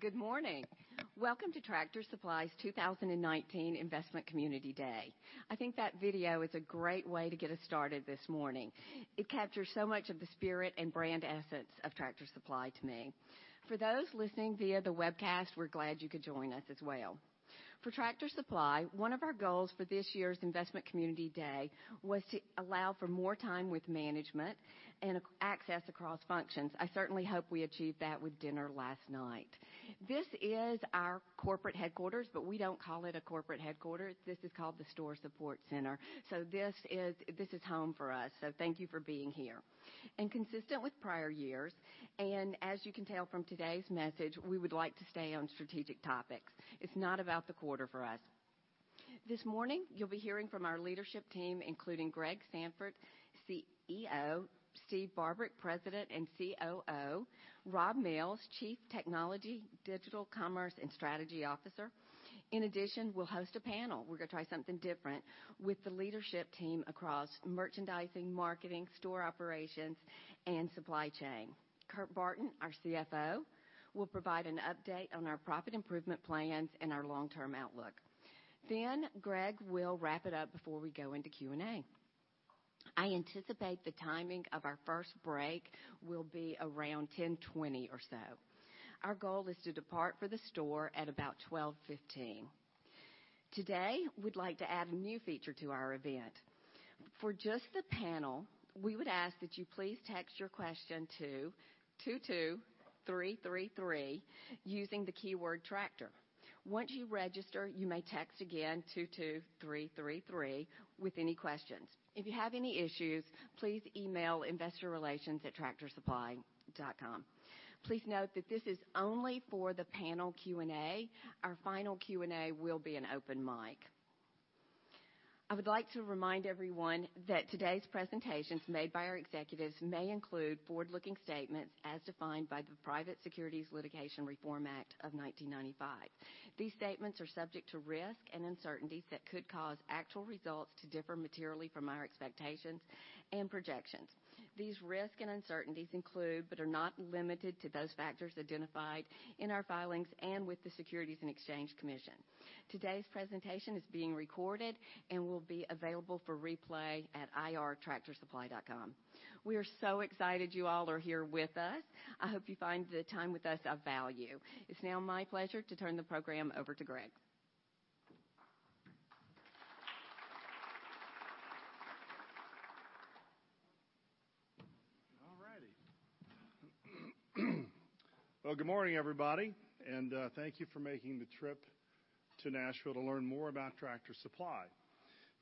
Good morning. Welcome to Tractor Supply's 2019 Investment Community Day. I think that video is a great way to get us started this morning. It captures so much of the spirit and brand essence of Tractor Supply to me. For those listening via the webcast, we're glad you could join us as well. For Tractor Supply, one of our goals for this year's Investment Community Day was to allow for more time with management and access across functions. I certainly hope we achieved that with dinner last night. This is our corporate headquarters, but we don't call it a corporate headquarters. This is called the Store Support Center. This is home for us, so thank you for being here. Consistent with prior years, and as you can tell from today's message, we would like to stay on strategic topics. It's not about the quarter for us. This morning, you'll be hearing from our leadership team, including Hal Lawton, CEO, Steve Barbarick, President and COO, Rob Mills, Chief Technology, Digital Commerce, and Strategy Officer. In addition, we'll host a panel, we're going to try something different, with the leadership team across merchandising, marketing, store operations, and supply chain. Kurt Barton, our CFO, will provide an update on our profit improvement plans and our long-term outlook. Hal will wrap it up before we go into Q&A. I anticipate the timing of our first break will be around 10:20 or so. Our goal is to depart for the store at about 12:15. Today, we'd like to add a new feature to our event. For just the panel, we would ask that you please text your question to 22333 using the keyword Tractor. Once you register, you may text again 22333 with any questions. If you have any issues, please email investorrelations@tractorsupply.com. Please note that this is only for the panel Q&A. Our final Q&A will be an open mic. I would like to remind everyone that today's presentations made by our executives may include forward-looking statements as defined by the Private Securities Litigation Reform Act of 1995. These statements are subject to risks and uncertainties that could cause actual results to differ materially from our expectations and projections. These risks and uncertainties include, but are not limited to, those factors identified in our filings and with the Securities and Exchange Commission. Today's presentation is being recorded and will be available for replay at ir.tractorsupply.com. We are so excited you all are here with us. I hope you find the time with us of value. It's now my pleasure to turn the program over to Hal. All righty. Good morning, everybody, and thank you for making the trip to Nashville to learn more about Tractor Supply.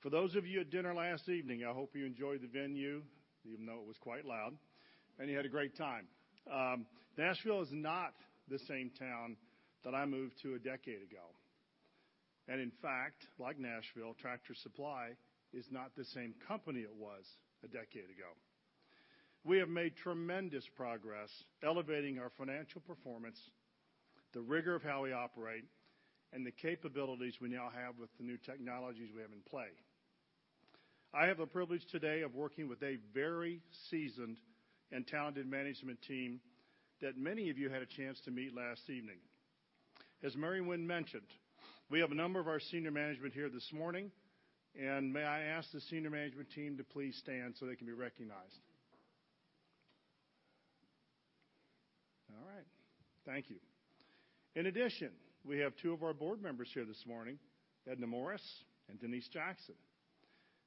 For those of you at dinner last evening, I hope you enjoyed the venue, even though it was quite loud, and you had a great time. Nashville is not the same town that I moved to a decade ago. In fact, like Nashville, Tractor Supply is not the same company it was a decade ago. We have made tremendous progress elevating our financial performance, the rigor of how we operate, and the capabilities we now have with the new technologies we have in play. I have the privilege today of working with a very seasoned and talented management team that many of you had a chance to meet last evening. As Mary Winn mentioned, we have a number of our senior management here this morning, and may I ask the senior management team to please stand so they can be recognized. All right. Thank you. In addition, we have two of our board members here this morning, Edna Morris and Denise Jackson.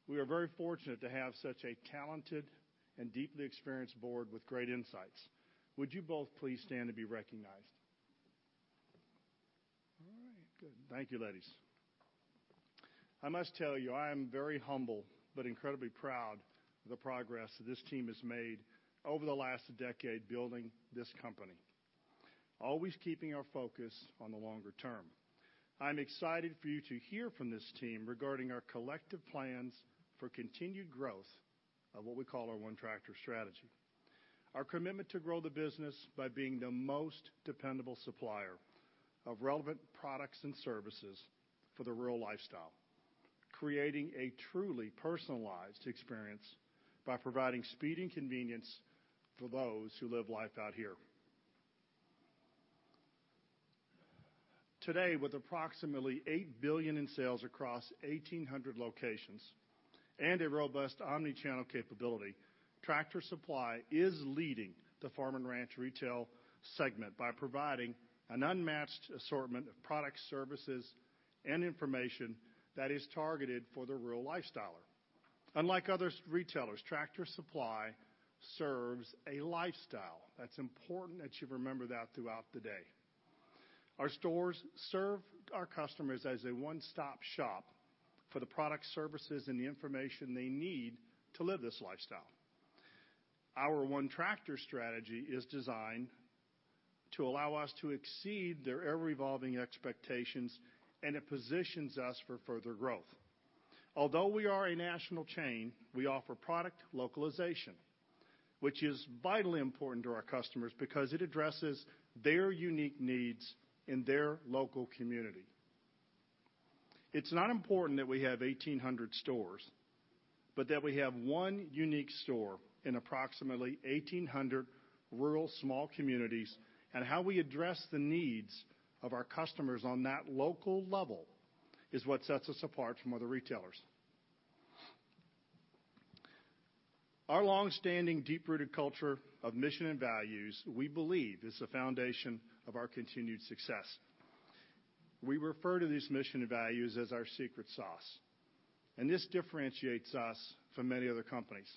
We are very fortunate to have such a talented and deeply experienced board with great insights. Would you both please stand to be recognized? All right. Good. Thank you, ladies. I must tell you, I am very humble but incredibly proud of the progress that this team has made over the last decade building this company, always keeping our focus on the longer term. I'm excited for you to hear from this team regarding our collective plans for continued growth of what we call our One Tractor strategy. Our commitment to grow the business by being the most dependable supplier of relevant products and services for the rural lifestyle, creating a truly personalized experience by providing speed and convenience for those who live life out here. Today, with approximately $8 billion in sales across 1,800 locations and a robust omni-channel capability, Tractor Supply is leading the farm and ranch retail segment by providing an unmatched assortment of products, services, and information that is targeted for the rural lifestyler. Unlike other retailers, Tractor Supply serves a lifestyle. That's important that you remember that throughout the day. Our stores serve our customers as a one-stop shop for the products, services, and the information they need to live this lifestyle. Our One Tractor strategy is designed to allow us to exceed their ever-evolving expectations, and it positions us for further growth. Although we are a national chain, we offer product localization, which is vitally important to our customers because it addresses their unique needs in their local community. It's not important that we have 1,800 stores, but that we have one unique store in approximately 1,800 rural small communities, and how we address the needs of our customers on that local level is what sets us apart from other retailers. Our longstanding, deep-rooted culture of mission and values, we believe, is the foundation of our continued success. We refer to these mission and values as our secret sauce, and this differentiates us from many other companies.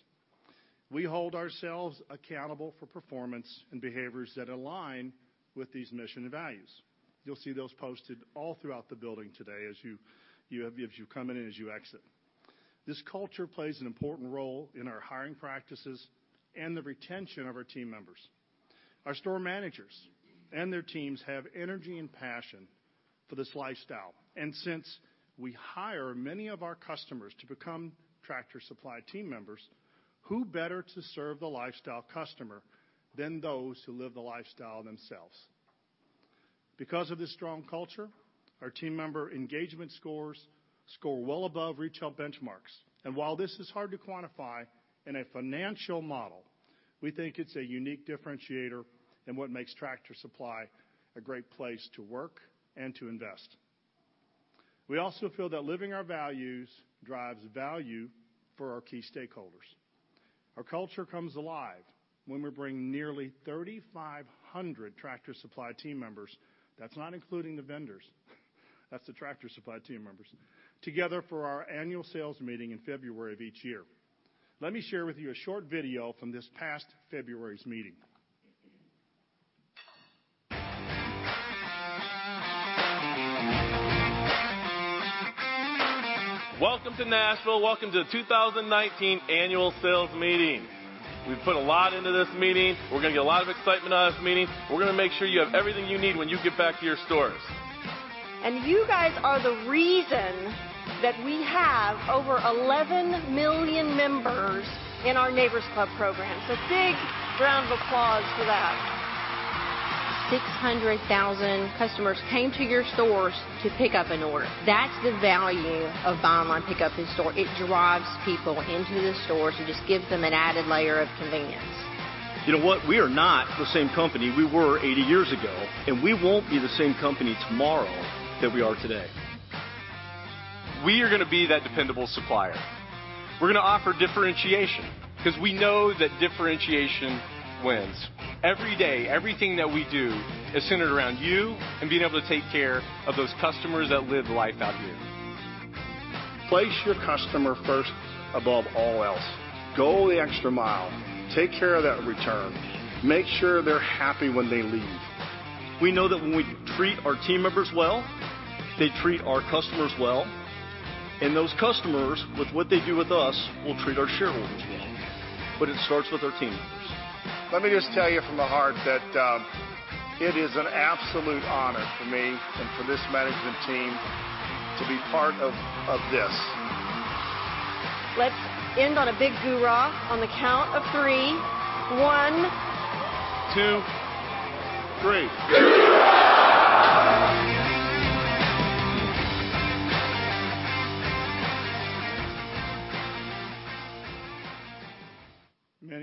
We hold ourselves accountable for performance and behaviors that align with these mission and values. You'll see those posted all throughout the building today as you come in and as you exit. This culture plays an important role in our hiring practices and the retention of our team members. Our store managers and their teams have energy and passion for this lifestyle. Since we hire many of our customers to become Tractor Supply team members, who better to serve the lifestyle customer than those who live the lifestyle themselves? Because of this strong culture, our team member engagement scores score well above retail benchmarks. While this is hard to quantify in a financial model, we think it's a unique differentiator in what makes Tractor Supply a great place to work and to invest. We also feel that living our values drives value for our key stakeholders. Our culture comes alive when we bring nearly 3,500 Tractor Supply team members, that's not including the vendors, that's the Tractor Supply team members, together for our annual sales meeting in February of each year. Let me share with you a short video from this past February's meeting. Welcome to Nashville. Welcome to the 2019 annual sales meeting. We've put a lot into this meeting. We're going to get a lot of excitement out of this meeting. We're going to make sure you have everything you need when you get back to your stores. You guys are the reason that we have over 11 million members in our Neighbor's Club program. Big round of applause for that. 600,000 customers came to your stores to pick up an order. That's the value of Buy Online, Pick-up In Store. It drives people into the stores. It just gives them an added layer of convenience. You know what? We are not the same company we were 80 years ago. We won't be the same company tomorrow that we are today. We are going to be that dependable supplier. We're going to offer differentiation because we know that differentiation wins. Every day, everything that we do is centered around you and being able to take care of those customers that live the life out here. Place your customer first above all else. Go the extra mile. Take care of that return. Make sure they're happy when they leave. We know that when we treat our team members well, they treat our customers well. Those customers, with what they do with us, will treat our shareholders well. It starts with our team members. Let me just tell you from the heart that it is an absolute honor for me and for this management team to be part of this. Let's end on a big GURA on the count of three. One Two, three. GURA! Many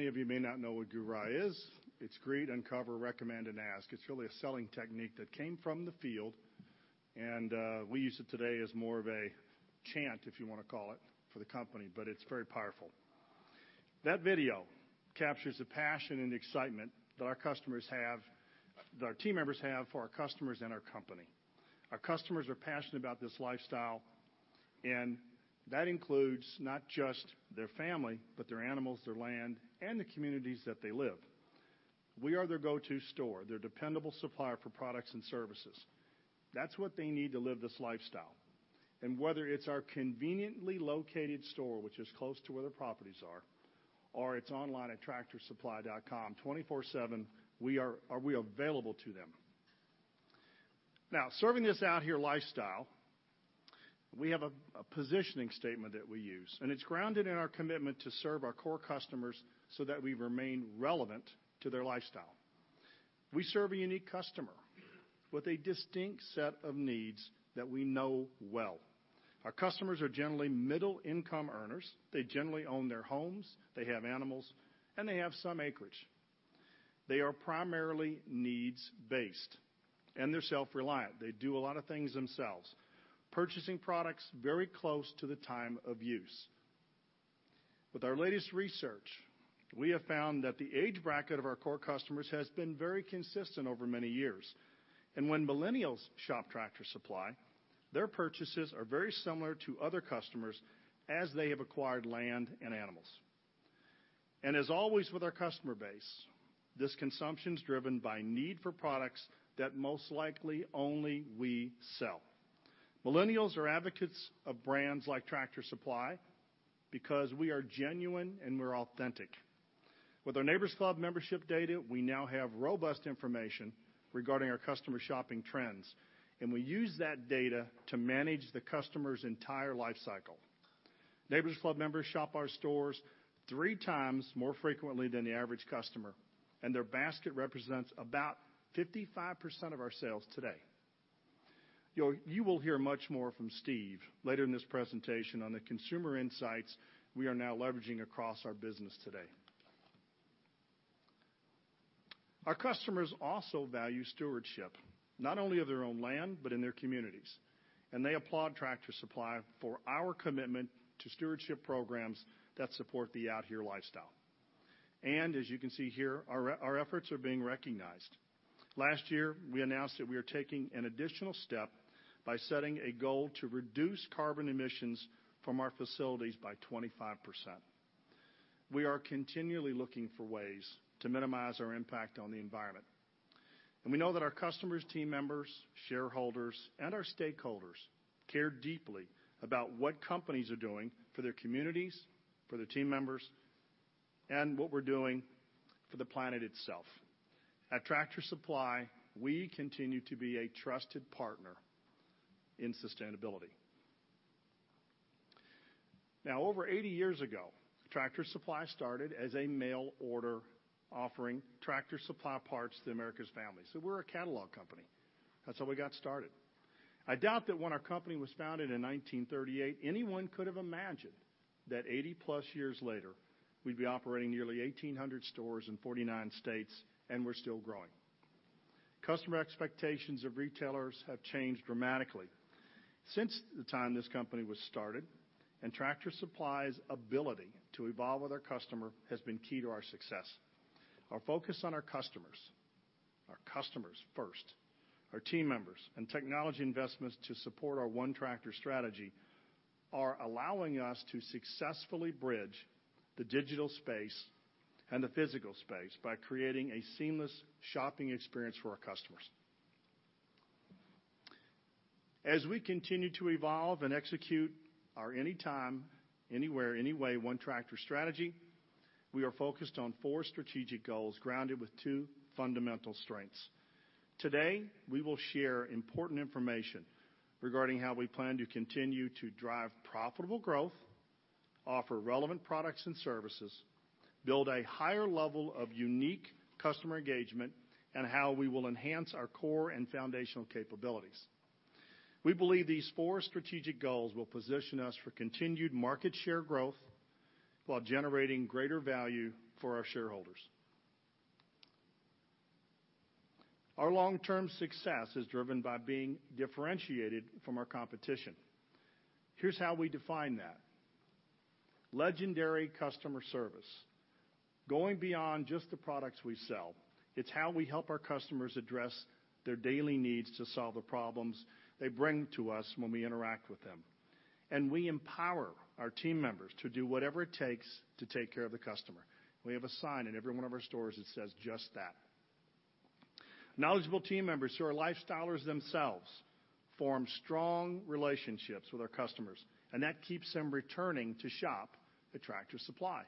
of you may not know what GURA is. It's greet, uncover, recommend, and ask. It's really a selling technique that came from the field. We use it today as more of a chant, if you want to call it, for the company, but it's very powerful. That video captures the passion and excitement that our team members have for our customers and our company. Our customers are passionate about this lifestyle, and that includes not just their family, but their animals, their land, and the communities that they live. We are their go-to store, their dependable supplier for products and services. That's what they need to live this lifestyle. Whether it's our conveniently located store, which is close to where their properties are, or it's online at tractorsupply.com 24/7, we are available to them. Serving this Out Here lifestyle, we have a positioning statement that we use, and it's grounded in our commitment to serve our core customers so that we remain relevant to their lifestyle. We serve a unique customer with a distinct set of needs that we know well. Our customers are generally middle-income earners. They generally own their homes, they have animals, and they have some acreage. They are primarily needs-based and they're self-reliant. They do a lot of things themselves, purchasing products very close to the time of use. With our latest research, we have found that the age bracket of our core customers has been very consistent over many years. When millennials shop Tractor Supply, their purchases are very similar to other customers as they have acquired land and animals. As always with our customer base, this consumption is driven by need for products that most likely only we sell. Millennials are advocates of brands like Tractor Supply because we are genuine and we're authentic. With our Neighbor's Club membership data, we now have robust information regarding our customer shopping trends, and we use that data to manage the customer's entire life cycle. Neighbor's Club members shop our stores three times more frequently than the average customer, and their basket represents about 55% of our sales today. You will hear much more from Steve later in this presentation on the consumer insights we are now leveraging across our business today. Our customers also value stewardship, not only of their own land, but in their communities. They applaud Tractor Supply for our commitment to stewardship programs that support the Out Here lifestyle. As you can see here, our efforts are being recognized. Last year, we announced that we are taking an additional step by setting a goal to reduce carbon emissions from our facilities by 25%. We are continually looking for ways to minimize our impact on the environment. We know that our customers, team members, shareholders, and our stakeholders care deeply about what companies are doing for their communities, for their team members, and what we're doing for the planet itself. At Tractor Supply, we continue to be a trusted partner in sustainability. Over 80 years ago, Tractor Supply started as a mail order offering tractor supply parts to America's families. We're a catalog company. That's how we got started. I doubt that when our company was founded in 1938, anyone could have imagined that 80 plus years later, we'd be operating nearly 1,800 stores in 49 states. We're still growing. Customer expectations of retailers have changed dramatically since the time this company was started, Tractor Supply's ability to evolve with our customer has been key to our success. Our focus on our customers, our customers first, our team members, and technology investments to support our One Tractor strategy are allowing us to successfully bridge the digital space and the physical space by creating a seamless shopping experience for our customers. As we continue to evolve and execute our anytime, anywhere, any way, One Tractor strategy, we are focused on four strategic goals grounded with two fundamental strengths. Today, we will share important information regarding how we plan to continue to drive profitable growth, offer relevant products and services, build a higher level of unique customer engagement, and how we will enhance our core and foundational capabilities. We believe these four strategic goals will position us for continued market share growth while generating greater value for our shareholders. Our long-term success is driven by being differentiated from our competition. Here's how we define that. Legendary customer service. Going beyond just the products we sell, it's how we help our customers address their daily needs to solve the problems they bring to us when we interact with them. We empower our team members to do whatever it takes to take care of the customer. We have a sign in every one of our stores that says just that. Knowledgeable team members who are lifestylers themselves form strong relationships with our customers, that keeps them returning to shop at Tractor Supply.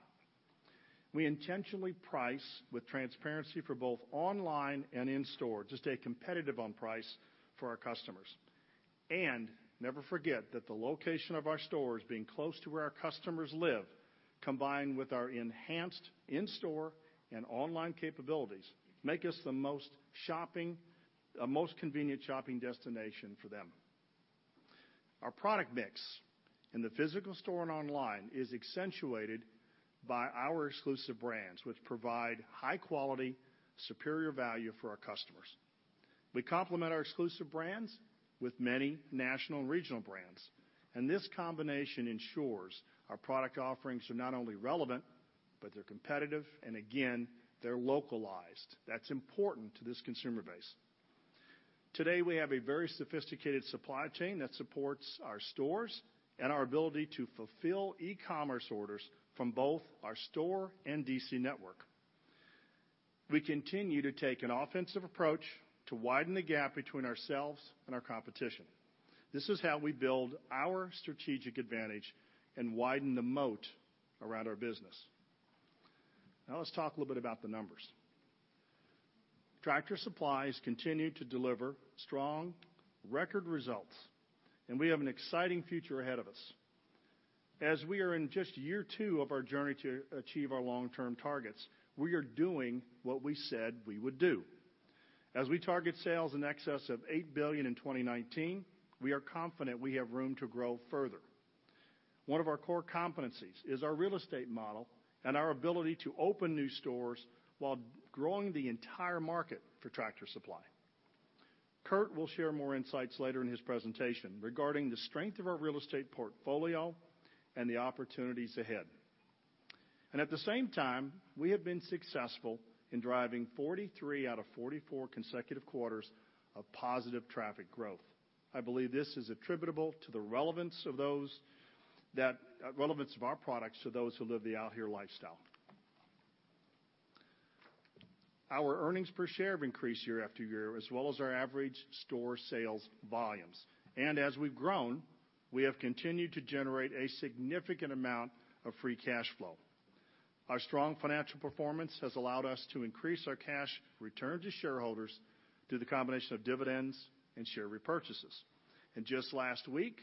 We intentionally price with transparency for both online and in-store to stay competitive on price for our customers. Never forget that the location of our stores, being close to where our customers live, combined with our enhanced in-store and online capabilities, make us the most convenient shopping destination for them. Our product mix in the physical store and online is accentuated by our exclusive brands, which provide high quality, superior value for our customers. We complement our exclusive brands with many national and regional brands, this combination ensures our product offerings are not only relevant, but they're competitive, and again, they're localized. That's important to this consumer base. Today, we have a very sophisticated supply chain that supports our stores and our ability to fulfill e-commerce orders from both our store and DC network. We continue to take an offensive approach to widen the gap between ourselves and our competition. This is how we build our strategic advantage and widen the moat around our business. Now let's talk a little bit about the numbers. Tractor Supply has continued to deliver strong record results, we have an exciting future ahead of us. As we are in just year two of our journey to achieve our long-term targets, we are doing what we said we would do. As we target sales in excess of $8 billion in 2019, we are confident we have room to grow further. One of our core competencies is our real estate model and our ability to open new stores while growing the entire market for Tractor Supply. Kurt will share more insights later in his presentation regarding the strength of our real estate portfolio and the opportunities ahead. At the same time, we have been successful in driving 43 out of 44 consecutive quarters of positive traffic growth. I believe this is attributable to the relevance of our products to those who live the Out Here lifestyle. Our earnings per share have increased year after year, as well as our average store sales volumes. As we've grown, we have continued to generate a significant amount of free cash flow. Our strong financial performance has allowed us to increase our cash return to shareholders through the combination of dividends and share repurchases. Just last week,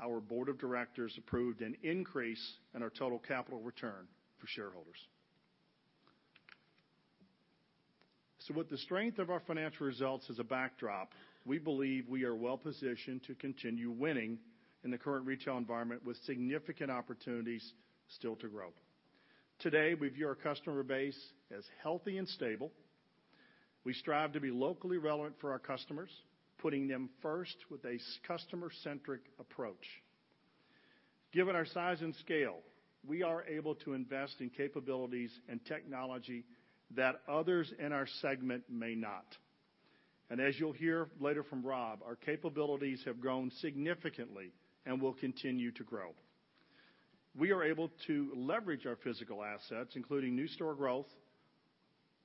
our board of directors approved an increase in our total capital return for shareholders. With the strength of our financial results as a backdrop, we believe we are well positioned to continue winning in the current retail environment with significant opportunities still to grow. Today, we view our customer base as healthy and stable. We strive to be locally relevant for our customers, putting them first with a customer-centric approach. Given our size and scale, we are able to invest in capabilities and technology that others in our segment may not. As you'll hear later from Rob, our capabilities have grown significantly and will continue to grow. We are able to leverage our physical assets, including new store growth,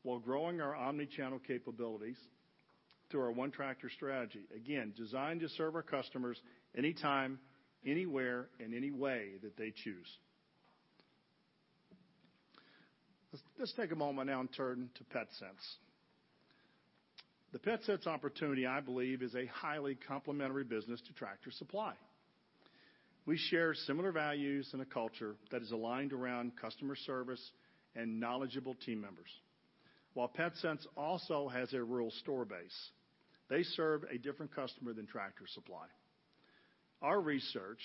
while growing our omni-channel capabilities through our One Tractor strategy, again, designed to serve our customers anytime, anywhere, in any way that they choose. Let's take a moment now and turn to Petsense. The Petsense opportunity, I believe, is a highly complementary business to Tractor Supply. We share similar values and a culture that is aligned around customer service and knowledgeable team members. While Petsense also has a rural store base, they serve a different customer than Tractor Supply. Our research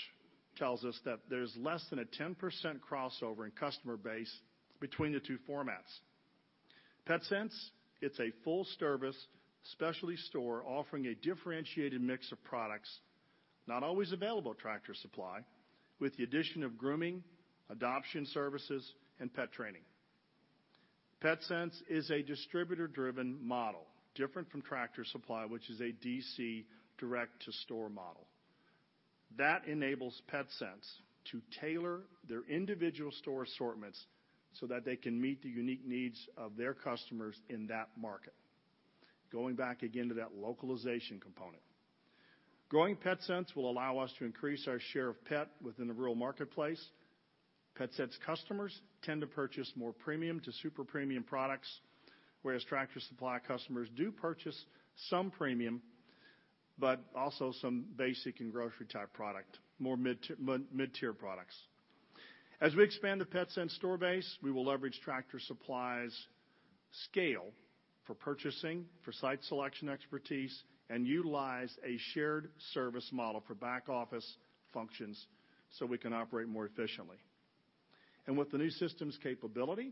tells us that there's less than a 10% crossover in customer base between the two formats. Petsense, it's a full-service specialty store offering a differentiated mix of products not always available at Tractor Supply, with the addition of grooming, adoption services, and pet training. Petsense is a distributor-driven model, different from Tractor Supply, which is a DC direct-to-store model. That enables Petsense to tailor their individual store assortments so that they can meet the unique needs of their customers in that market, going back again to that localization component. Growing Petsense will allow us to increase our share of pet within the rural marketplace. Petsense customers tend to purchase more premium to super premium products, whereas Tractor Supply customers do purchase some premium, but also some basic and grocery-type product, more mid-tier products. As we expand the Petsense store base, we will leverage Tractor Supply's scale for purchasing, for site selection expertise, and utilize a shared service model for back office functions so we can operate more efficiently. With the new system's capability,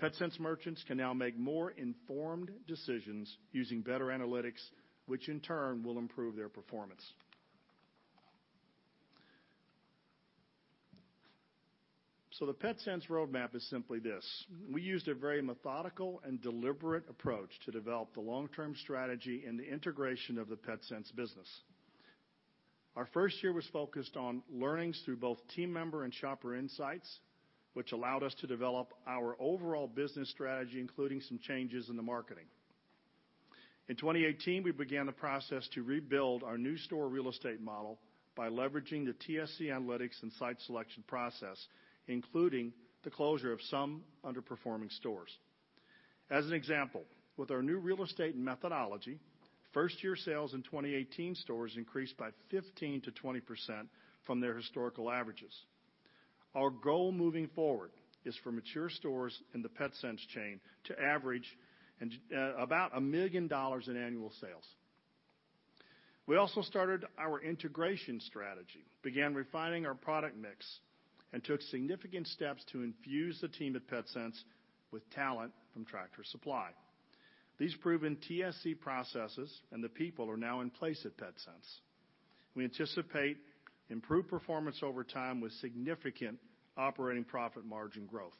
Petsense merchants can now make more informed decisions using better analytics, which in turn will improve their performance. The Petsense roadmap is simply this: We used a very methodical and deliberate approach to develop the long-term strategy and the integration of the Petsense business. Our first year was focused on learnings through both team member and shopper insights, which allowed us to develop our overall business strategy, including some changes in the marketing. In 2018, we began the process to rebuild our new store real estate model by leveraging the TSC analytics and site selection process, including the closure of some underperforming stores. As an example, with our new real estate methodology, first-year sales in 2018 stores increased by 15%-20% from their historical averages. Our goal moving forward is for mature stores in the Petsense chain to average about $1 million in annual sales. We also started our integration strategy, began refining our product mix, and took significant steps to infuse the team at Petsense with talent from Tractor Supply. These proven TSC processes and the people are now in place at Petsense. We anticipate improved performance over time with significant operating profit margin growth.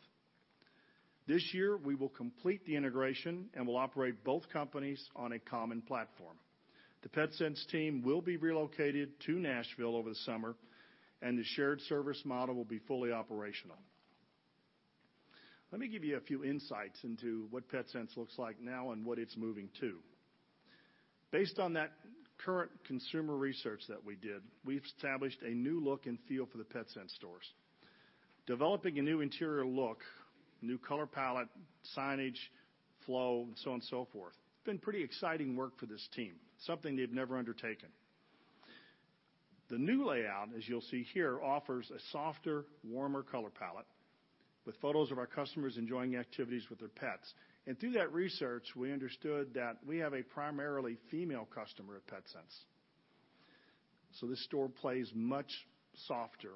This year, we will complete the integration and will operate both companies on a common platform. The Petsense team will be relocated to Nashville over the summer, and the shared service model will be fully operational. Let me give you a few insights into what Petsense looks like now and what it's moving to. Based on that current consumer research that we did, we've established a new look and feel for the Petsense stores. Developing a new interior look, new color palette, signage, flow, and so on and so forth. It's been pretty exciting work for this team, something they've never undertaken. The new layout, as you'll see here, offers a softer, warmer color palette with photos of our customers enjoying activities with their pets. Through that research, we understood that we have a primarily female customer at Petsense. This store plays much softer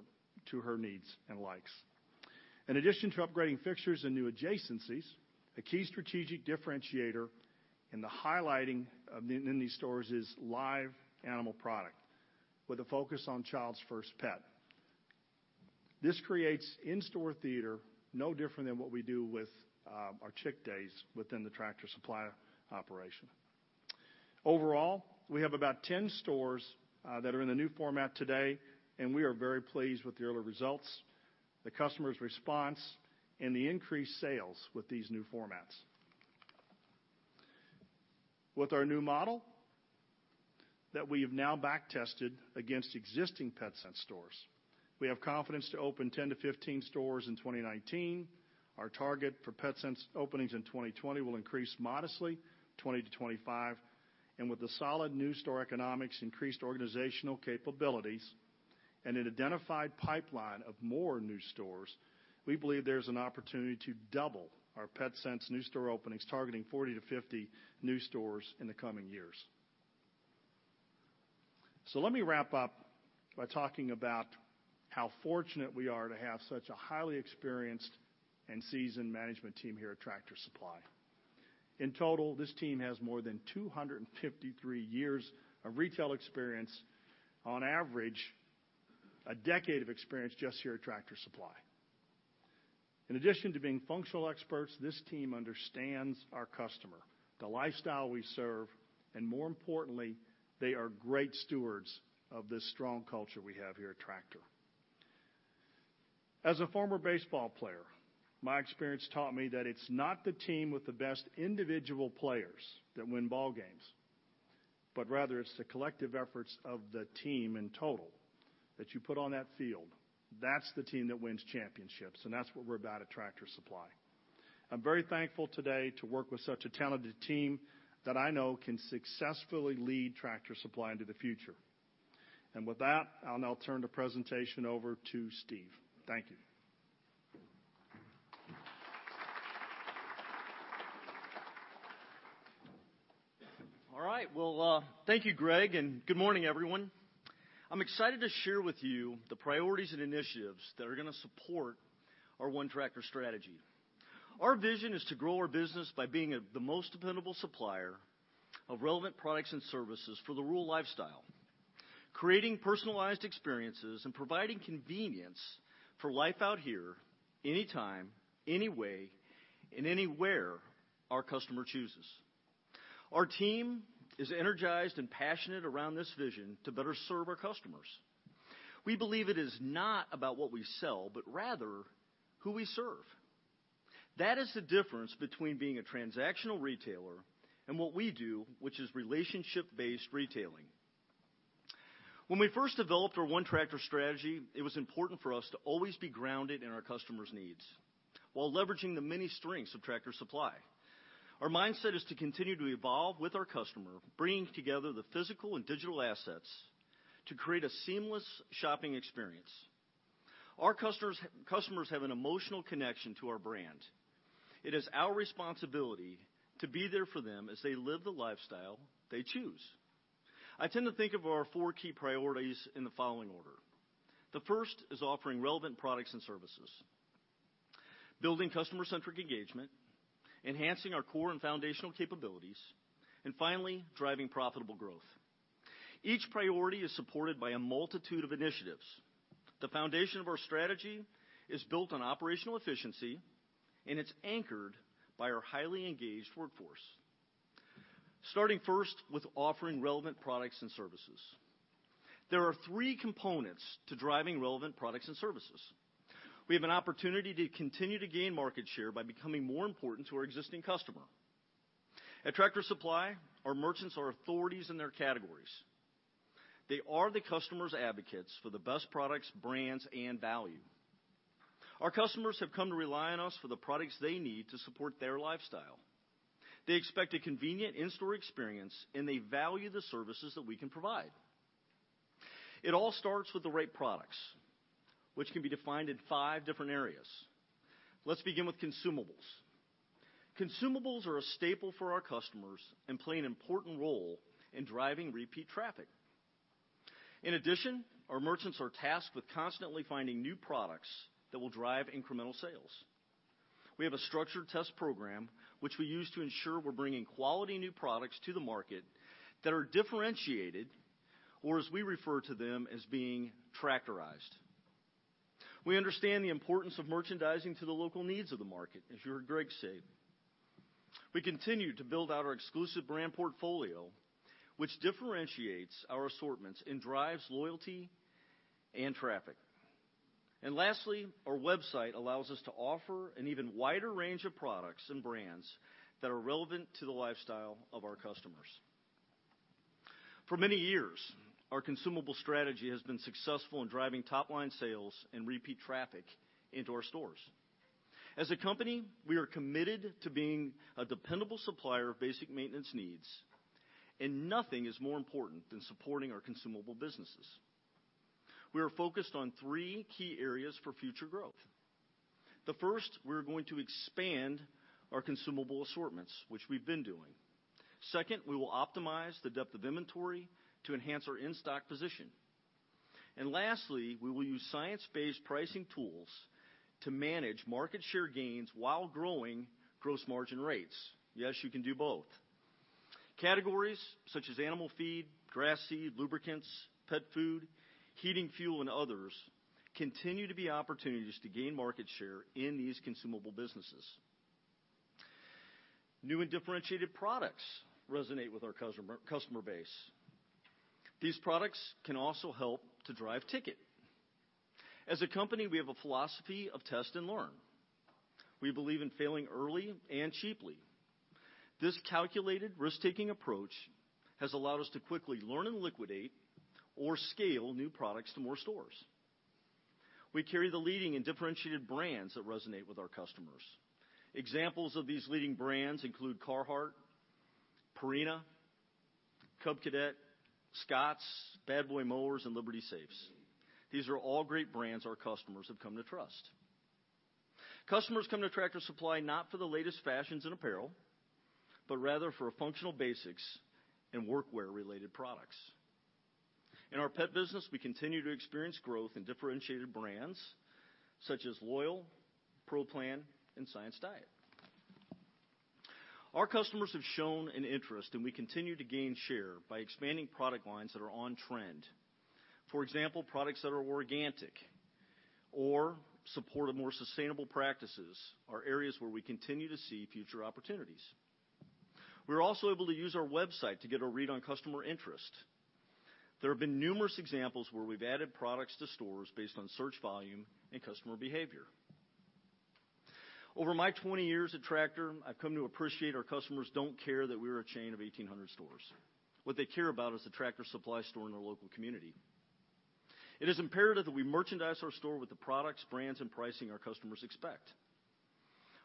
to her needs and likes. In addition to upgrading fixtures and new adjacencies, a key strategic differentiator in the highlighting in these stores is live animal product with a focus on child's first pet. This creates in-store theater no different than what we do with our Chick Days within the Tractor Supply operation. Overall, we have about 10 stores that are in the new format today, and we are very pleased with the early results, the customer's response, and the increased sales with these new formats. With our new model that we have now back-tested against existing Petsense stores, we have confidence to open 10-15 stores in 2019. Our target for Petsense openings in 2020 will increase modestly, 20-25. With the solid new store economics, increased organizational capabilities, and an identified pipeline of more new stores, we believe there's an opportunity to double our Petsense new store openings, targeting 40-50 new stores in the coming years. Let me wrap up by talking about how fortunate we are to have such a highly experienced and seasoned management team here at Tractor Supply. In total, this team has more than 253 years of retail experience, on average, a decade of experience just here at Tractor Supply. In addition to being functional experts, this team understands our customer, the lifestyle we serve, and more importantly, they are great stewards of this strong culture we have here at Tractor. As a former baseball player, my experience taught me that it's not the team with the best individual players that win ballgames, but rather it's the collective efforts of the team in total that you put on that field. That's the team that wins championships, and that's what we're about at Tractor Supply. I'm very thankful today to work with such a talented team that I know can successfully lead Tractor Supply into the future. With that, I'll now turn the presentation over to Steve. Thank you. All right. Well, thank you, Hal, and good morning, everyone. I'm excited to share with you the priorities and initiatives that are going to support our One Tractor strategy. Our vision is to grow our business by being the most dependable supplier of relevant products and services for the rural lifestyle, creating personalized experiences and providing convenience for life out here anytime, any way, and anywhere our customer chooses. Our team is energized and passionate around this vision to better serve our customers. We believe it is not about what we sell, but rather who we serve. That is the difference between being a transactional retailer and what we do, which is relationship-based retailing. When we first developed our One Tractor strategy, it was important for us to always be grounded in our customers' needs while leveraging the many strengths of Tractor Supply. Our mindset is to continue to evolve with our customer, bringing together the physical and digital assets to create a seamless shopping experience. Our customers have an emotional connection to our brand. It is our responsibility to be there for them as they live the lifestyle they choose. I tend to think of our four key priorities in the following order. The first is offering relevant products and services, building customer-centric engagement, enhancing our core and foundational capabilities, and finally, driving profitable growth. Each priority is supported by a multitude of initiatives. The foundation of our strategy is built on operational efficiency, and it's anchored by our highly engaged workforce. Starting first with offering relevant products and services. There are three components to driving relevant products and services. We have an opportunity to continue to gain market share by becoming more important to our existing customer. At Tractor Supply, our merchants are authorities in their categories. They are the customers' advocates for the best products, brands, and value. Our customers have come to rely on us for the products they need to support their lifestyle. They expect a convenient in-store experience, and they value the services that we can provide. It all starts with the right products, which can be defined in five different areas. Let's begin with consumables. Consumables are a staple for our customers and play an important role in driving repeat traffic. In addition, our merchants are tasked with constantly finding new products that will drive incremental sales. We have a structured test program which we use to ensure we're bringing quality new products to the market that are differentiated, or as we refer to them, as being tractorized. We understand the importance of merchandising to the local needs of the market, as you heard Hal say. Lastly, our website allows us to offer an even wider range of products and brands that are relevant to the lifestyle of our customers. For many years, our consumable strategy has been successful in driving top-line sales and repeat traffic into our stores. As a company, we are committed to being a dependable supplier of basic maintenance needs, and nothing is more important than supporting our consumable businesses. We are focused on three key areas for future growth. The first, we're going to expand our consumable assortments, which we've been doing. Second, we will optimize the depth of inventory to enhance our in-stock position. Lastly, we will use science-based pricing tools to manage market share gains while growing gross margin rates. Yes, you can do both. Categories such as animal feed, grass seed, lubricants, pet food, heating fuel, and others continue to be opportunities to gain market share in these consumable businesses. New and differentiated products resonate with our customer base. These products can also help to drive ticket. As a company, we have a philosophy of test and learn. We believe in failing early and cheaply. This calculated risk-taking approach has allowed us to quickly learn and liquidate or scale new products to more stores. We carry the leading and differentiated brands that resonate with our customers. Examples of these leading brands include Carhartt, Purina, Cub Cadet, Scotts, Bad Boy Mowers, and Liberty Safes. These are all great brands our customers have come to trust. Customers come to Tractor Supply not for the latest fashions in apparel, but rather for functional basics and workwear-related products. In our pet business, we continue to experience growth in differentiated brands such as Loyall, Pro Plan, and Science Diet. Our customers have shown an interest, and we continue to gain share by expanding product lines that are on trend. For example, products that are organic or support more sustainable practices are areas where we continue to see future opportunities. We're also able to use our website to get a read on customer interest. There have been numerous examples where we've added products to stores based on search volume and customer behavior. Over my 20 years at Tractor, I've come to appreciate our customers don't care that we're a chain of 1,800 stores. What they care about is the Tractor Supply store in their local community. It is imperative that we merchandise our store with the products, brands, and pricing our customers expect.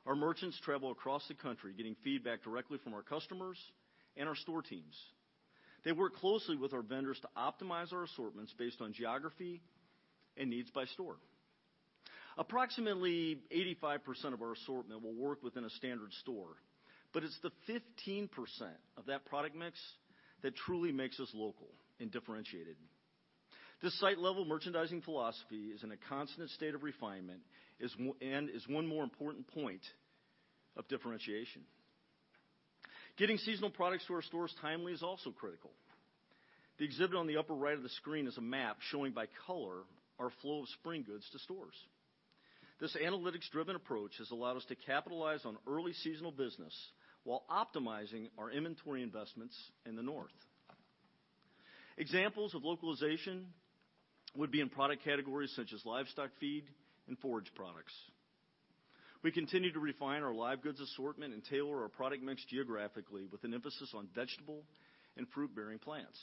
Our merchants travel across the country getting feedback directly from our customers and our store teams. They work closely with our vendors to optimize our assortments based on geography and needs by store. Approximately 85% of our assortment will work within a standard store, but it's the 15% of that product mix that truly makes us local and differentiated. This site-level merchandising philosophy is in a constant state of refinement and is one more important point of differentiation. Getting seasonal products to our stores timely is also critical. The exhibit on the upper right of the screen is a map showing by color our flow of spring goods to stores. This analytics-driven approach has allowed us to capitalize on early seasonal business while optimizing our inventory investments in the north. Examples of localization would be in product categories such as livestock feed and forage products. We continue to refine our live goods assortment and tailor our product mix geographically with an emphasis on vegetable and fruit-bearing plants.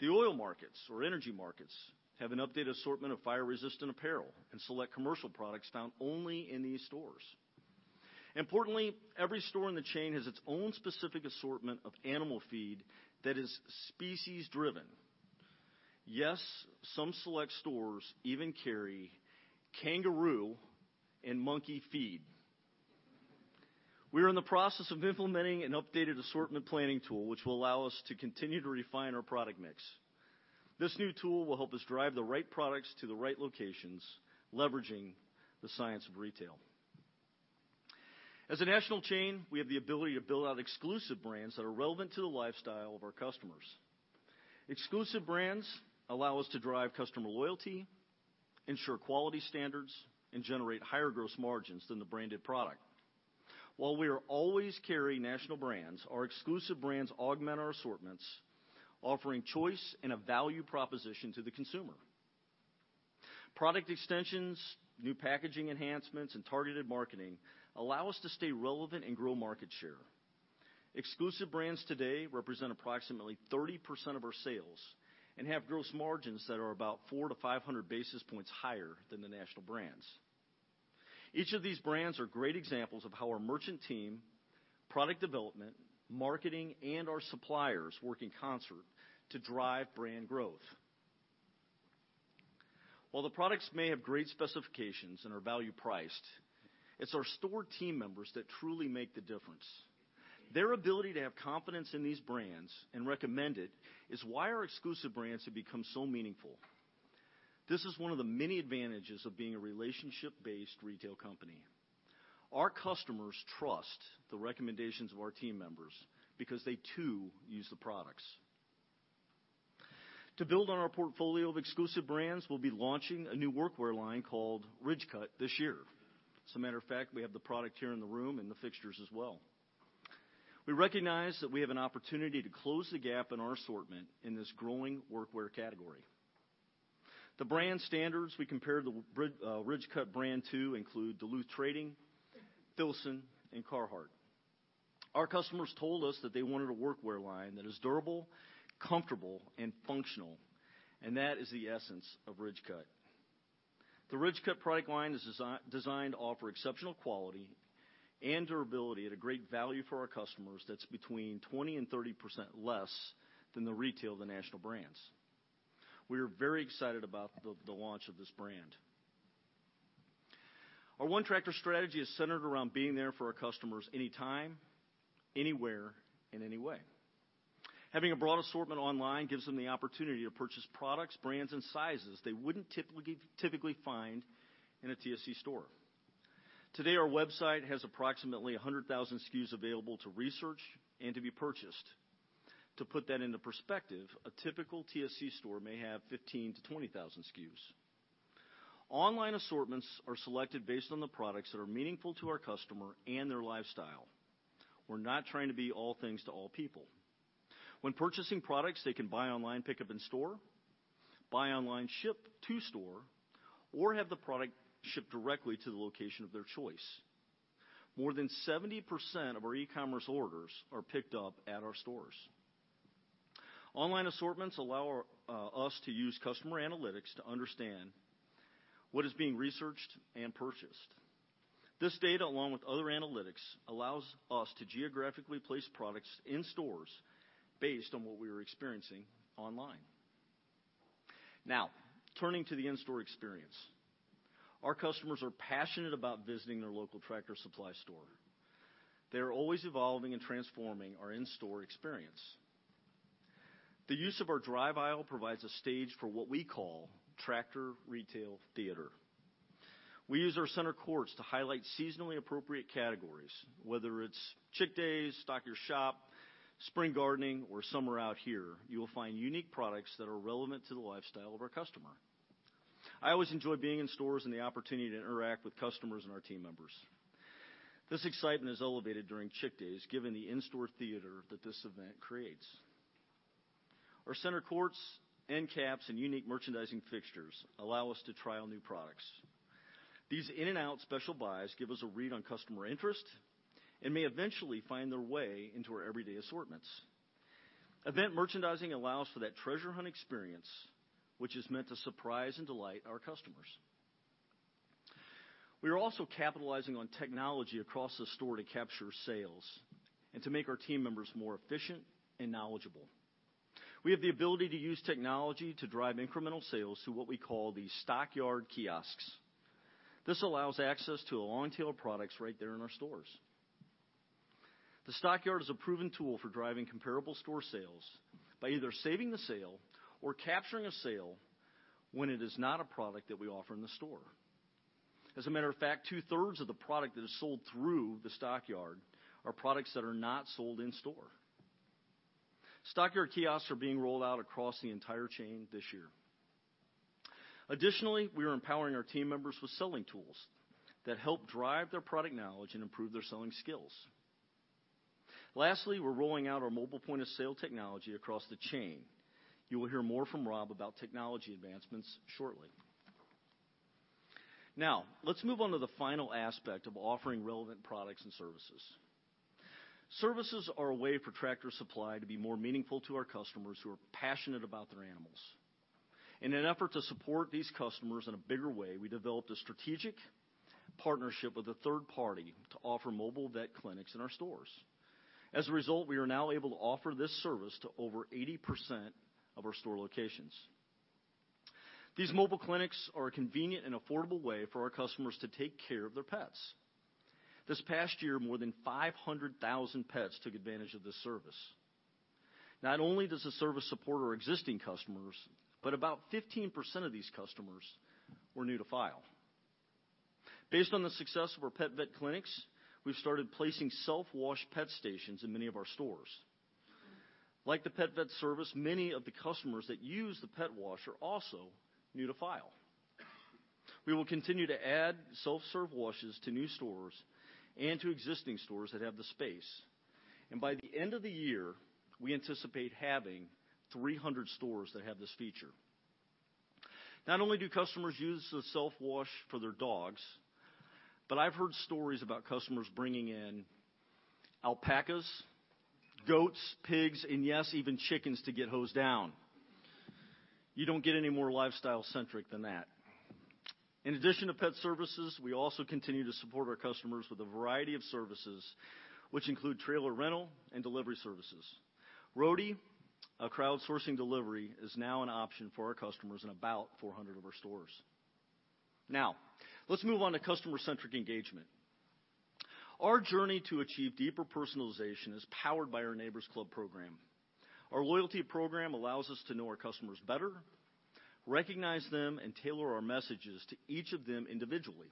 The oil markets or energy markets have an updated assortment of fire-resistant apparel and select commercial products found only in these stores. Importantly, every store in the chain has its own specific assortment of animal feed that is species-driven. Yes, some select stores even carry kangaroo and monkey feed. We are in the process of implementing an updated assortment planning tool which will allow us to continue to refine our product mix. This new tool will help us drive the right products to the right locations, leveraging the science of retail. As a national chain, we have the ability to build out exclusive brands that are relevant to the lifestyle of our customers. Exclusive brands allow us to drive customer loyalty, ensure quality standards, and generate higher gross margins than the branded product. While we are always carrying national brands, our exclusive brands augment our assortments, offering choice and a value proposition to the consumer. Product extensions, new packaging enhancements, and targeted marketing allow us to stay relevant and grow market share. Exclusive brands today represent approximately 30% of our sales and have gross margins that are about 400 to 500 basis points higher than the national brands. Each of these brands are great examples of how our merchant team, product development, marketing, and our suppliers work in concert to drive brand growth. While the products may have great specifications and are value-priced, it's our store team members that truly make the difference. Their ability to have confidence in these brands and recommend it is why our exclusive brands have become so meaningful. This is one of the many advantages of being a relationship-based retail company. Our customers trust the recommendations of our team members because they too use the products. To build on our portfolio of exclusive brands, we'll be launching a new workwear line called Ridgecut this year. As a matter of fact, we have the product here in the room and the fixtures as well. We recognize that we have an opportunity to close the gap in our assortment in this growing workwear category. The brand standards we compare the Ridgecut brand to include Duluth Trading, Filson, and Carhartt. Our customers told us that they wanted a workwear line that is durable, comfortable, and functional, and that is the essence of Ridgecut. The Ridgecut product line is designed to offer exceptional quality and durability at a great value for our customers that's between 20% and 30% less than the retail of the national brands. We are very excited about the launch of this brand. Our One Tractor strategy is centered around being there for our customers anytime, anywhere, and any way. Having a broad assortment online gives them the opportunity to purchase products, brands, and sizes they wouldn't typically find in a TSC store. Today, our website has approximately 100,000 SKUs available to research and to be purchased. To put that into perspective, a typical TSC store may have 15,000 to 20,000 SKUs. Online assortments are selected based on the products that are meaningful to our customer and their lifestyle. We're not trying to be all things to all people. When purchasing products, they can buy online, pick up in store, buy online, ship to store, or have the product shipped directly to the location of their choice. More than 70% of our e-commerce orders are picked up at our stores. Online assortments allow us to use customer analytics to understand what is being researched and purchased. This data, along with other analytics, allows us to geographically place products in stores based on what we are experiencing online. Now, turning to the in-store experience. Our customers are passionate about visiting their local Tractor Supply store. They're always evolving and transforming our in-store experience. The use of our drive aisle provides a stage for what we call Tractor Retail Theater. We use our center courts to highlight seasonally appropriate categories, whether it's Chick Days, Stock Your Shop, spring gardening, or Summer Out Here, you will find unique products that are relevant to the lifestyle of our customer. I always enjoy being in stores and the opportunity to interact with customers and our team members. This excitement is elevated during Chick Days, given the in-store theater that this event creates. Our center courts, end caps, and unique merchandising fixtures allow us to trial new products. These in and out special buys give us a read on customer interest and may eventually find their way into our everyday assortments. Event merchandising allows for that treasure hunt experience, which is meant to surprise and delight our customers. We are also capitalizing on technology across the store to capture sales and to make our team members more efficient and knowledgeable. We have the ability to use technology to drive incremental sales through what we call the Stockyard Kiosks. This allows access to a long tail of products right there in our stores. The Stockyard is a proven tool for driving comparable store sales by either saving the sale or capturing a sale when it is not a product that we offer in the store. As a matter of fact, two-thirds of the product that is sold through the Stockyard are products that are not sold in store. Stockyard Kiosks are being rolled out across the entire chain this year. Additionally, we are empowering our team members with selling tools that help drive their product knowledge and improve their selling skills. Lastly, we're rolling out our mobile point-of-sale technology across the chain. You will hear more from Rob about technology advancements shortly. Now, let's move on to the final aspect of offering relevant products and services. Services are a way for Tractor Supply to be more meaningful to our customers who are passionate about their animals. In an effort to support these customers in a bigger way, we developed a strategic partnership with a third party to offer mobile vet clinics in our stores. As a result, we are now able to offer this service to over 80% of our store locations. These mobile clinics are a convenient and affordable way for our customers to take care of their pets. This past year, more than 500,000 pets took advantage of this service. Not only does this service support our existing customers, but about 15% of these customers were new to file. Based on the success of our pet vet clinics, we've started placing self-wash pet stations in many of our stores. Like the pet vet service, many of the customers that use the pet wash are also new to file. We will continue to add self-serve washes to new stores and to existing stores that have the space, and by the end of the year, we anticipate having 300 stores that have this feature. Not only do customers use the self-wash for their dogs, but I've heard stories about customers bringing in alpacas, goats, pigs, and yes, even chickens to get hosed down. You don't get any more lifestyle centric than that. In addition to pet services, we also continue to support our customers with a variety of services, which include trailer rental and delivery services. Roadie, a crowdsourcing delivery, is now an option for our customers in about 400 of our stores. Now, let's move on to customer-centric engagement. Our journey to achieve deeper personalization is powered by our Neighbor's Club program. Our loyalty program allows us to know our customers better, recognize them, and tailor our messages to each of them individually.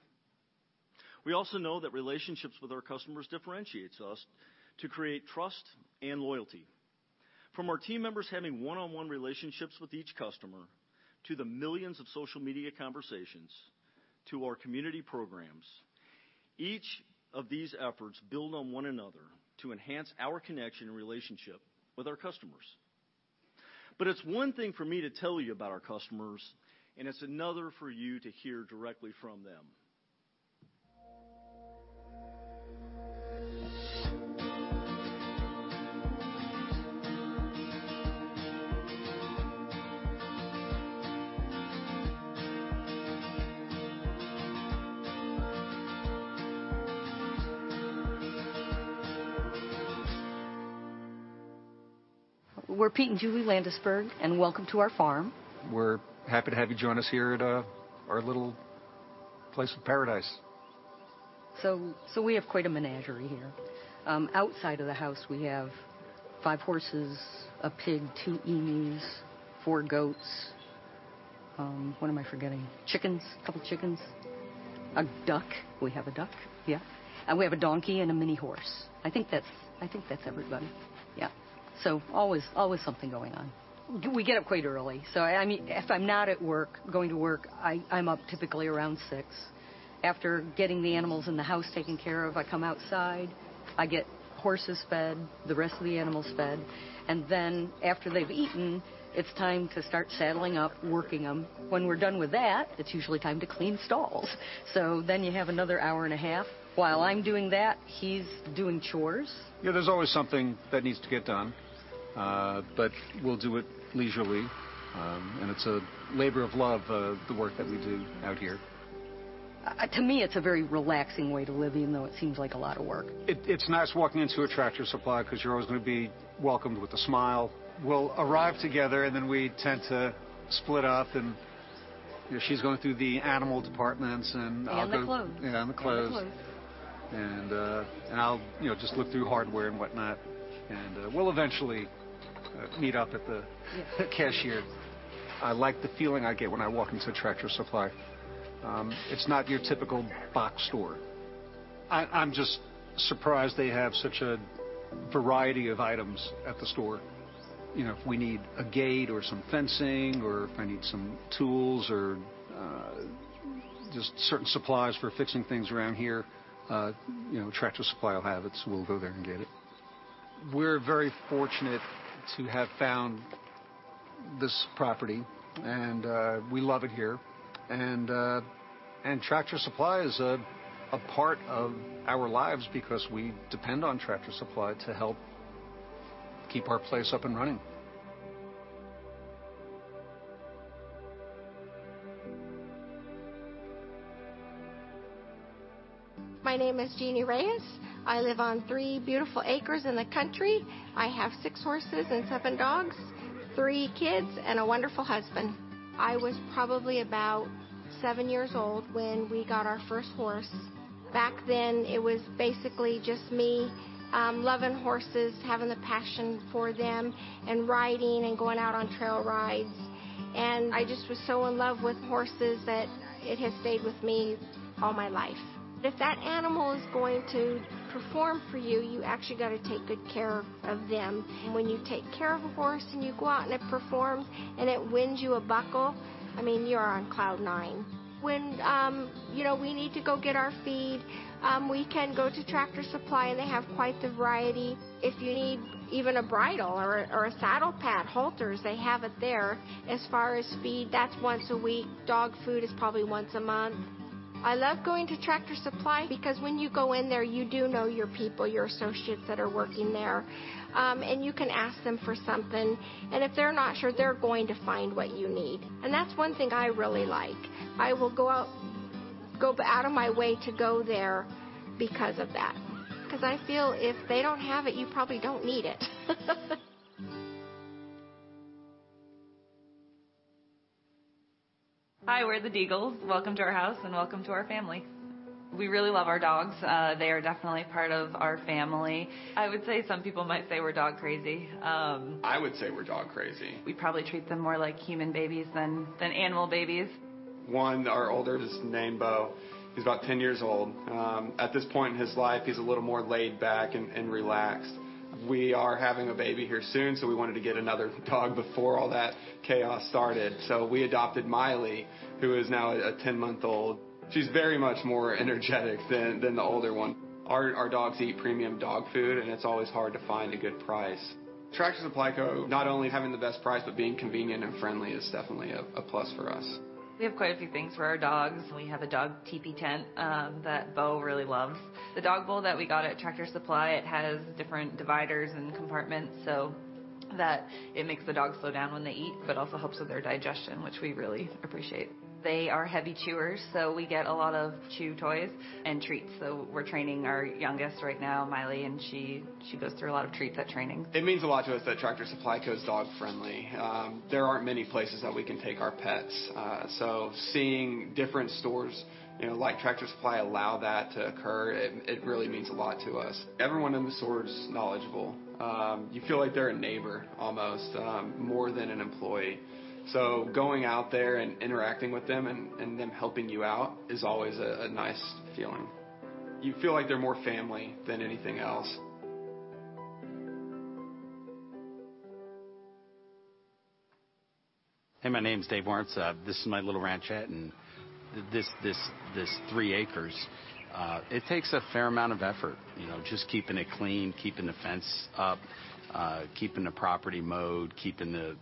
We also know that relationships with our customers differentiates us to create trust and loyalty. From our team members having one-on-one relationships with each customer, to the millions of social media conversations, to our community programs, each of these efforts build on one another to enhance our connection and relationship with our customers. It's one thing for me to tell you about our customers, and it's another for you to hear directly from them. We're Pete and Julie Landesberg. Welcome to our farm. We're happy to have you join us here at our little place of paradise. We have quite a menagerie here. Outside of the house, we have five horses, a pig, two emus, four goats. What am I forgetting? Chickens. A couple chickens. A duck. We have a duck, yeah. We have a donkey and a mini horse. I think that's everybody. Yeah. Always something going on. We get up quite early. If I'm not at work, going to work, I'm up typically around 6:00 A.M. After getting the animals in the house taken care of, I come outside, I get the horses fed, the rest of the animals fed. After they've eaten, it's time to start saddling up, working them. When we're done with that, it's usually time to clean stalls. You have another hour and a half. While I'm doing that, he's doing chores. Yeah, there's always something that needs to get done. We'll do it leisurely, and it's a labor of love, the work that we do out here. To me, it's a very relaxing way to live, even though it seems like a lot of work. It's nice walking into a Tractor Supply, because you're always going to be welcomed with a smile. We'll arrive together, then we tend to split up, and she's going through the animal departments, and I'll go. The clothes. yeah, the clothes. The clothes. I'll just look through hardware and whatnot. We'll eventually meet up at the cashier. Yeah. I like the feeling I get when I walk into Tractor Supply. It's not your typical box store. I'm just surprised they have such a variety of items at the store. If we need a gate or some fencing, or if I need some tools or just certain supplies for fixing things around here, Tractor Supply will have it, so we'll go there and get it. We're very fortunate to have found this property, and we love it here. Tractor Supply is a part of our lives because we depend on Tractor Supply to help keep our place up and running. My name is Jeannie Reyes. I live on three beautiful acres in the country. I have six horses and seven dogs, three kids, and a wonderful husband. I was probably about seven years old when we got our first horse. Back then, it was basically just me loving horses, having a passion for them, and riding and going out on trail rides. I just was so in love with horses that it has stayed with me all my life. If that animal is going to perform for you actually got to take good care of them. When you take care of a horse, and you go out and it performs, and it wins you a buckle, I mean, you are on cloud nine. When we need to go get our feed, we can go to Tractor Supply. They have quite the variety. If you need even a bridle, or a saddle pad, halters, they have it there. As far as feed, that's once a week. Dog food is probably once a month. I love going to Tractor Supply because when you go in there, you do know your people, your associates that are working there. You can ask them for something, and if they're not sure, they're going to find what you need. That's one thing I really like. I will go out of my way to go there because of that. Because I feel if they don't have it, you probably don't need it. Hi, we're the Daigle. Welcome to our house, and welcome to our family. We really love our dogs. They are definitely part of our family. I would say some people might say we're dog crazy. I would say we're dog crazy. We probably treat them more like human babies than animal babies. One, our older, is named Beau. He's about 10 years old. At this point in his life, he's a little more laid back and relaxed. We are having a baby here soon, so we wanted to get another dog before all that chaos started. We adopted Miley, who is now a 10-month-old. She's very much more energetic than the older one. Our dogs eat premium dog food, and it's always hard to find a good price. Tractor Supply Co. not only having the best price, but being convenient and friendly is definitely a plus for us. We have quite a few things for our dogs. We have a dog teepee tent that Beau really loves. The dog bowl that we got at Tractor Supply, it has different dividers and compartments so that it makes the dogs slow down when they eat, but also helps with their digestion, which we really appreciate. They are heavy chewers, so we get a lot of chew toys and treats. We're training our youngest right now, Miley, and she goes through a lot of treats at training. It means a lot to us that Tractor Supply Co.'s dog-friendly. There aren't many places that we can take our pets. Seeing different stores, like Tractor Supply, allow that to occur, it really means a lot to us. Everyone in the store is knowledgeable. You feel like they're a neighbor almost, more than an employee. Going out there and interacting with them, and them helping you out, is always a nice feeling. You feel like they're more family than anything else. Hey, my name's Dave Lawrence. This is my little ranchette, and this three acres, it takes a fair amount of effort. Just keeping it clean, keeping the fence up, keeping the property mowed, keeping the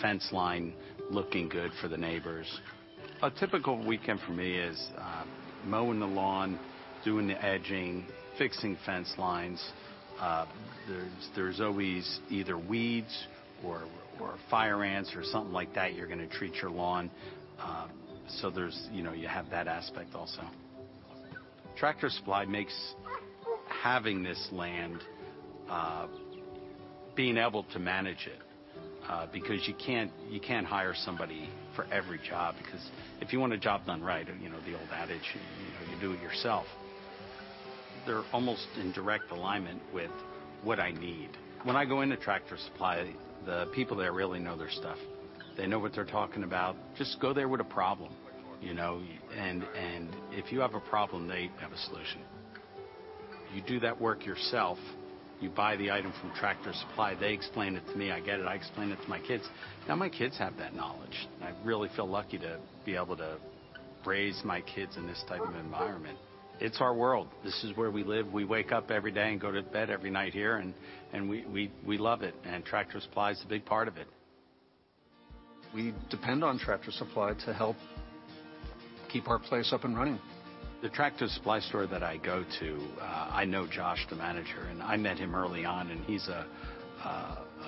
fence line looking good for the neighbors. A typical weekend for me is mowing the lawn, doing the edging, fixing fence lines. There's always either weeds, or fire ants, or something like that. You're going to treat your lawn. You have that aspect also. Tractor Supply makes having this land, being able to manage it, because you can't hire somebody for every job, because if you want a job done right, the old adage, you do it yourself. They're almost in direct alignment with what I need. When I go into Tractor Supply, the people there really know their stuff. They know what they're talking about. Just go there with a problem, and if you have a problem, they have a solution. You do that work yourself. You buy the item from Tractor Supply, they explain it to me, I get it, I explain it to my kids. Now my kids have that knowledge, and I really feel lucky to be able to raise my kids in this type of environment. It's our world. This is where we live. We wake up every day and go to bed every night here, and we love it, and Tractor Supply is a big part of it. We depend on Tractor Supply to help keep our place up and running. The Tractor Supply store that I go to, I know Josh, the manager, and I met him early on, and he's a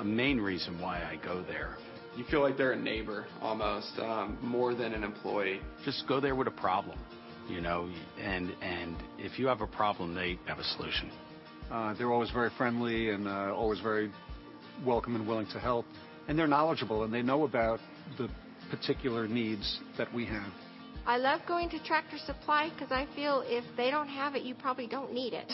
main reason why I go there. You feel like they're a neighbor almost, more than an employee. Just go there with a problem. If you have a problem, they have a solution. They're always very friendly and always very welcome and willing to help. They're knowledgeable, and they know about the particular needs that we have. I love going to Tractor Supply because I feel if they don't have it, you probably don't need it.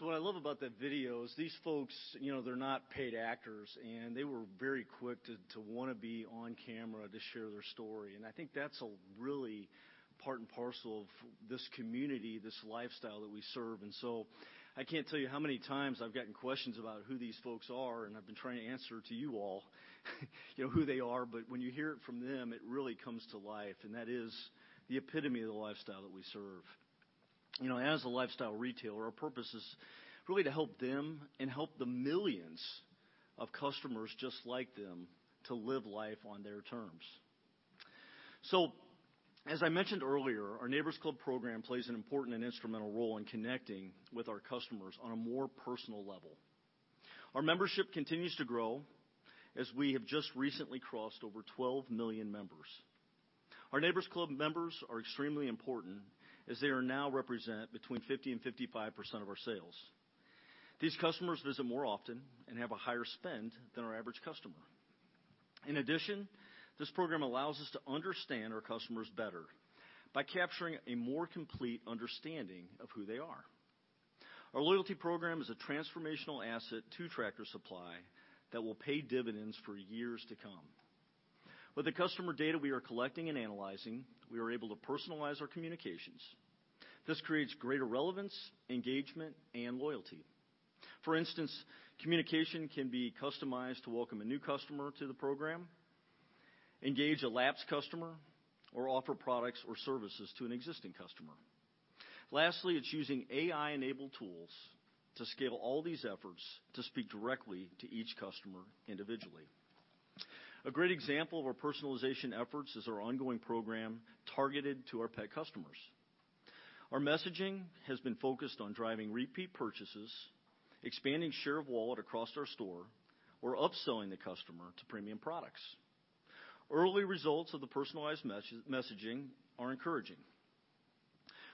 What I love about that video is these folks, they're not paid actors, they were very quick to want to be on camera to share their story. I think that's really part and parcel of this community, this lifestyle that we serve. I can't tell you how many times I've gotten questions about who these folks are, I've been trying to answer to you all who they are. When you hear it from them, it really comes to life, and that is the epitome of the lifestyle that we serve. As a lifestyle retailer, our purpose is really to help them and help the millions of customers just like them to live life on their terms. As I mentioned earlier, our Neighbor's Club program plays an important and instrumental role in connecting with our customers on a more personal level. Our membership continues to grow as we have just recently crossed over 12 million members. Our Neighbor's Club members are extremely important as they now represent between 50%-55% of our sales. These customers visit more often and have a higher spend than our average customer. In addition, this program allows us to understand our customers better by capturing a more complete understanding of who they are. Our loyalty program is a transformational asset to Tractor Supply that will pay dividends for years to come. With the customer data we are collecting and analyzing, we are able to personalize our communications. This creates greater relevance, engagement, and loyalty. For instance, communication can be customized to welcome a new customer to the program, engage a lapsed customer, or offer products or services to an existing customer. Lastly, it's using AI-enabled tools to scale all these efforts to speak directly to each customer individually. A great example of our personalization efforts is our ongoing program targeted to our pet customers. Our messaging has been focused on driving repeat purchases, expanding share of wallet across our store, or upselling the customer to premium products. Early results of the personalized messaging are encouraging.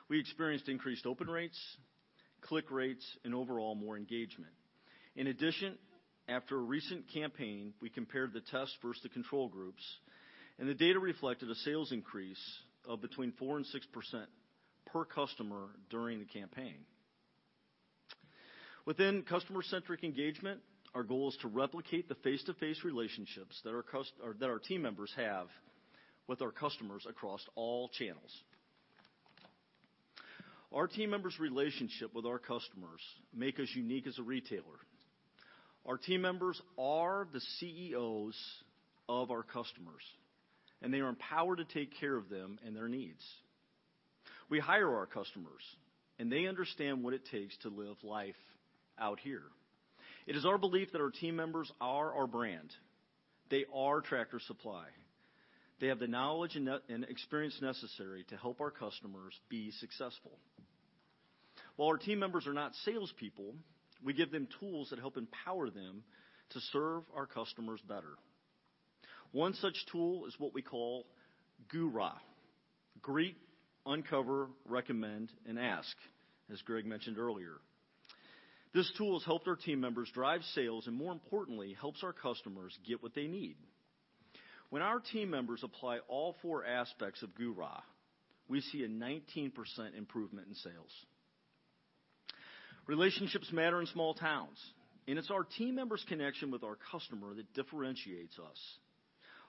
We experienced increased open rates, click rates, and overall more engagement. In addition, after a recent campaign, we compared the test versus the control groups, the data reflected a sales increase of between 4%-6% per customer during the campaign. Within customer-centric engagement, our goal is to replicate the face-to-face relationships that our team members have with our customers across all channels. Our team members' relationship with our customers make us unique as a retailer. Our team members are the CEOs of our customers, they are empowered to take care of them and their needs. We hire our customers, they understand what it takes to live life out here. It is our belief that our team members are our brand. They are Tractor Supply. They have the knowledge and experience necessary to help our customers be successful. While our team members are not salespeople, we give them tools that help empower them to serve our customers better. One such tool is what we call GURA, Greet, Uncover, Recommend, Ask, as Hal mentioned earlier. This tool has helped our team members drive sales and more importantly, helps our customers get what they need. When our team members apply all four aspects of GURA, we see a 19% improvement in sales. Relationships matter in small towns, and it's our team members' connection with our customer that differentiates us.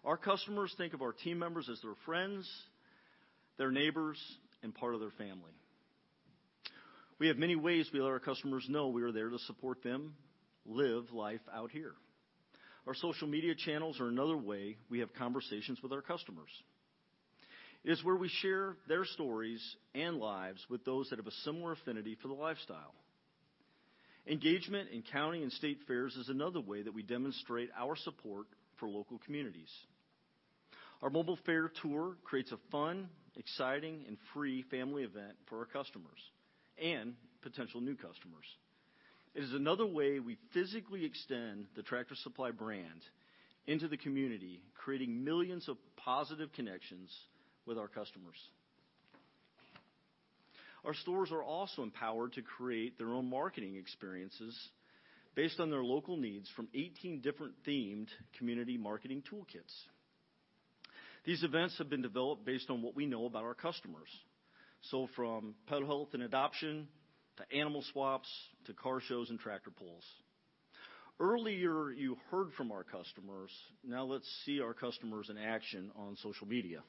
Our customers think of our team members as their friends, their neighbors, and part of their family. We have many ways we let our customers know we are there to support them live life out here. Our social media channels are another way we have conversations with our customers. It is where we share their stories and lives with those that have a similar affinity for the lifestyle. Engagement in county and state fairs is another way that we demonstrate our support for local communities. Our mobile fair tour creates a fun, exciting, and free family event for our customers and potential new customers. It is another way we physically extend the Tractor Supply brand into the community, creating millions of positive connections with our customers. Our stores are also empowered to create their own marketing experiences based on their local needs from 18 different themed community marketing toolkits. These events have been developed based on what we know about our customers. From pet health and adoption, to animal swaps, to car shows and tractor pulls. Earlier, you heard from our customers. Now let's see our customers in action on social media.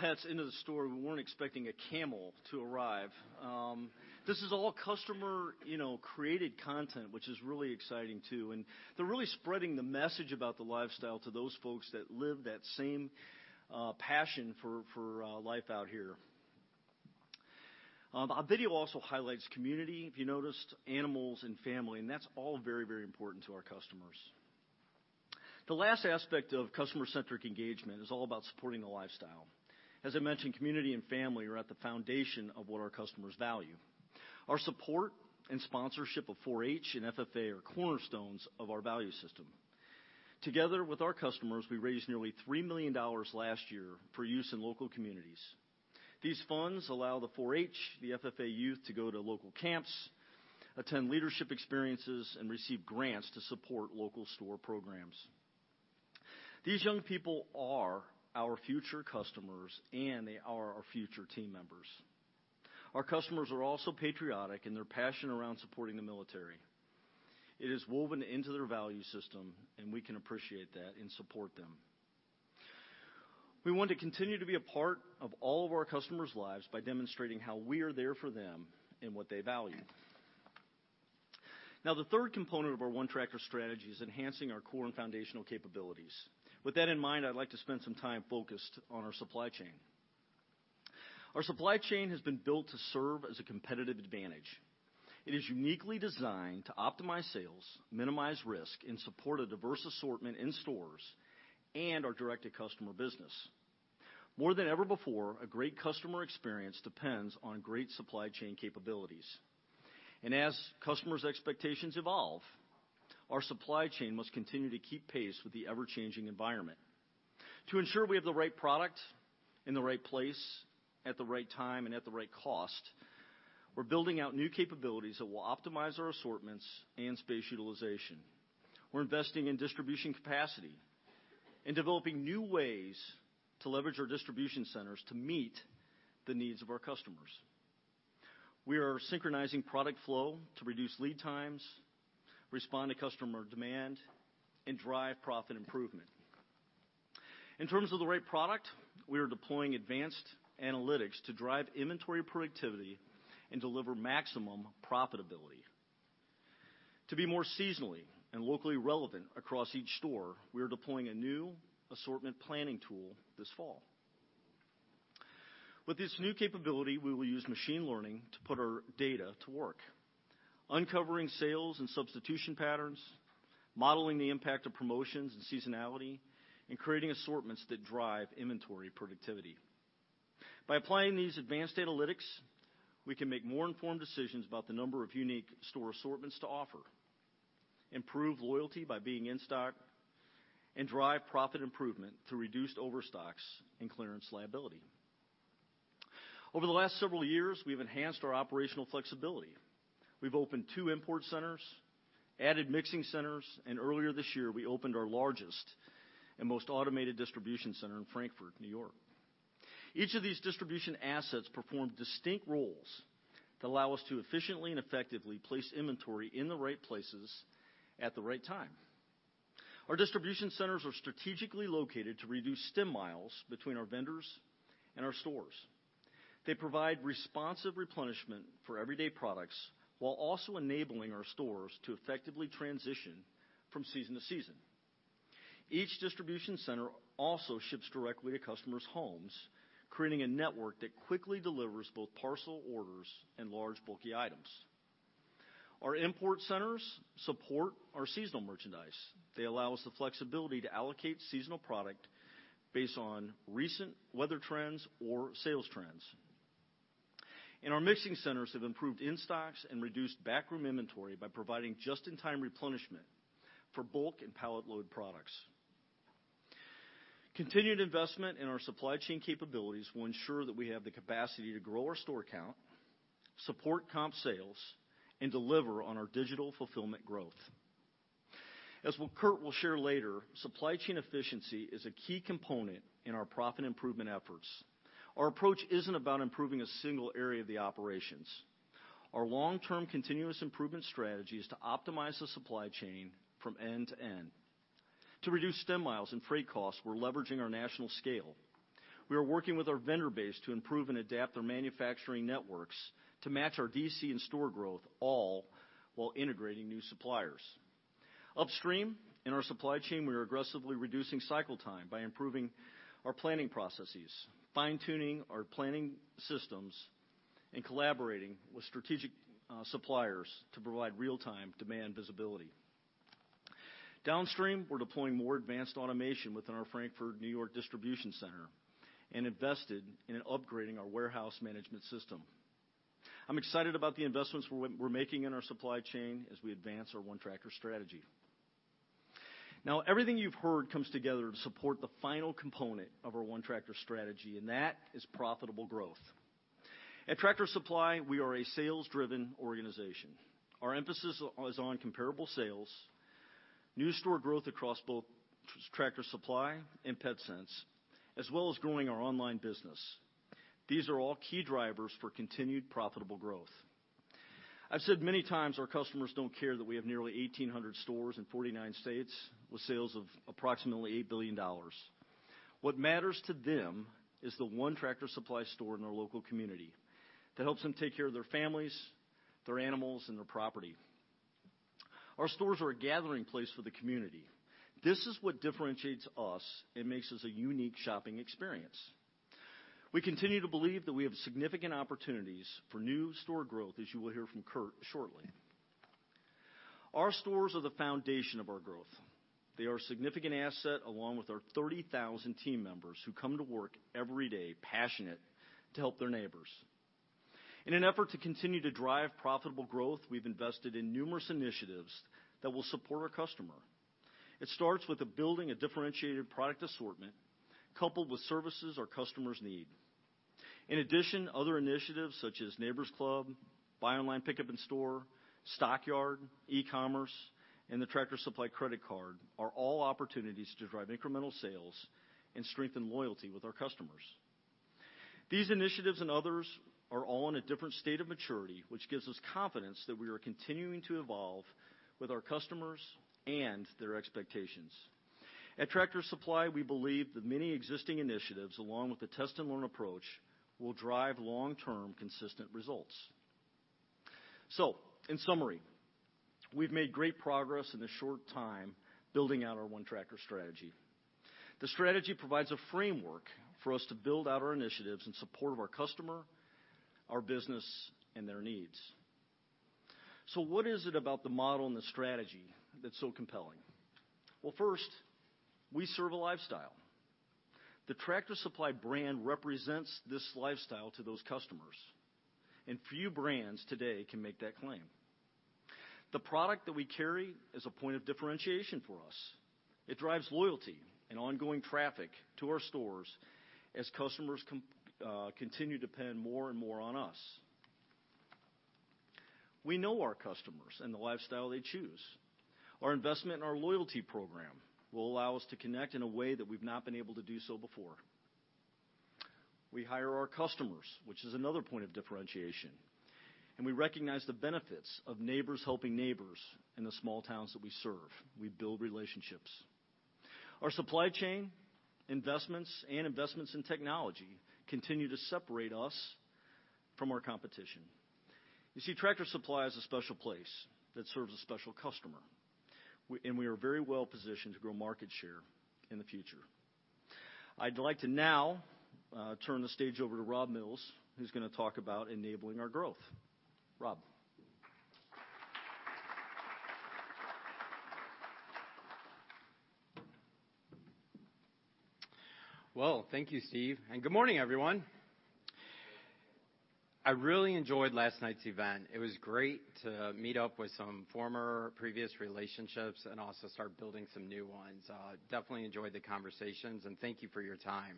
When we welcome pets into the store, we weren't expecting a camel to arrive. This is all customer-created content, which is really exciting too, and they're really spreading the message about the lifestyle to those folks that live that same passion for life out here. Our video also highlights community, if you noticed, animals and family, and that's all very important to our customers. The last aspect of customer-centric engagement is all about supporting the lifestyle. As I mentioned, community and family are at the foundation of what our customers value. Our support and sponsorship of 4-H and FFA are cornerstones of our value system. Together with our customers, we raised nearly $3 million last year for use in local communities. These funds allow the 4-H, the FFA youth to go to local camps, attend leadership experiences, and receive grants to support local store programs. These young people are our future customers, and they are our future team members. Our customers are also patriotic, and they're passionate around supporting the military. It is woven into their value system, and we can appreciate that and support them. We want to continue to be a part of all of our customers' lives by demonstrating how we are there for them and what they value. The third component of our One Tractor strategy is enhancing our core and foundational capabilities. With that in mind, I'd like to spend some time focused on our supply chain. Our supply chain has been built to serve as a competitive advantage. It is uniquely designed to optimize sales, minimize risk, and support a diverse assortment in stores and our direct-to-customer business. More than ever before, a great customer experience depends on great supply chain capabilities. As customers' expectations evolve, our supply chain must continue to keep pace with the ever-changing environment. To ensure we have the right product in the right place at the right time and at the right cost, we're building out new capabilities that will optimize our assortments and space utilization. We're investing in distribution capacity and developing new ways to leverage our distribution centers to meet the needs of our customers. We are synchronizing product flow to reduce lead times, respond to customer demand, and drive profit improvement. In terms of the right product, we are deploying advanced analytics to drive inventory productivity and deliver maximum profitability. To be more seasonally and locally relevant across each store, we are deploying a new assortment planning tool this fall. With this new capability, we will use machine learning to put our data to work. Uncovering sales and substitution patterns, modeling the impact of promotions and seasonality, and creating assortments that drive inventory productivity. By applying these advanced analytics, we can make more informed decisions about the number of unique store assortments to offer, improve loyalty by being in stock, and drive profit improvement through reduced overstocks and clearance liability. Over the last several years, we've enhanced our operational flexibility. We've opened two import centers, added mixing centers, and earlier this year, we opened our largest and most automated distribution center in Frankfort, New York. Each of these distribution assets perform distinct roles that allow us to efficiently and effectively place inventory in the right places at the right time. Our distribution centers are strategically located to reduce stem miles between our vendors and our stores. They provide responsive replenishment for everyday products while also enabling our stores to effectively transition from season to season. Each distribution center also ships directly to customers' homes, creating a network that quickly delivers both parcel orders and large bulky items. Our import centers support our seasonal merchandise. They allow us the flexibility to allocate seasonal product based on recent weather trends or sales trends. Our mixing centers have improved in-stocks and reduced backroom inventory by providing just-in-time replenishment for bulk and pallet load products. Continued investment in our supply chain capabilities will ensure that we have the capacity to grow our store count, support comp sales, and deliver on our digital fulfillment growth. As Kurt will share later, supply chain efficiency is a key component in our profit improvement efforts. Our approach isn't about improving a single area of the operations. Our long-term continuous improvement strategy is to optimize the supply chain from end to end. To reduce stem miles and freight costs, we're leveraging our national scale. We are working with our vendor base to improve and adapt their manufacturing networks to match our DC and store growth, all while integrating new suppliers. Upstream in our supply chain, we are aggressively reducing cycle time by improving our planning processes, fine-tuning our planning systems, and collaborating with strategic suppliers to provide real-time demand visibility. Downstream, we're deploying more advanced automation within our Frankfort, New York distribution center and invested in upgrading our warehouse management system. I'm excited about the investments we're making in our supply chain as we advance our One Tractor strategy. Everything you've heard comes together to support the final component of our One Tractor strategy, and that is profitable growth. At Tractor Supply, we are a sales-driven organization. Our emphasis is on comparable sales, new store growth across both Tractor Supply and PetSense, as well as growing our online business. These are all key drivers for continued profitable growth. I've said many times our customers don't care that we have nearly 1,800 stores in 49 states with sales of approximately $8 billion. What matters to them is the one Tractor Supply store in their local community that helps them take care of their families, their animals, and their property. Our stores are a gathering place for the community. This is what differentiates us and makes us a unique shopping experience. We continue to believe that we have significant opportunities for new store growth, as you will hear from Kurt shortly. Our stores are the foundation of our growth. They are a significant asset, along with our 30,000 team members who come to work every day passionate to help their neighbors. In an effort to continue to drive profitable growth, we've invested in numerous initiatives that will support our customer. It starts with building a differentiated product assortment coupled with services our customers need. In addition, other initiatives such as Neighbor's Club, Buy Online, Pick-up In Store, Stockyard, e-commerce, and the Tractor Supply credit card are all opportunities to drive incremental sales and strengthen loyalty with our customers. These initiatives and others are all in a different state of maturity, which gives us confidence that we are continuing to evolve with our customers and their expectations. At Tractor Supply, we believe that many existing initiatives, along with the test and learn approach, will drive long-term consistent results. In summary, we've made great progress in a short time building out our One Tractor strategy. The strategy provides a framework for us to build out our initiatives in support of our customer, our business, and their needs. What is it about the model and the strategy that's so compelling? First, we serve a lifestyle. The Tractor Supply brand represents this lifestyle to those customers, and few brands today can make that claim. The product that we carry is a point of differentiation for us. It drives loyalty and ongoing traffic to our stores as customers continue to depend more and more on us. We know our customers and the lifestyle they choose. Our investment in our loyalty program will allow us to connect in a way that we've not been able to do so before. We hire our customers, which is another point of differentiation, and we recognize the benefits of neighbors helping neighbors in the small towns that we serve. We build relationships. Our supply chain investments and investments in technology continue to separate us from our competition. You see, Tractor Supply is a special place that serves a special customer, and we are very well positioned to grow market share in the future. I'd like to now turn the stage over to Rob Mills, who's going to talk about enabling our growth. Rob. Well, thank you, Steve, and good morning, everyone. I really enjoyed last night's event. It was great to meet up with some former previous relationships and also start building some new ones. Definitely enjoyed the conversations, and thank you for your time.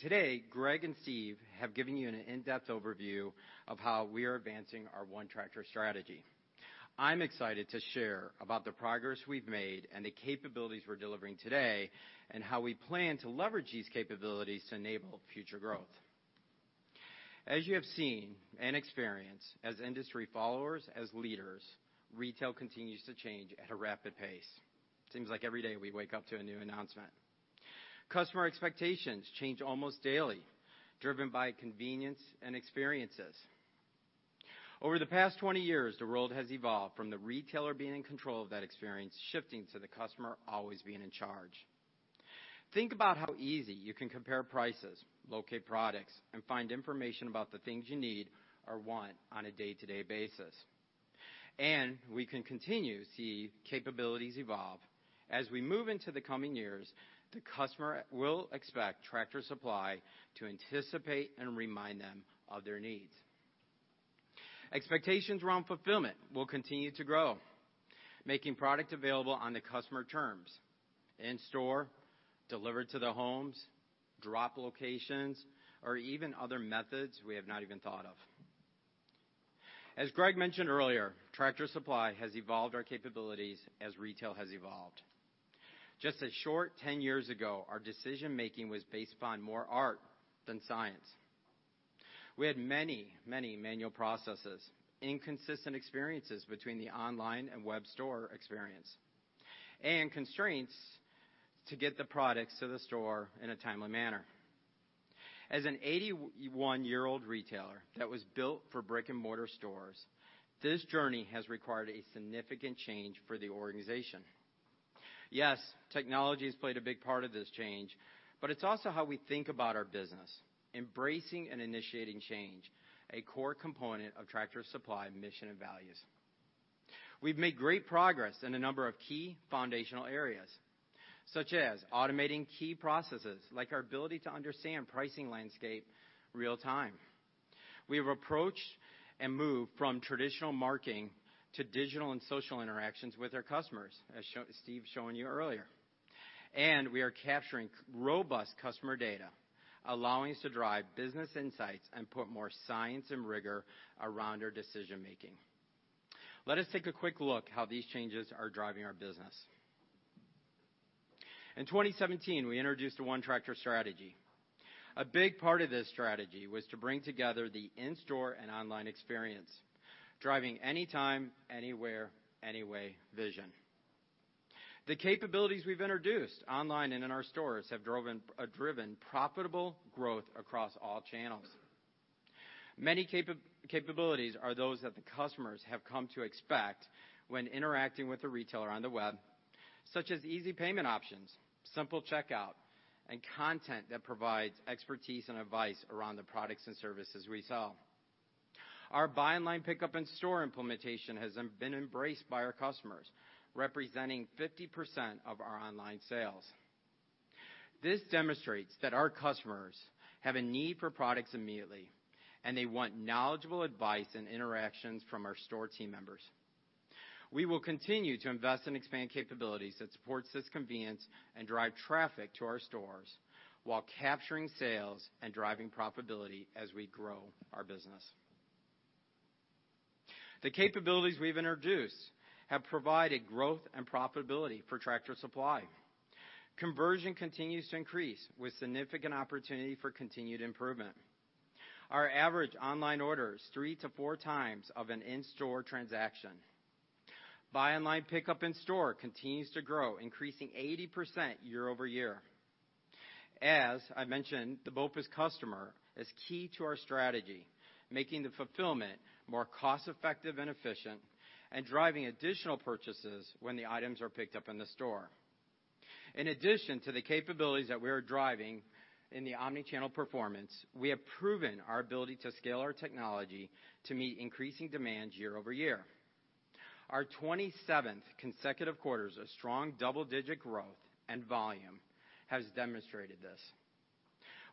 Today, Greg and Steve have given you an in-depth overview of how we are advancing our One Tractor strategy. I'm excited to share about the progress we've made and the capabilities we're delivering today and how we plan to leverage these capabilities to enable future growth. As you have seen and experienced as industry followers, as leaders, retail continues to change at a rapid pace. Seems like every day we wake up to a new announcement. Customer expectations change almost daily, driven by convenience and experiences. Over the past 20 years, the world has evolved from the retailer being in control of that experience, shifting to the customer always being in charge. Think about how easy you can compare prices, locate products, and find information about the things you need or want on a day-to-day basis. We can continue to see capabilities evolve. As we move into the coming years, the customer will expect Tractor Supply to anticipate and remind them of their needs. Expectations around fulfillment will continue to grow, making product available on the customer terms, in store, delivered to their homes, drop locations, or even other methods we have not even thought of. As Greg mentioned earlier, Tractor Supply has evolved our capabilities as retail has evolved. Just a short 10 years ago, our decision-making was based upon more art than science. We had many manual processes, inconsistent experiences between the online and web store experience, and constraints to get the products to the store in a timely manner. As an 81-year-old retailer that was built for brick-and-mortar stores, this journey has required a significant change for the organization. Yes, technology has played a big part of this change, but it's also how we think about our business, embracing and initiating change, a core component of Tractor Supply mission and values. We've made great progress in a number of key foundational areas, such as automating key processes, like our ability to understand pricing landscape real time. We have approached and moved from traditional marketing to digital and social interactions with our customers, as Steve shown you earlier. We are capturing robust customer data, allowing us to drive business insights and put more science and rigor around our decision-making. Let us take a quick look how these changes are driving our business. In 2017, we introduced the One Tractor strategy. A big part of this strategy was to bring together the in-store and online experience, driving anytime, anywhere, anyway vision. The capabilities we've introduced online and in our stores have driven profitable growth across all channels. Many capabilities are those that the customers have come to expect when interacting with a retailer on the web, such as easy payment options, simple checkout, and content that provides expertise and advice around the products and services we sell. Our Buy Online, Pick-up In Store implementation has been embraced by our customers, representing 50% of our online sales. This demonstrates that our customers have a need for products immediately, and they want knowledgeable advice and interactions from our store team members. We will continue to invest and expand capabilities that support this convenience and drive traffic to our stores while capturing sales and driving profitability as we grow our business. The capabilities we've introduced have provided growth and profitability for Tractor Supply. Conversion continues to increase with significant opportunity for continued improvement. Our average online order is three to four times of an in-store transaction. Buy Online, Pick-up In Store continues to grow, increasing 80% year-over-year. As I mentioned, the BOPIS customer is key to our strategy, making the fulfillment more cost-effective and efficient, and driving additional purchases when the items are picked up in the store. In addition to the capabilities that we are driving in the omni-channel performance, we have proven our ability to scale our technology to meet increasing demands year-over-year. Our 27th consecutive quarters of strong double-digit growth and volume has demonstrated this.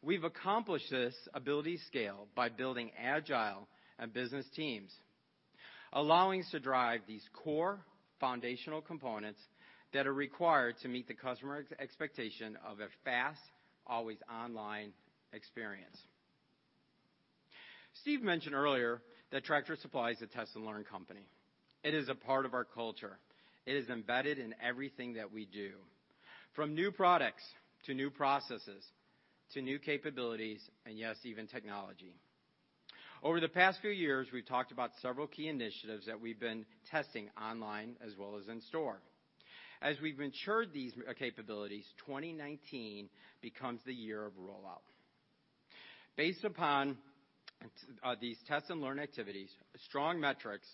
We've accomplished this ability scale by building agile and business teams, allowing us to drive these core foundational components that are required to meet the customer expectation of a fast, always online experience. Steve mentioned earlier that Tractor Supply is a test and learn company. It is a part of our culture. It is embedded in everything that we do, from new products to new processes, to new capabilities, and yes, even technology. Over the past few years, we've talked about several key initiatives that we've been testing online as well as in store. As we've matured these capabilities, 2019 becomes the year of rollout. Based upon these test and learn activities, strong metrics,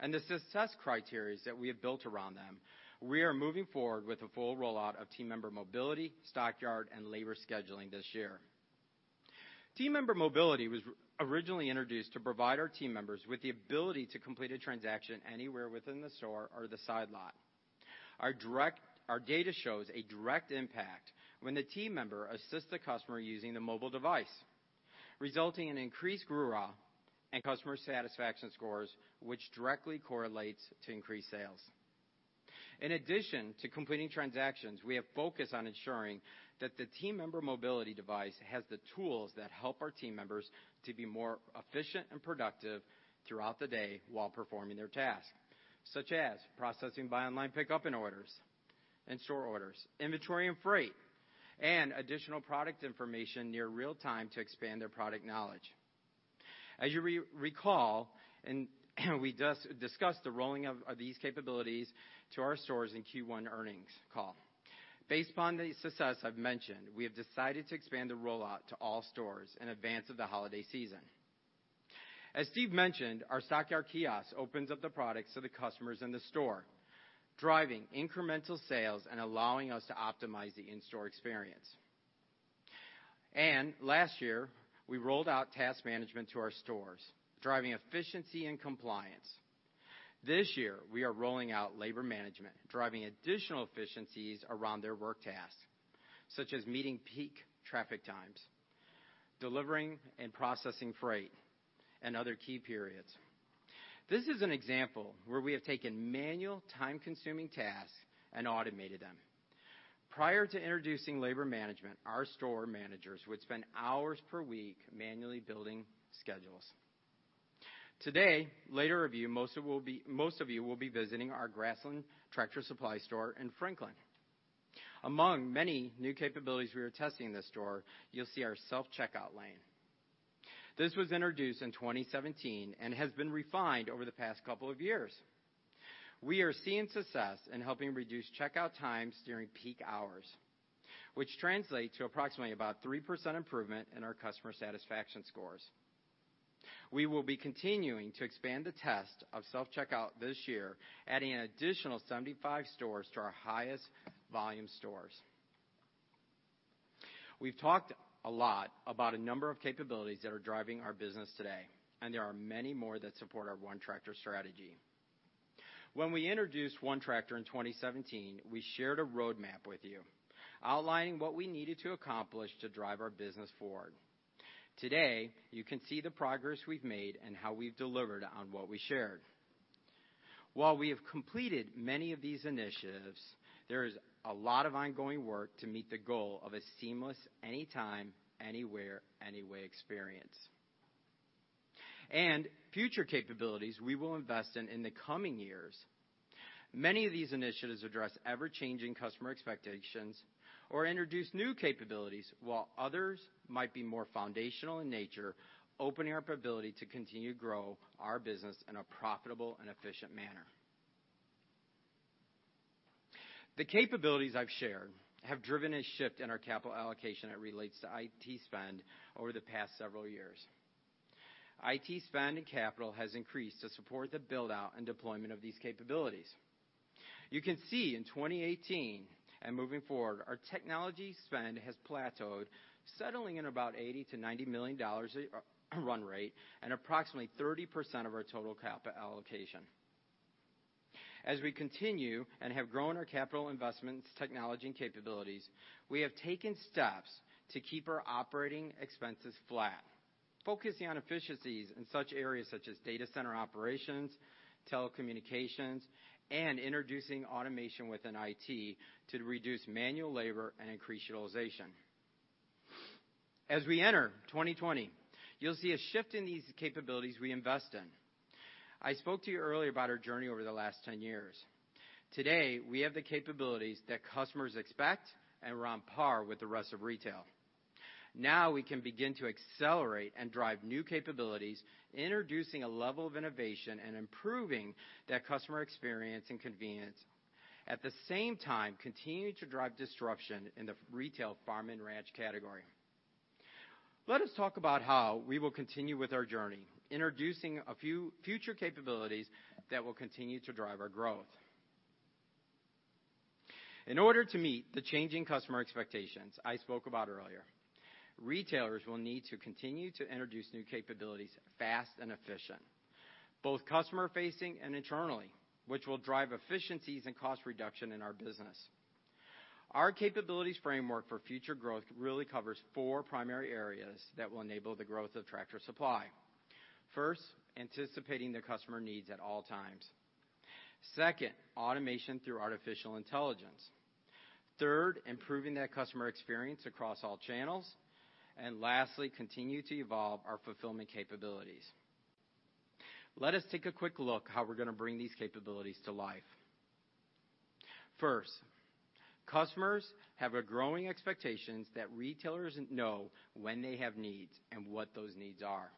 and the success criteria that we have built around them, we are moving forward with the full rollout of team member mobility, Stockyard, and labor scheduling this year. Team member mobility was originally introduced to provide our team members with the ability to complete a transaction anywhere within the store or the side lot. Our data shows a direct impact when the team member assists the customer using the mobile device, resulting in increased footfall and customer satisfaction scores, which directly correlates to increased sales. In addition to completing transactions, we have focused on ensuring that the team member mobility device has the tools that help our team members to be more efficient and productive throughout the day while performing their tasks, such as processing Buy Online, Pick-up In Store orders and store orders, inventory and freight, and additional product information near real time to expand their product knowledge. As you recall, and we discussed the rolling out of these capabilities to our stores in Q1 earnings call. Based upon the success I've mentioned, we have decided to expand the rollout to all stores in advance of the holiday season. As Steve mentioned, our Stockyard kiosk opens up the products to the customers in the store, driving incremental sales and allowing us to optimize the in-store experience. And last year, we rolled out task management to our stores, driving efficiency and compliance. This year, we are rolling out labor management, driving additional efficiencies around their work tasks, such as meeting peak traffic times, delivering and processing freight, and other key periods. This is an example where we have taken manual time-consuming tasks and automated them. Prior to introducing labor management, our store managers would spend hours per week manually building schedules. Today, most of you will be visiting our Grassland Tractor Supply store in Franklin. Among many new capabilities we are testing in the store, you'll see our self-checkout lane. This was introduced in 2017 and has been refined over the past couple of years. We are seeing success in helping reduce checkout times during peak hours, which translate to approximately about 3% improvement in our customer satisfaction scores. We will be continuing to expand the test of self-checkout this year, adding an additional 75 stores to our highest volume stores. We've talked a lot about a number of capabilities that are driving our business today, there are many more that support our One Tractor strategy. When we introduced One Tractor in 2017, we shared a roadmap with you, outlining what we needed to accomplish to drive our business forward. Today, you can see the progress we've made and how we've delivered on what we shared. While we have completed many of these initiatives, there is a lot of ongoing work to meet the goal of a seamless anytime, anywhere, any way experience. Future capabilities we will invest in in the coming years. Many of these initiatives address ever-changing customer expectations or introduce new capabilities while others might be more foundational in nature, opening up ability to continue to grow our business in a profitable and efficient manner. The capabilities I've shared have driven a shift in our capital allocation that relates to IT spend over the past several years. IT spend and capital has increased to support the build-out and deployment of these capabilities. You can see in 2018 and moving forward, our technology spend has plateaued, settling in about $80 million-$90 million run rate and approximately 30% of our total capital allocation. As we continue and have grown our capital investments technology and capabilities, we have taken steps to keep our operating expenses flat, focusing on efficiencies in such areas such as data center operations, telecommunications, and introducing automation within IT to reduce manual labor and increase utilization. As we enter 2020, you'll see a shift in these capabilities we invest in. I spoke to you earlier about our journey over the last 10 years. Today, we have the capabilities that customers expect and we're on par with the rest of retail. Now we can begin to accelerate and drive new capabilities, introducing a level of innovation and improving that customer experience and convenience. At the same time, continuing to drive disruption in the retail, farm, and ranch category. Let us talk about how we will continue with our journey, introducing a few future capabilities that will continue to drive our growth. In order to meet the changing customer expectations I spoke about earlier, retailers will need to continue to introduce new capabilities fast and efficient, both customer facing and internally, which will drive efficiencies and cost reduction in our business. Our capabilities framework for future growth really covers four primary areas that will enable the growth of Tractor Supply. First, anticipating the customer needs at all times. Second, automation through artificial intelligence. Third, improving that customer experience across all channels. Lastly, continue to evolve our fulfillment capabilities. Let us take a quick look how we're going to bring these capabilities to life. First, customers have a growing expectations that retailers know when they have needs and what those needs are.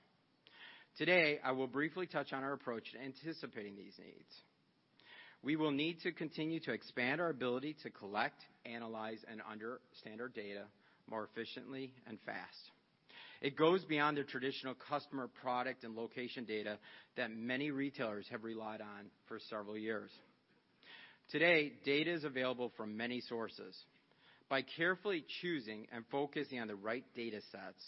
Today, I will briefly touch on our approach to anticipating these needs. We will need to continue to expand our ability to collect, analyze, and understand our data more efficiently and fast. It goes beyond the traditional customer product and location data that many retailers have relied on for several years. Today, data is available from many sources. By carefully choosing and focusing on the right data sets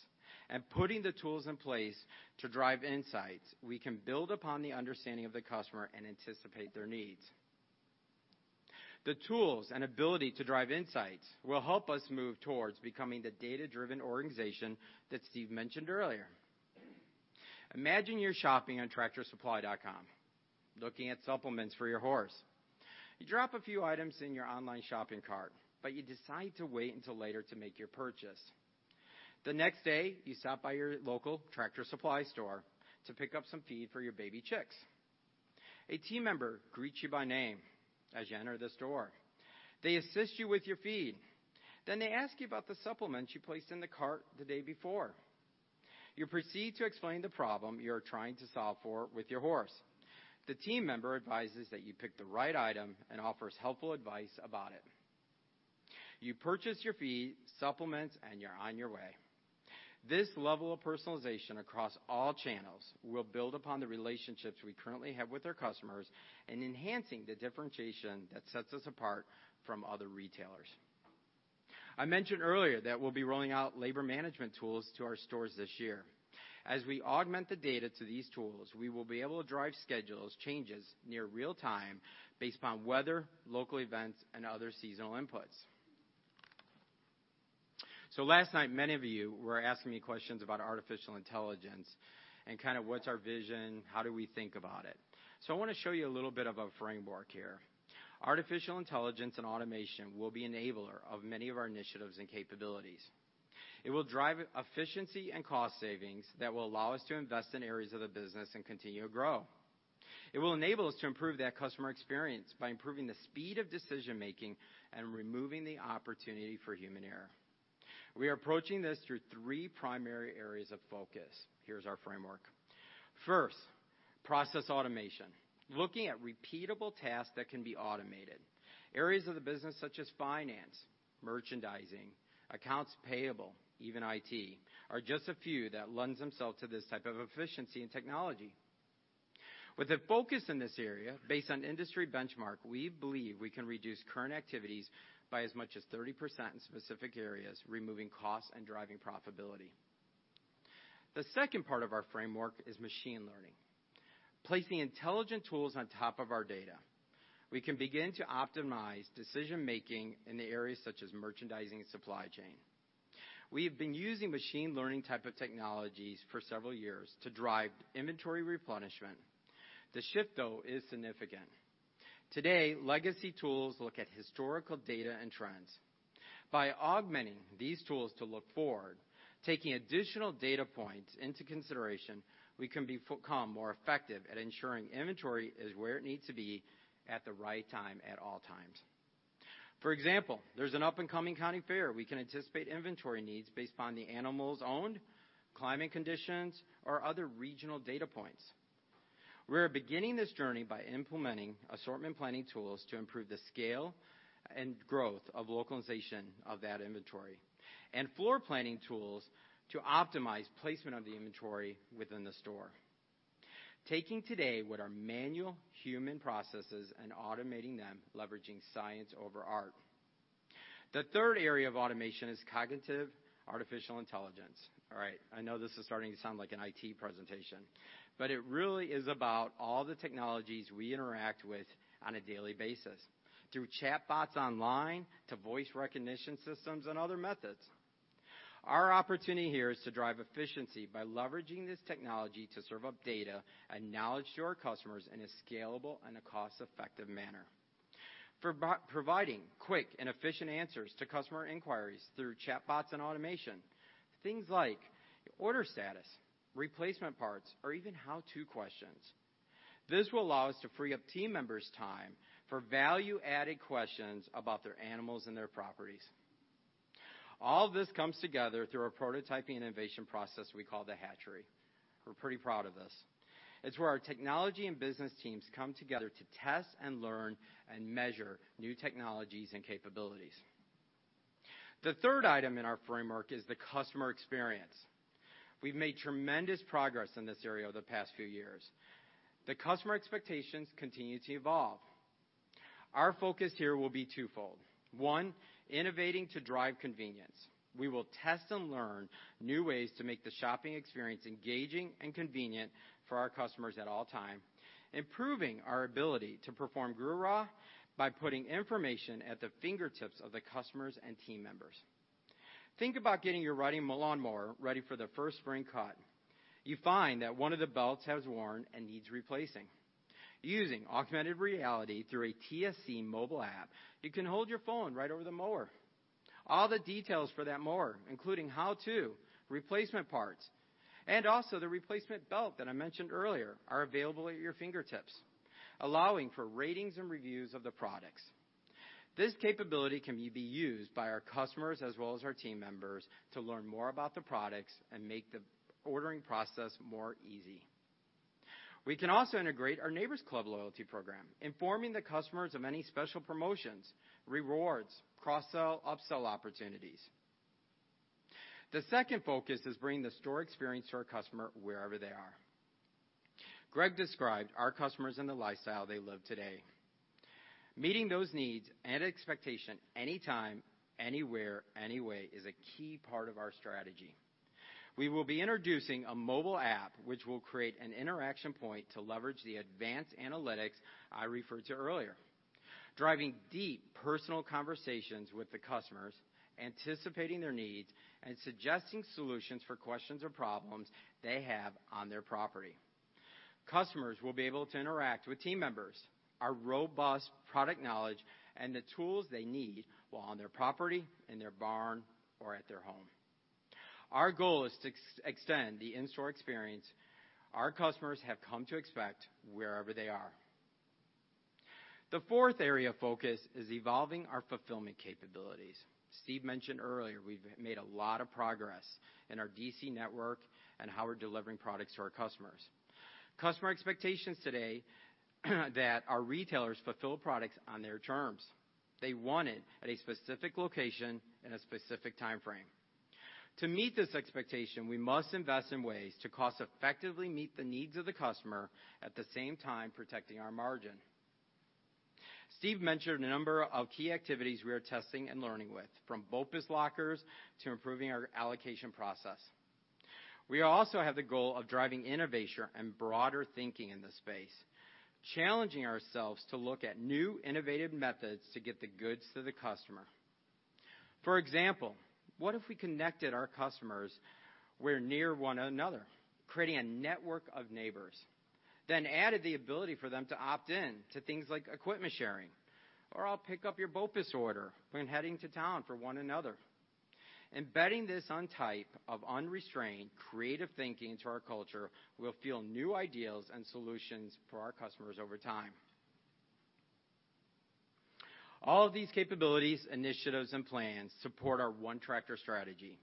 and putting the tools in place to drive insights, we can build upon the understanding of the customer and anticipate their needs. The tools and ability to drive insights will help us move towards becoming the data-driven organization that Steve mentioned earlier. Imagine you're shopping on tractorsupply.com, looking at supplements for your horse. You drop a few items in your online shopping cart, you decide to wait until later to make your purchase. The next day, you stop by your local Tractor Supply store to pick up some feed for your baby chicks. A team member greets you by name as you enter the store. They assist you with your feed, they ask you about the supplements you placed in the cart the day before. You proceed to explain the problem you're trying to solve for with your horse. The team member advises that you picked the right item and offers helpful advice about it. You purchase your feed, supplements, you're on your way. This level of personalization across all channels will build upon the relationships we currently have with our customers and enhancing the differentiation that sets us apart from other retailers. I mentioned earlier that we'll be rolling out labor management tools to our stores this year. As we augment the data to these tools, we will be able to drive schedules changes near real time based upon weather, local events, and other seasonal inputs. Last night, many of you were asking me questions about artificial intelligence and kind of what's our vision, how do we think about it. I want to show you a little bit of a framework here. Artificial intelligence and automation will be enabler of many of our initiatives and capabilities. It will drive efficiency and cost savings that will allow us to invest in areas of the business and continue to grow. It will enable us to improve that customer experience by improving the speed of decision-making and removing the opportunity for human error. We are approaching this through three primary areas of focus. Here's our framework. First, process automation. Looking at repeatable tasks that can be automated. Areas of the business such as finance, merchandising, accounts payable, even IT, are just a few that lend themselves to this type of efficiency and technology. With a focus in this area, based on industry benchmark, we believe we can reduce current activities by as much as 30% in specific areas, removing costs and driving profitability. The second part of our framework is machine learning. Placing intelligent tools on top of our data, we can begin to optimize decision-making in the areas such as merchandising and supply chain. We have been using machine learning type of technologies for several years to drive inventory replenishment. The shift, though, is significant. Today, legacy tools look at historical data and trends. By augmenting these tools to look forward, taking additional data points into consideration, we can become more effective at ensuring inventory is where it needs to be at the right time at all times. For example, there's an up-and-coming county fair. We can anticipate inventory needs based upon the animals owned, climate conditions, or other regional data points. We are beginning this journey by implementing assortment planning tools to improve the scale and growth of localization of that inventory, and floor planning tools to optimize placement of the inventory within the store. Taking today what are manual human processes and automating them, leveraging science over art. The third area of automation is cognitive artificial intelligence. Right, I know this is starting to sound like an IT presentation. It really is about all the technologies we interact with on a daily basis, through chatbots online to voice recognition systems and other methods. Our opportunity here is to drive efficiency by leveraging this technology to serve up data and knowledge to our customers in a scalable and a cost-effective manner. Providing quick and efficient answers to customer inquiries through chatbots and automation, things like order status, replacement parts, or even how-to questions. This will allow us to free up team members' time for value-added questions about their animals and their properties. All this comes together through our prototyping innovation process we call the Hatchery. We're pretty proud of this. It's where our technology and business teams come together to test and learn and measure new technologies and capabilities. The third item in our framework is the customer experience. We've made tremendous progress in this area over the past few years. The customer expectations continue to evolve. Our focus here will be twofold. One, innovating to drive convenience. We will test and learn new ways to make the shopping experience engaging and convenient for our customers at all time, improving our ability to perform GURA by putting information at the fingertips of the customers and team members. Think about getting your riding lawnmower ready for the first spring cut. You find that one of the belts has worn and needs replacing. Using augmented reality through a TSC mobile app, you can hold your phone right over the mower. All the details for that mower, including how-to, replacement parts, and also the replacement belt that I mentioned earlier, are available at your fingertips, allowing for ratings and reviews of the products. This capability can be used by our customers as well as our team members to learn more about the products and make the ordering process more easy. We can also integrate our Neighbor's Club loyalty program, informing the customers of any special promotions, rewards, cross-sell, up-sell opportunities. The second focus is bringing the store experience to our customer wherever they are. Greg described our customers and the lifestyle they live today. Meeting those needs and expectation anytime, anywhere, any way is a key part of our strategy. We will be introducing a mobile app which will create an interaction point to leverage the advanced analytics I referred to earlier, driving deep personal conversations with the customers, anticipating their needs, and suggesting solutions for questions or problems they have on their property. Customers will be able to interact with team members, our robust product knowledge, and the tools they need while on their property, in their barn, or at their home. Our goal is to extend the in-store experience our customers have come to expect wherever they are. The fourth area of focus is evolving our fulfillment capabilities. Steve mentioned earlier we've made a lot of progress in our DC network and how we're delivering products to our customers. Customer expectations today that our retailers fulfill products on their terms. They want it at a specific location in a specific time frame. To meet this expectation, we must invest in ways to cost-effectively meet the needs of the customer, at the same time protecting our margin. Steve mentioned a number of key activities we are testing and learning with, from BOPIS lockers to improving our allocation process. We also have the goal of driving innovation and broader thinking in the space, challenging ourselves to look at new, innovative methods to get the goods to the customer. For example, what if we connected our customers where near one another, creating a network of neighbors, then added the ability for them to opt in to things like equipment sharing, or I'll pick up your BOPIS order when heading to town for one another. Embedding this type of unrestrained, creative thinking into our culture will fuel new ideas and solutions for our customers over time. All of these capabilities, initiatives, and plans support our One Tractor strategy,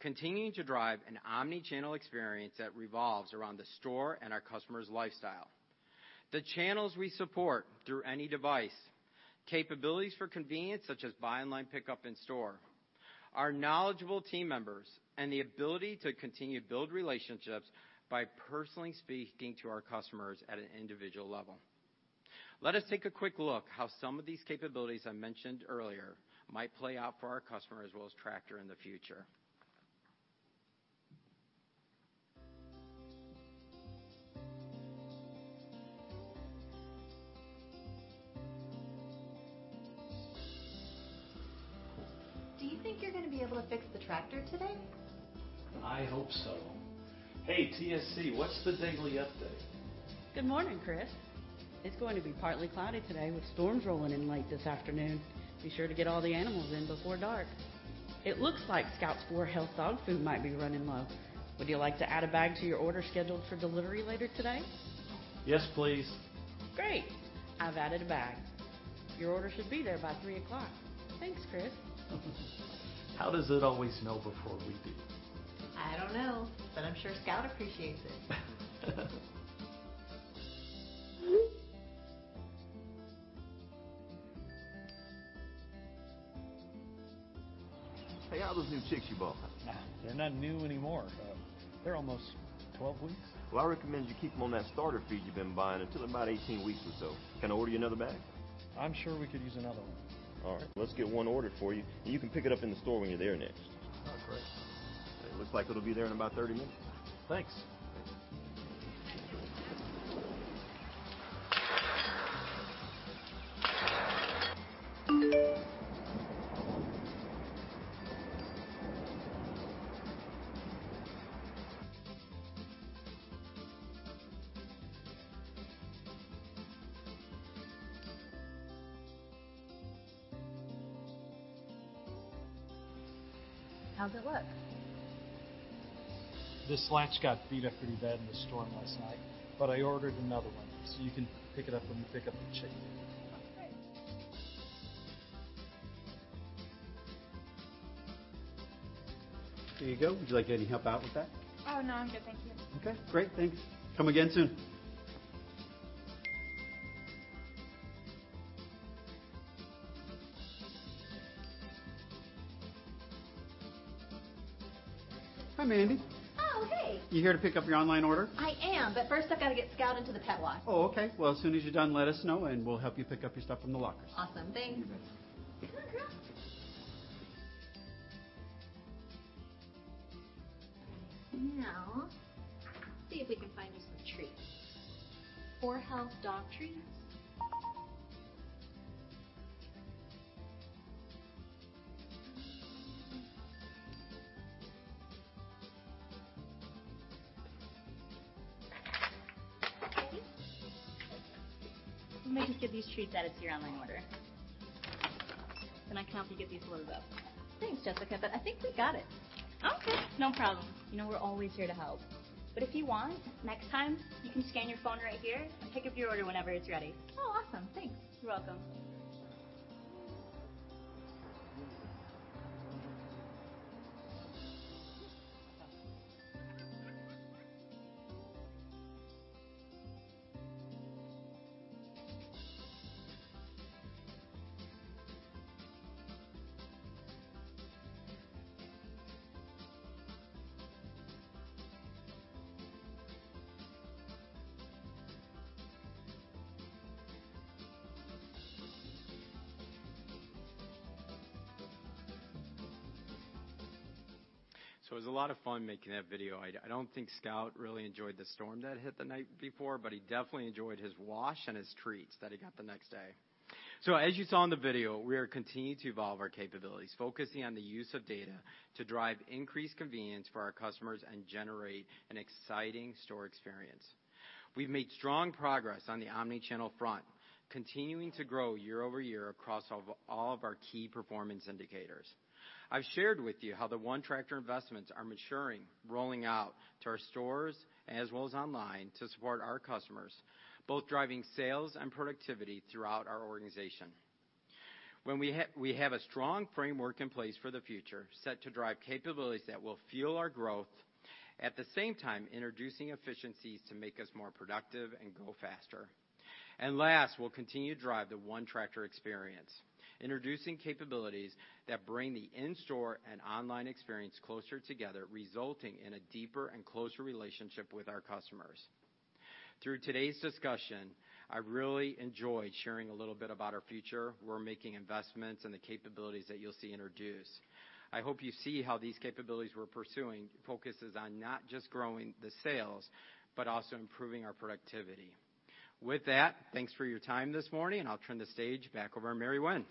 continuing to drive an omni-channel experience that revolves around the store and our customers' lifestyle. The channels we support through any device, capabilities for convenience such as buy online, pick-up in store, our knowledgeable team members, and the ability to continue to build relationships by personally speaking to our customers at an individual level. Let us take a quick look how some of these capabilities I mentioned earlier might play out for our customers, as well as Tractor in the future. Do you think you're going to be able to fix the tractor today? I hope so. Hey, TSC, what's the daily update? Good morning, Chris. It's going to be partly cloudy today with storms rolling in late this afternoon. Be sure to get all the animals in before dark. It looks like Scout's 4health dog food might be running low. Would you like to add a bag to your order scheduled for delivery later today? Yes, please. Great. I've added a bag. Your order should be there by 3:00 P.M. Thanks, Chris. How does it always know before we do? I don't know, but I'm sure Scout appreciates it. Hey, how are those new chicks you bought? They're not new anymore. They're almost 12 weeks. Well, I recommend you keep them on that starter feed you've been buying until about 18 weeks or so. Can I order you another bag? I'm sure we could use another one. All right. Let's get one ordered for you, and you can pick it up in the store when you're there next. Oh, great. It looks like it'll be there in about 30 minutes. Thanks. How does it look? The latch got beat up pretty bad in the storm last night, but I ordered another one, so you can pick it up when you pick up the chicken feed. Great. Here you go. Would you like any help out with that? No, I'm good, thank you. Okay, great. Thanks. Come again soon. Hi, Mandy. Oh, hey. You here to pick up your online order? I am, but first I've got to get Scout into the pet wash. Oh, okay. Well, as soon as you're done, let us know, and we'll help you pick up your stuff from the lockers. Awesome. Thanks. You bet. Come on, girl. Let's see if we can find you some treats. 4health dog treats? Okay. Let me just get these treats out of your online order, then I can help you get these loaded up. Thanks, Jessica. I think we've got it. Okay. No problem. We're always here to help. If you want, next time, you can scan your phone right here and pick up your order whenever it's ready. Oh, awesome. Thanks. You're welcome. It was a lot of fun making that video. I don't think Scout really enjoyed the storm that hit the night before, but he definitely enjoyed his wash and his treats that he got the next day. As you saw in the video, we are continuing to evolve our capabilities, focusing on the use of data to drive increased convenience for our customers and generate an exciting store experience. We've made strong progress on the omni-channel front, continuing to grow year-over-year across all of our key performance indicators. I've shared with you how the One Tractor investments are maturing, rolling out to our stores, as well as online, to support our customers, both driving sales and productivity throughout our organization. We have a strong framework in place for the future set to drive capabilities that will fuel our growth, at the same time introducing efficiencies to make us more productive and go faster. Last, we'll continue to drive the One Tractor experience, introducing capabilities that bring the in-store and online experience closer together, resulting in a deeper and closer relationship with our customers. Through today's discussion, I really enjoyed sharing a little bit about our future, where we're making investments, and the capabilities that you'll see introduced. I hope you see how these capabilities we're pursuing focuses on not just growing the sales, but also improving our productivity. With that, thanks for your time this morning. I'll turn the stage back over to Mary Winn.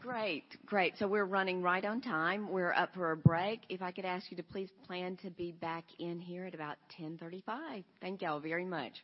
Great. We're running right on time. We're up for a break. If I could ask you to please plan to be back in here at about 10:35. Thank you all very much.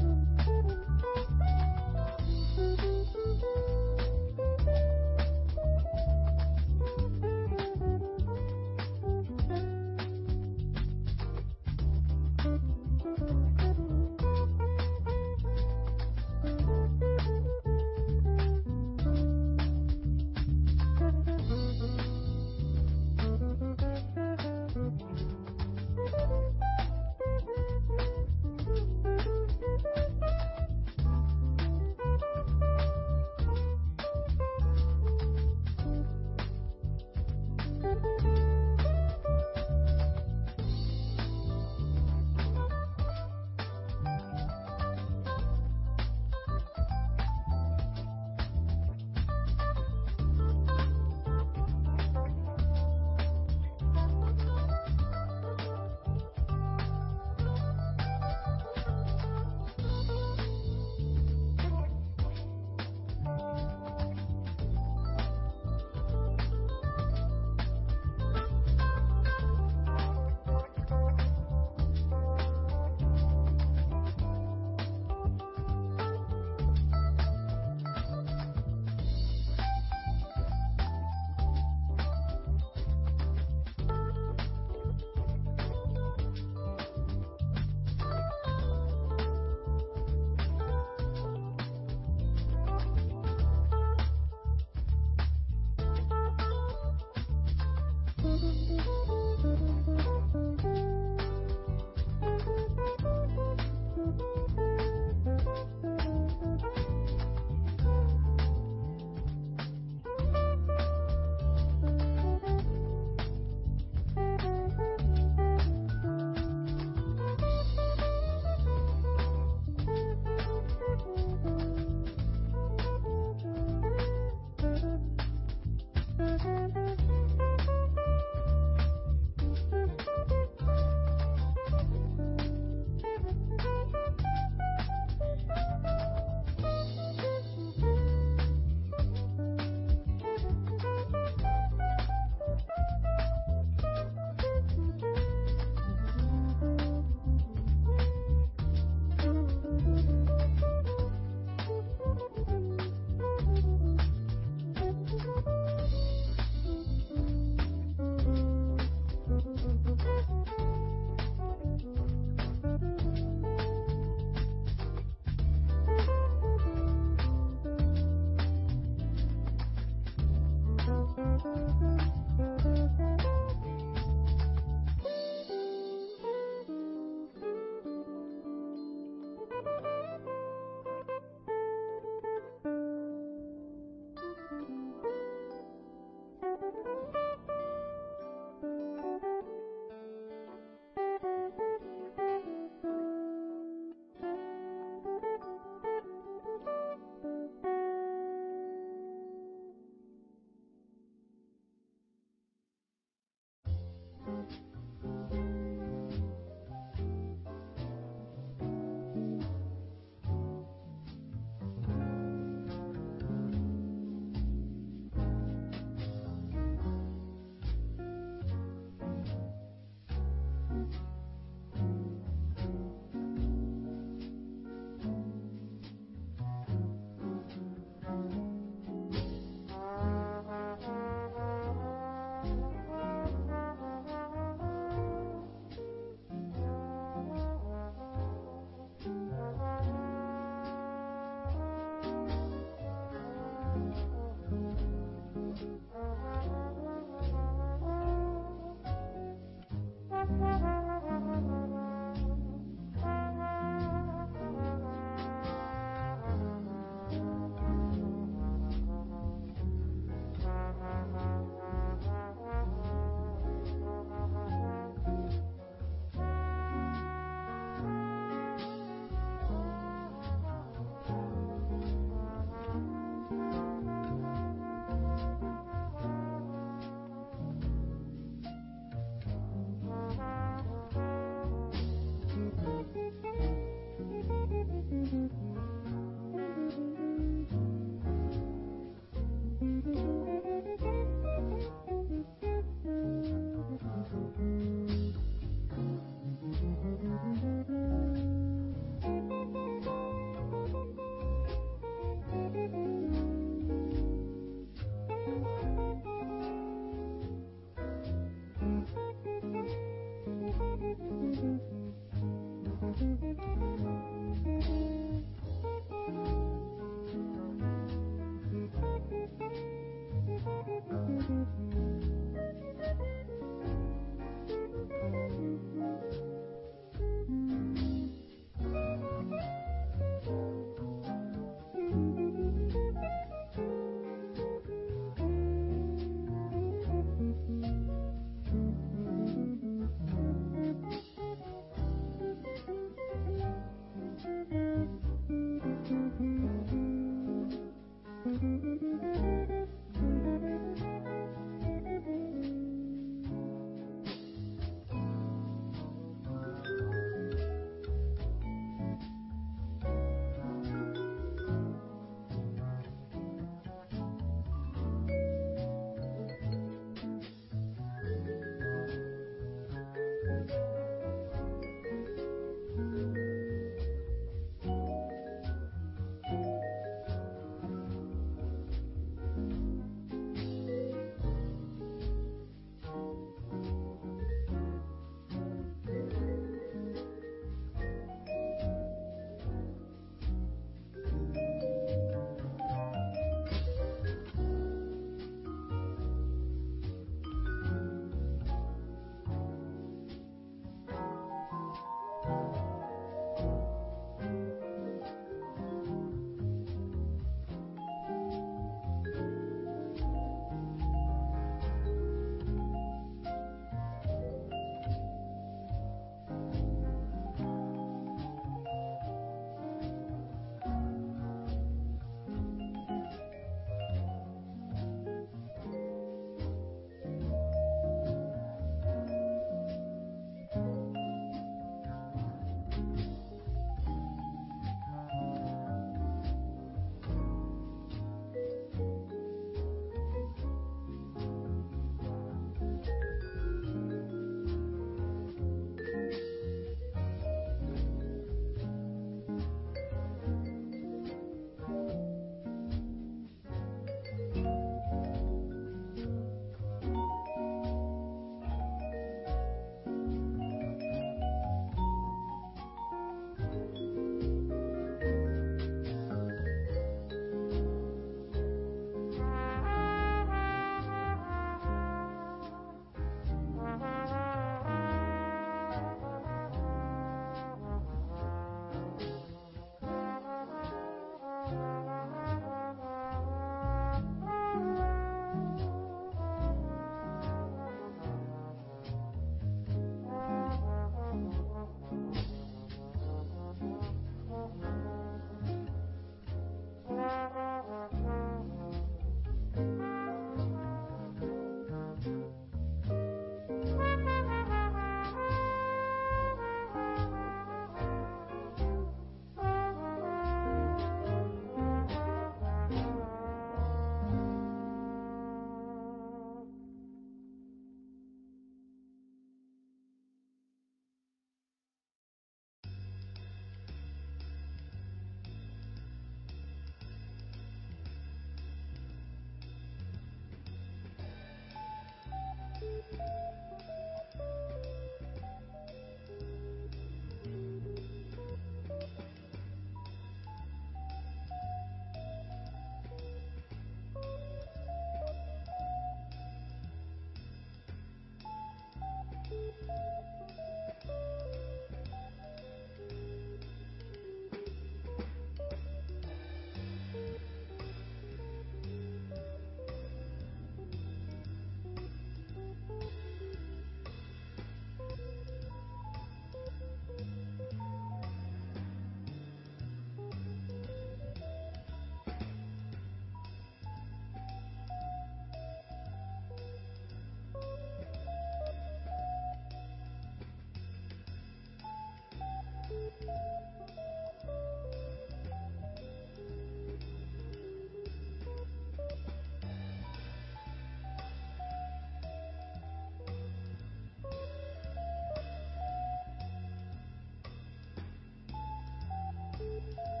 All right. Everybody,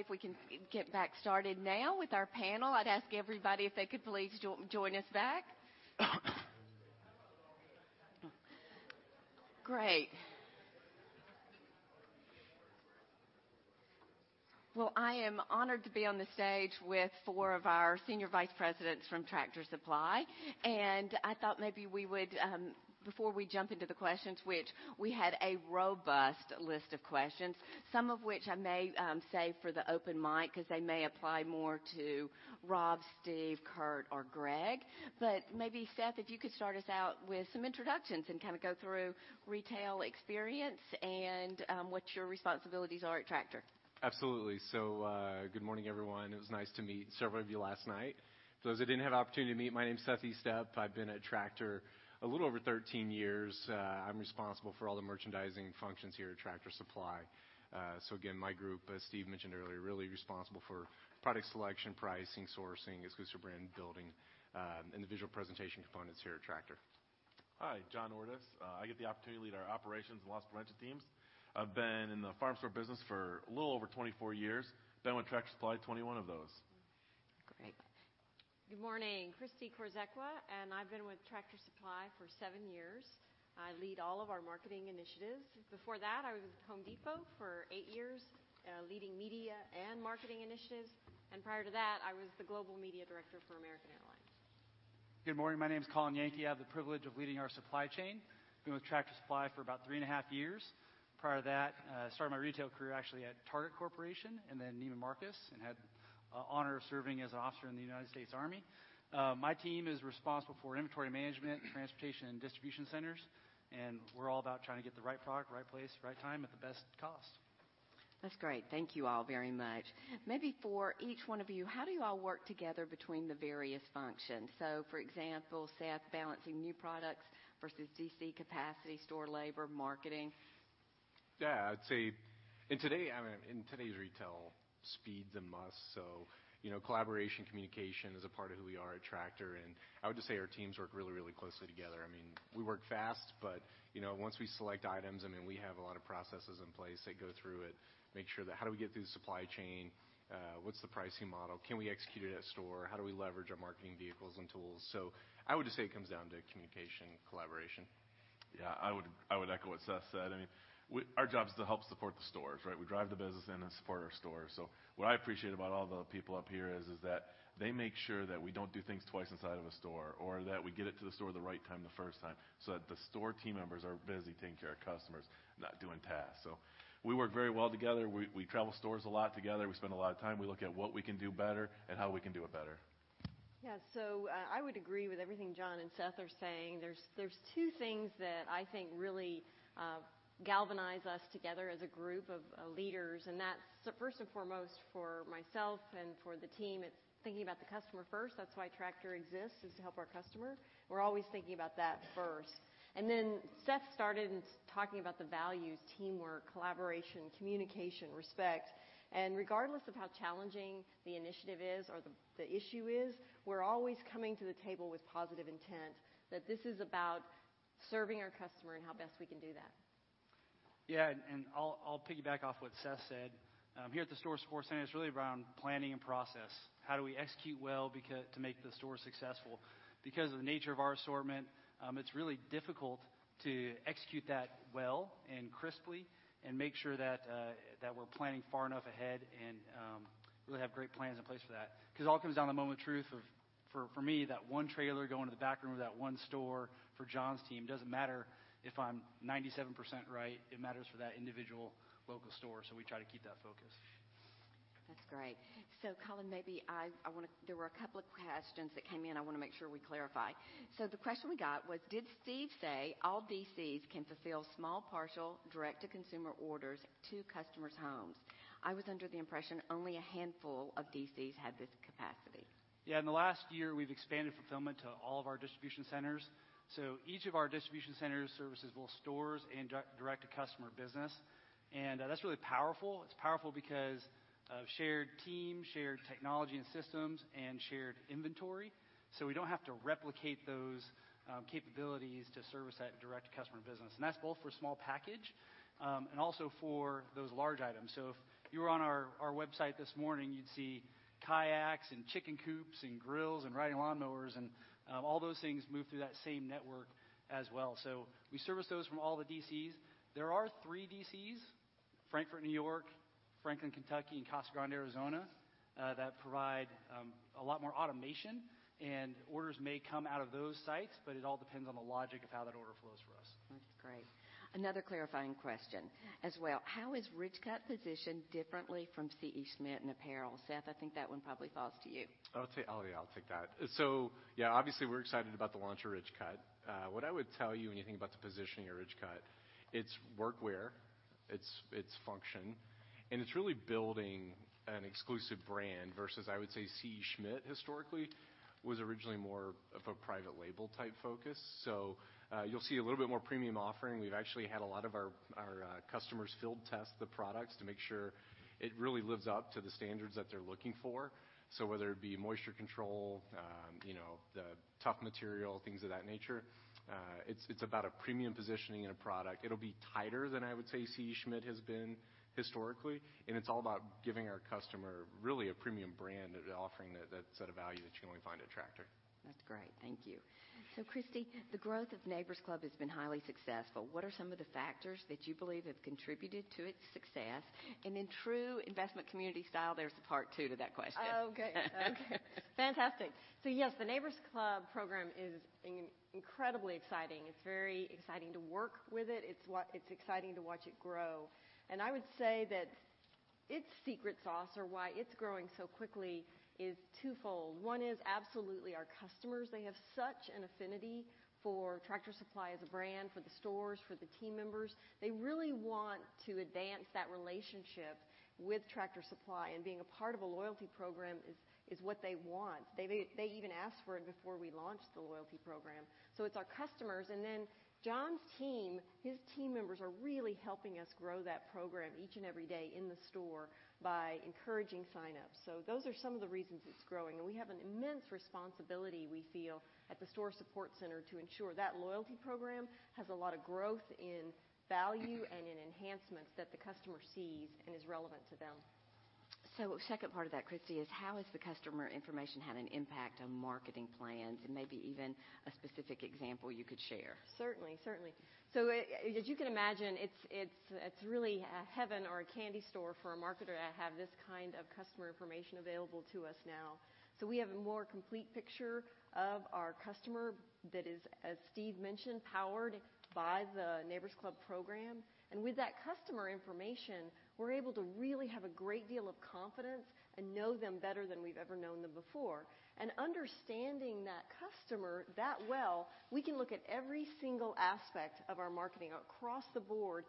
if we can get back started now with our panel. I'd ask everybody if they could please join us back. Great. I am honored to be on the stage with four of our senior vice presidents from Tractor Supply, and I thought maybe we would, before we jump into the questions, which we had a robust list of questions, some of which I may save for the open mic because they may apply more to Rob, Steve, Kurt, or Greg. But maybe Seth, if you could start us out with some introductions and kind of go through retail experience and what your responsibilities are at Tractor. Absolutely. Good morning, everyone. It was nice to meet several of you last night. For those that I didn't have the opportunity to meet, my name is Seth Estep. I've been at Tractor a little over 13 years. I'm responsible for all the merchandising functions here at Tractor Supply. Again, my group, as Steve mentioned earlier, really responsible for product selection, pricing, sourcing, exclusive brand building, and the visual presentation components here at Tractor. Hi. John Ordus. I get the opportunity to lead our operations and loss prevention teams. I've been in the farm store business for a little over 24 years, been with Tractor Supply 21 of those. Great. Good morning. Christi Korzekwa, I've been with Tractor Supply for seven years. I lead all of our marketing initiatives. Before that, I was with The Home Depot for eight years, leading media and marketing initiatives. Prior to that, I was the global media director for American Airlines. Good morning. My name's Colin Yankee. I have the privilege of leading our supply chain. Been with Tractor Supply for about three and a half years. Prior to that, I started my retail career actually at Target Corporation and then Neiman Marcus, and had the honor of serving as an officer in the United States Army. My team is responsible for inventory management, transportation, and distribution centers, and we're all about trying to get the right product, right place, right time, at the best cost. That's great. Thank you all very much. Maybe for each one of you, how do you all work together between the various functions? For example, Seth, balancing new products versus DC capacity, store labor, marketing. I'd say in today's retail, speed's a must, collaboration, communication is a part of who we are at Tractor, I would just say our teams work really closely together. We work fast, once we select items, we have a lot of processes in place that go through it, make sure that how do we get through the supply chain, what's the pricing model, can we execute it at store, how do we leverage our marketing vehicles and tools? I would just say it comes down to communication, collaboration. I would echo what Seth said. Our job is to help support the stores, right? We drive the business in and support our stores. What I appreciate about all the people up here is that they make sure that we don't do things twice inside of a store, that we get it to the store the right time the first time, that the store team members are busy taking care of customers, not doing tasks. We work very well together. We travel stores a lot together. We spend a lot of time. We look at what we can do better and how we can do it better. Yeah. I would agree with everything John and Seth are saying. There are two things that I think really galvanize us together as a group of leaders, and that's first and foremost for myself and for the team, it's thinking about the customer first. That's why Tractor exists, is to help our customer. We're always thinking about that first. Seth started talking about the values, teamwork, collaboration, communication, respect, and regardless of how challenging the initiative is or the issue is, we're always coming to the table with positive intent, that this is about serving our customer and how best we can do that. Yeah, I'll piggyback off what Seth said. Here at the Store Support Center, it's really around planning and process. How do we execute well to make the store successful? Because of the nature of our assortment, it's really difficult to execute that well and crisply and make sure that we're planning far enough ahead and really have great plans in place for that. Because it all comes down to the moment of truth of, for me, that one trailer going to the back room of that one store. For John's team, doesn't matter if I'm 97% right. It matters for that individual local store. We try to keep that focus. That's great. Colin, there were a couple of questions that came in, I want to make sure we clarify. The question we got was, "Did Steve say all DCs can fulfill small partial direct-to-consumer orders to customers' homes? I was under the impression only a handful of DCs had this capacity. Yeah, in the last year, we've expanded fulfillment to all of our distribution centers. Each of our distribution centers services both stores and direct-to-customer business. That's really powerful. It's powerful because of shared team, shared technology and systems, and shared inventory. We don't have to replicate those capabilities to service that direct customer business, and that's both for small package, and also for those large items. If you were on our website this morning, you'd see kayaks and chicken coops and grills and riding lawnmowers, and all those things move through that same network as well. We service those from all the DCs. There are three DCs, Frankfort, New York, Franklin, Kentucky, and Casa Grande, Arizona, that provide a lot more automation, and orders may come out of those sites, but it all depends on the logic of how that order flows for us. That's great. Another clarifying question as well: How is Ridgecut positioned differently from C.E. Schmidt and apparel? Seth, I think that one probably falls to you. Yeah, I'll take that. Yeah, obviously we're excited about the launch of Ridgecut. What I would tell you when you think about the positioning of Ridgecut, it's workwear its function. It's really building an exclusive brand versus, I would say, C.E. Schmidt historically was originally more of a private label type focus. You'll see a little bit more premium offering. We've actually had a lot of our customers field test the products to make sure it really lives up to the standards that they're looking for. Whether it be moisture control, the tough material, things of that nature, it's about a premium positioning in a product. It'll be tighter than I would say C.E. Schmidt has been historically, and it's all about giving our customer really a premium brand offering that set of value that you can only find at Tractor. That's great. Thank you. Christi, the growth of Neighbor's Club has been highly successful. What are some of the factors that you believe have contributed to its success? In true investment community style, there's a part 2 to that question. Okay. Fantastic. Yes, the Neighbor's Club program is incredibly exciting. It's very exciting to work with it. It's exciting to watch it grow. I would say that its secret sauce or why it's growing so quickly is twofold. One is absolutely our customers. They have such an affinity for Tractor Supply as a brand, for the stores, for the team members. They really want to advance that relationship with Tractor Supply, and being a part of a loyalty program is what they want. They even asked for it before we launched the loyalty program. It's our customers, and then John's team, his team members are really helping us grow that program each and every day in the store by encouraging sign-ups. Those are some of the reasons it's growing, and we have an immense responsibility, we feel, at the Store Support Center to ensure that loyalty program has a lot of growth in value and in enhancements that the customer sees and is relevant to them. Second part of that, Christi, is how has the customer information had an impact on marketing plans, and maybe even a specific example you could share? Certainly. As you can imagine, it's really heaven or a candy store for a marketer to have this kind of customer information available to us now. We have a more complete picture of our customer that is, as Steve mentioned, powered by the Neighbor's Club program. With that customer information, we're able to really have a great deal of confidence and know them better than we've ever known them before. Understanding that customer that well, we can look at every single aspect of our marketing across the board,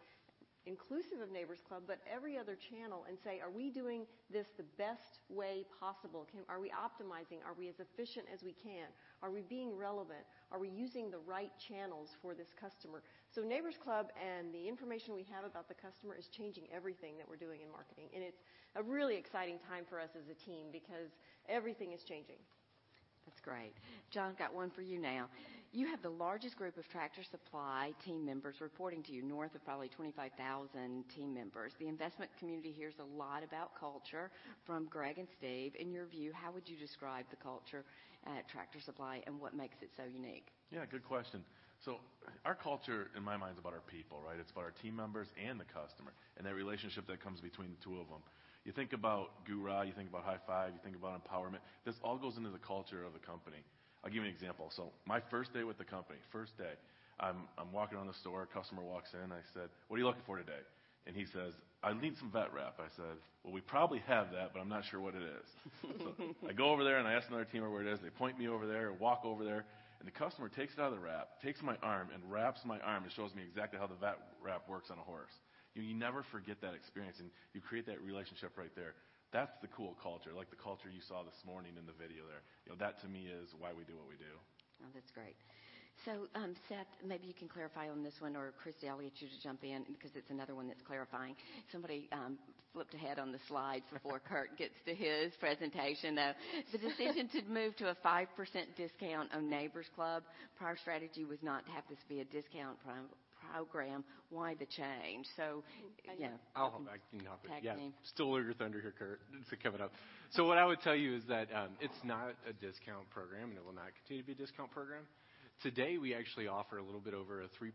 inclusive of Neighbor's Club, but every other channel, and say, "Are we doing this the best way possible? Are we optimizing? Are we as efficient as we can? Are we being relevant? Are we using the right channels for this customer?" Neighbor's Club and the information we have about the customer is changing everything that we're doing in marketing. It's a really exciting time for us as a team because everything is changing. That's great. John, got one for you now. You have the largest group of Tractor Supply team members reporting to you, north of probably 25,000 team members. The investment community hears a lot about culture from Greg and Steve. In your view, how would you describe the culture at Tractor Supply, and what makes it so unique? Yeah, good question. Our culture, in my mind, is about our people, right? It's about our team members and the customer, and that relationship that comes between the two of them. You think about GURA, you think about High Five, you think about empowerment. This all goes into the culture of the company. I'll give you an example. My first day with the company, first day, I'm walking around the store, a customer walks in. I said, "What are you looking for today?" He says, "I need some vet wrap." I said, "Well, we probably have that, but I'm not sure what it is." I go over there, and I ask another team member where it is. They point me over there. I walk over there, the customer takes it out of the wrap, takes my arm, and wraps my arm and shows me exactly how the vet wrap works on a horse. You never forget that experience, you create that relationship right there. That's the cool culture. Like the culture you saw this morning in the video there. That to me is why we do what we do. Oh, that's great. Seth, maybe you can clarify on this one, or Christi, I'll let you to jump in because it's another one that's clarifying. Somebody flipped ahead on the slides before Kurt gets to his presentation. The decision to move to a 5% discount on Neighbor's Club. Prior strategy was not to have this be a discount program. Why the change? Yeah. I can hop in. Tag team. Steal all your thunder here, Kurt. It's coming up. What I would tell you is that it's not a discount program, and it will not continue to be a discount program. Today, we actually offer a little bit over a 3%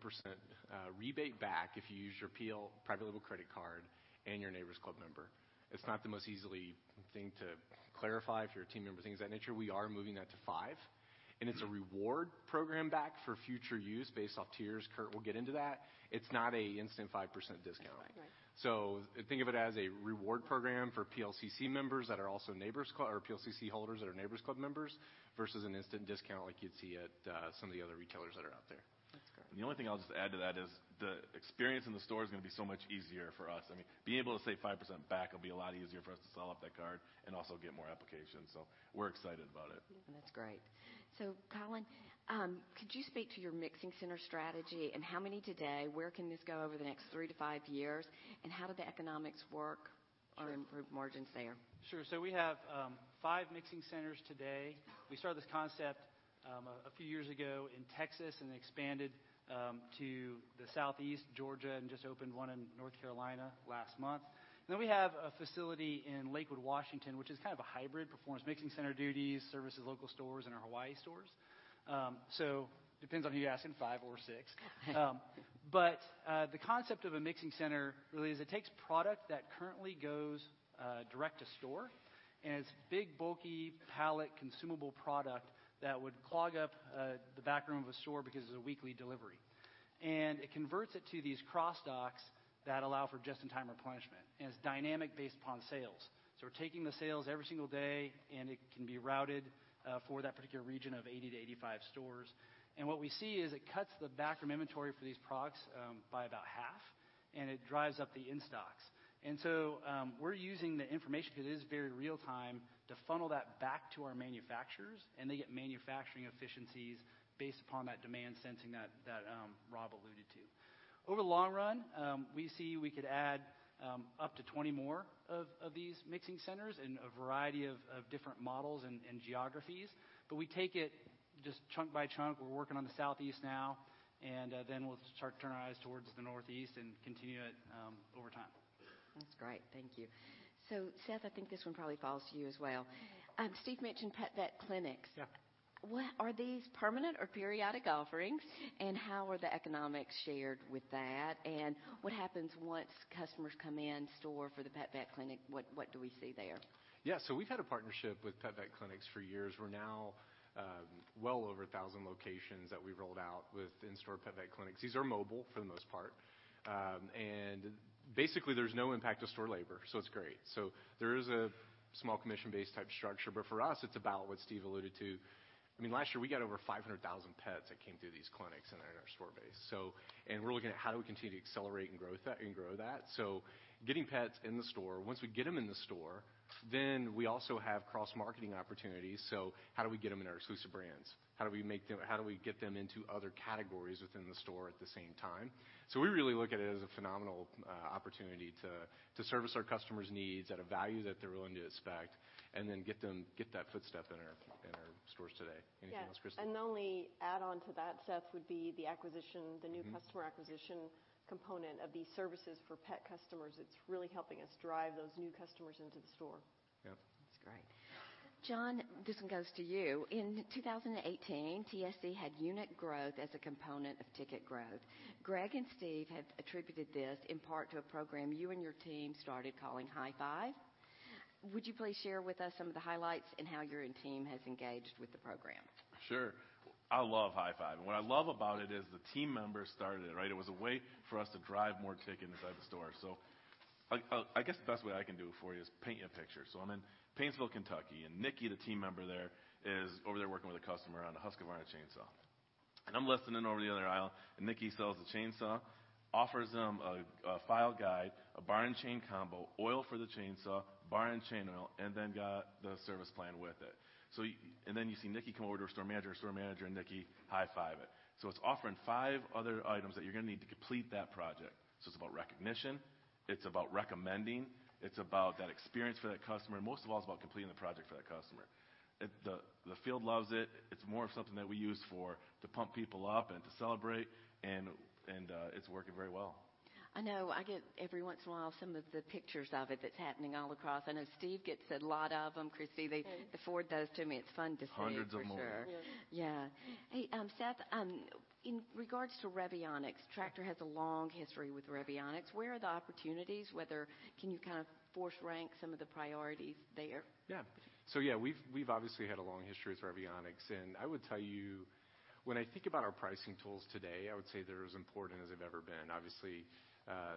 rebate back if you use your PL, private label credit card and you're a Neighbor's Club member. It's not the most easy thing to clarify if you're a team member, things of that nature. We are moving that to 5%, and it's a reward program back for future use based off tiers. Kurt will get into that. It's not an instant 5% discount. Right. Think of it as a reward program for PLCC members that are also Neighbor's Club, or PLCC holders that are Neighbor's Club members, versus an instant discount like you'd see at some of the other retailers that are out there. That's great. The only thing I'll just add to that is the experience in the store is going to be so much easier for us. I mean, being able to save 5% back will be a lot easier for us to sell off that card and also get more applications. We're excited about it. That's great. Colin, could you speak to your mixing center strategy and how many today, where can this go over the next three to five years, and how do the economics work on improved margins there? Sure. We have five mixing centers today. We started this concept a few years ago in Texas and expanded to the Southeast, Georgia, and just opened one in North Carolina last month. We have a facility in Lakewood, Washington, which is kind of a hybrid. Performs mixing center duties, services local stores, and our Hawaii stores. Depends on who you're asking, five or six. The concept of a mixing center really is it takes product that currently goes direct to store, and it's big, bulky palette consumable product that would clog up the back room of a store because it's a weekly delivery. It converts it to these cross docks that allow for just-in-time replenishment, and it's dynamic based upon sales. We're taking the sales every single day, and it can be routed for that particular region of 80-85 stores. What we see is it cuts the backroom inventory for these products by about half, and it drives up the in-stocks. We're using the information, because it is very real-time, to funnel that back to our manufacturers, and they get manufacturing efficiencies based upon that demand sensing that Rob alluded to. Over the long run, we see we could add up to 20 more of these mixing centers in a variety of different models and geographies. We take it just chunk by chunk. We're working on the southeast now, we'll start to turn our eyes towards the northeast and continue it over time. That's great. Thank you. Seth, I think this one probably falls to you as well. Steve mentioned PetVet clinics. Yeah. Are these permanent or periodic offerings, how are the economics shared with that? What happens once customers come in store for the PetVet clinic? What do we see there? We've had a partnership with PetVet clinics for years. We're now well over 1,000 locations that we've rolled out with in-store PetVet clinics. These are mobile for the most part. Basically, there's no impact to store labor, so it's great. There is a small commission-based type structure, but for us, it's about what Steve alluded to. Last year, we got over 500,000 pets that came through these clinics and are in our store base. We're looking at how do we continue to accelerate and grow that. Getting pets in the store. Once we get them in the store, we also have cross-marketing opportunities. How do we get them in our exclusive brands? How do we get them into other categories within the store at the same time? We really look at it as a phenomenal opportunity to service our customers' needs at a value that they're willing to expect, and then get that footstep in our stores today. Anything else, Kristi? Yeah. The only add-on to that, Seth, would be the new customer acquisition component of these services for pet customers. It's really helping us drive those new customers into the store. Yep. That's great. John, this one goes to you. In 2018, TSC had unit growth as a component of ticket growth. Greg and Steve have attributed this in part to a program you and your team started calling High Five. Would you please share with us some of the highlights in how your team has engaged with the program? Sure. I love High Five, and what I love about it is the team members started it. It was a way for us to drive more ticket inside the store. I guess the best way I can do it for you is paint you a picture. I'm in Paintsville, Kentucky, and Nikki, the team member there, is over there working with a customer on a Husqvarna chainsaw. I'm listening over in the other aisle, and Nikki sells the chainsaw, offers them a file guide, a bar and chain combo, oil for the chainsaw, bar and chain oil, and then got the service plan with it. You see Nikki come over to our store manager, store manager and Nikki High Five it. It's offering five other items that you're going to need to complete that project. It's about recognition, it's about recommending, it's about that experience for that customer. Most of all, it's about completing the project for that customer. The field loves it. It's more of something that we use to pump people up and to celebrate, and it's working very well. I know I get every once in a while some of the pictures of it that's happening all across. I know Steve gets a lot of them, Kristi. Yeah. Ford does too. I mean, it's fun to see- Hundreds of them for sure. Yeah. Yeah. Hey, Seth, in regards to Revionics, Tractor has a long history with Revionics. Where are the opportunities, whether can you kind of force rank some of the priorities there? Yeah. Yeah, we've obviously had a long history with Revionics. I would tell you, when I think about our pricing tools today, I would say they're as important as they've ever been. Obviously,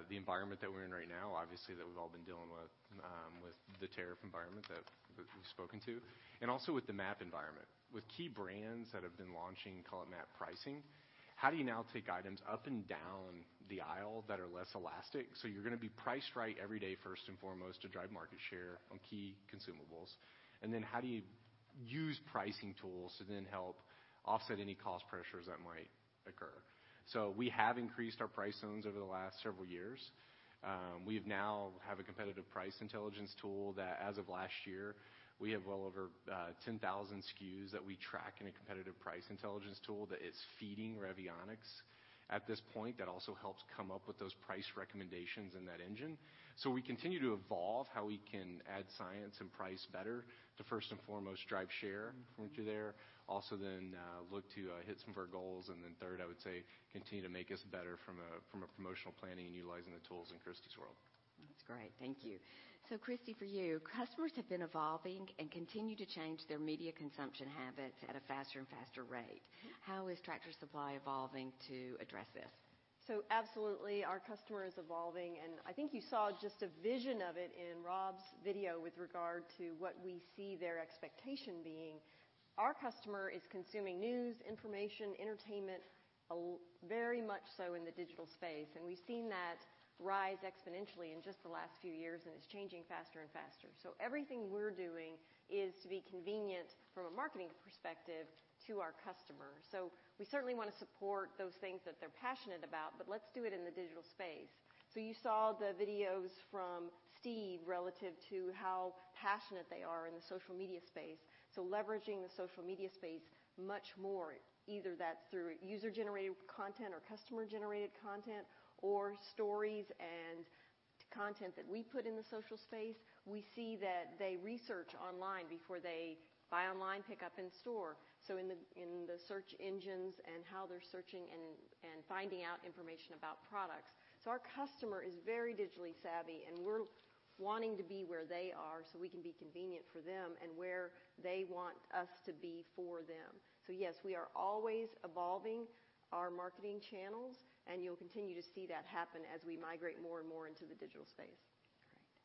the environment that we're in right now, obviously, that we've all been dealing with the tariff environment that we've spoken to, and also with the MAP environment. With key brands that have been launching call it MAP pricing, how do you now take items up and down the aisle that are less elastic? You're going to be priced right every day, first and foremost, to drive market share on key consumables. How do you use pricing tools to then help offset any cost pressures that might occur? We have increased our price zones over the last several years. We now have a competitive price intelligence tool that as of last year, we have well over 10,000 SKUs that we track in a competitive price intelligence tool that is feeding Revionics at this point that also helps come up with those price recommendations in that engine. We continue to evolve how we can add science and price better to first and foremost drive share through there. Also, look to hit some of our goals. Third, I would say, continue to make us better from a promotional planning and utilizing the tools in Christi's world. That's great. Thank you. Kristi, for you, customers have been evolving and continue to change their media consumption habits at a faster and faster rate. How is Tractor Supply evolving to address this? Absolutely, our customer is evolving, and I think you saw just a vision of it in Rob's video with regard to what we see their expectation being. Our customer is consuming news, information, entertainment very much so in the digital space, and we've seen that rise exponentially in just the last few years, and it's changing faster and faster. Everything we're doing is to be convenient from a marketing perspective to our customer. We certainly want to support those things that they're passionate about, but let's do it in the digital space. You saw the videos from Steve relative to how passionate they are in the social media space. Leveraging the social media space much more, either that's through user-generated content or customer-generated content, or stories and content that we put in the social space. We see that they research online before they buy online, pick up in store. In the search engines and how they're searching and finding out information about products. Our customer is very digitally savvy, and we're wanting to be where they are so we can be convenient for them and where they want us to be for them. Yes, we are always evolving our marketing channels, and you'll continue to see that happen as we migrate more and more into the digital space.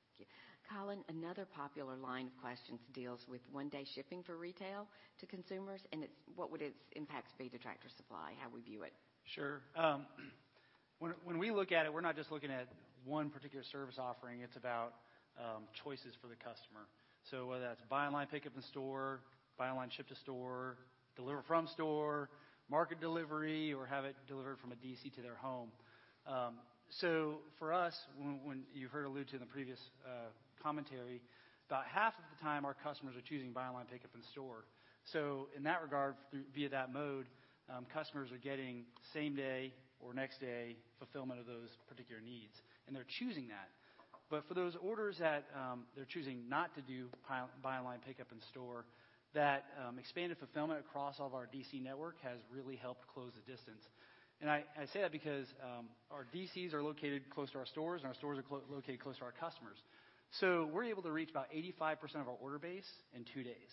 Thank you. Colin, another popular line of questions deals with one-day shipping for retail to consumers, what would its impact be to Tractor Supply, how we view it? Sure. When we look at it, we're not just looking at one particular service offering. It's about choices for the customer. Whether that's buy online, pick up in store, buy online, ship to store, deliver from store, market delivery, or have it delivered from a DC to their home. For us, you heard alluded to in the previous commentary, about half of the time our customers are choosing buy online, pick up in store. In that regard, via that mode, customers are getting same-day or next-day fulfillment of those particular needs, and they're choosing that. For those orders that they're choosing not to do buy online, pick up in store, that expanded fulfillment across all of our DC network has really helped close the distance. I say that because our DCs are located close to our stores, and our stores are located close to our customers. We're able to reach about 85% of our order base in two days.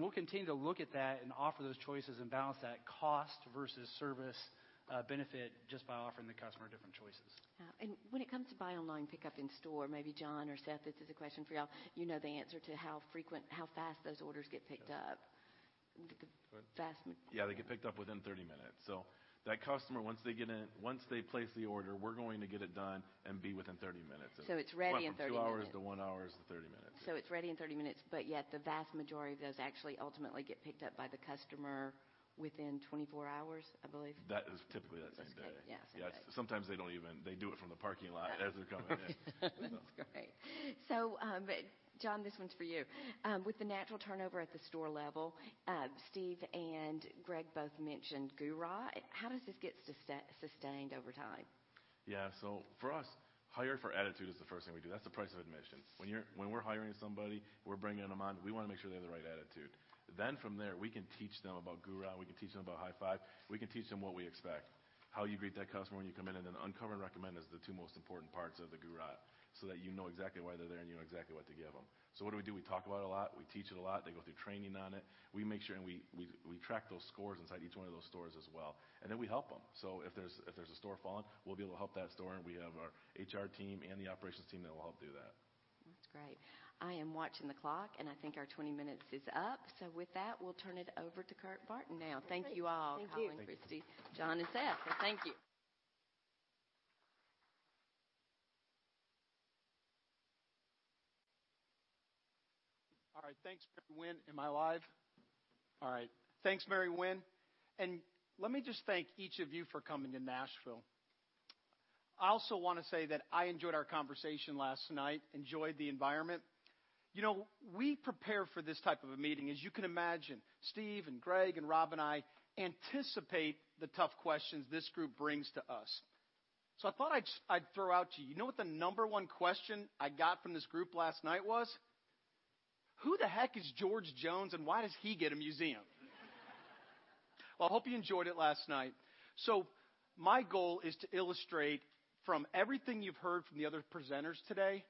We'll continue to look at that and offer those choices and balance that cost versus service benefit just by offering the customer different choices. Yeah. When it comes to buy online, pick up in store, maybe John or Seth, this is a question for y'all. You know the answer to how fast those orders get picked up. Yeah. They get picked up within 30 minutes. That customer, once they place the order, we're going to get it done and be within 30 minutes of- It's ready in 30 minutes. Went from two hours to one hour to 30 minutes. It's ready in 30 minutes, yet the vast majority of those actually ultimately get picked up by the customer within 24 hours, I believe. That is typically that same day. Yes, same day. Yeah. Sometimes they do it from the parking lot as they're coming in. That's great. John, this one's for you. With the natural turnover at the store level, Steve and Greg both mentioned GURA. How does this get sustained over time? For us, hire for attitude is the first thing we do. That's the price of admission. When we're hiring somebody, we're bringing them on, we want to make sure they have the right attitude. From there, we can teach them about GURA. We can teach them about High Five. We can teach them what we expect, how you greet that customer when you come in. Uncover and recommend is the two most important parts of the GURA, so that you know exactly why they're there and you know exactly what to give them. What do we do? We talk about it a lot. We teach it a lot. They go through training on it. We make sure and we track those scores inside each one of those stores as well. We help them. If there's a store falling, we'll be able to help that store. We have our HR team and the operations team that will help do that. That's great. I am watching the clock, I think our 20 minutes is up. With that, we'll turn it over to Kurt Barton now. Thank you all. Thank you. Colin, Christi, John, and Seth. Thank you. All right. Thanks, Mary Winn. Am I live? All right. Thanks, Mary Winn. Let me just thank each of you for coming to Nashville. I also want to say that I enjoyed our conversation last night, enjoyed the environment. We prepare for this type of a meeting. As you can imagine, Steve and Hal and Rob and I anticipate the tough questions this group brings to us. I thought I'd throw out to you know what the number 1 question I got from this group last night was? "Who the heck is George Jones, and why does he get a museum?" Well, I hope you enjoyed it last night. My goal is to illustrate from everything you've heard from the other presenters today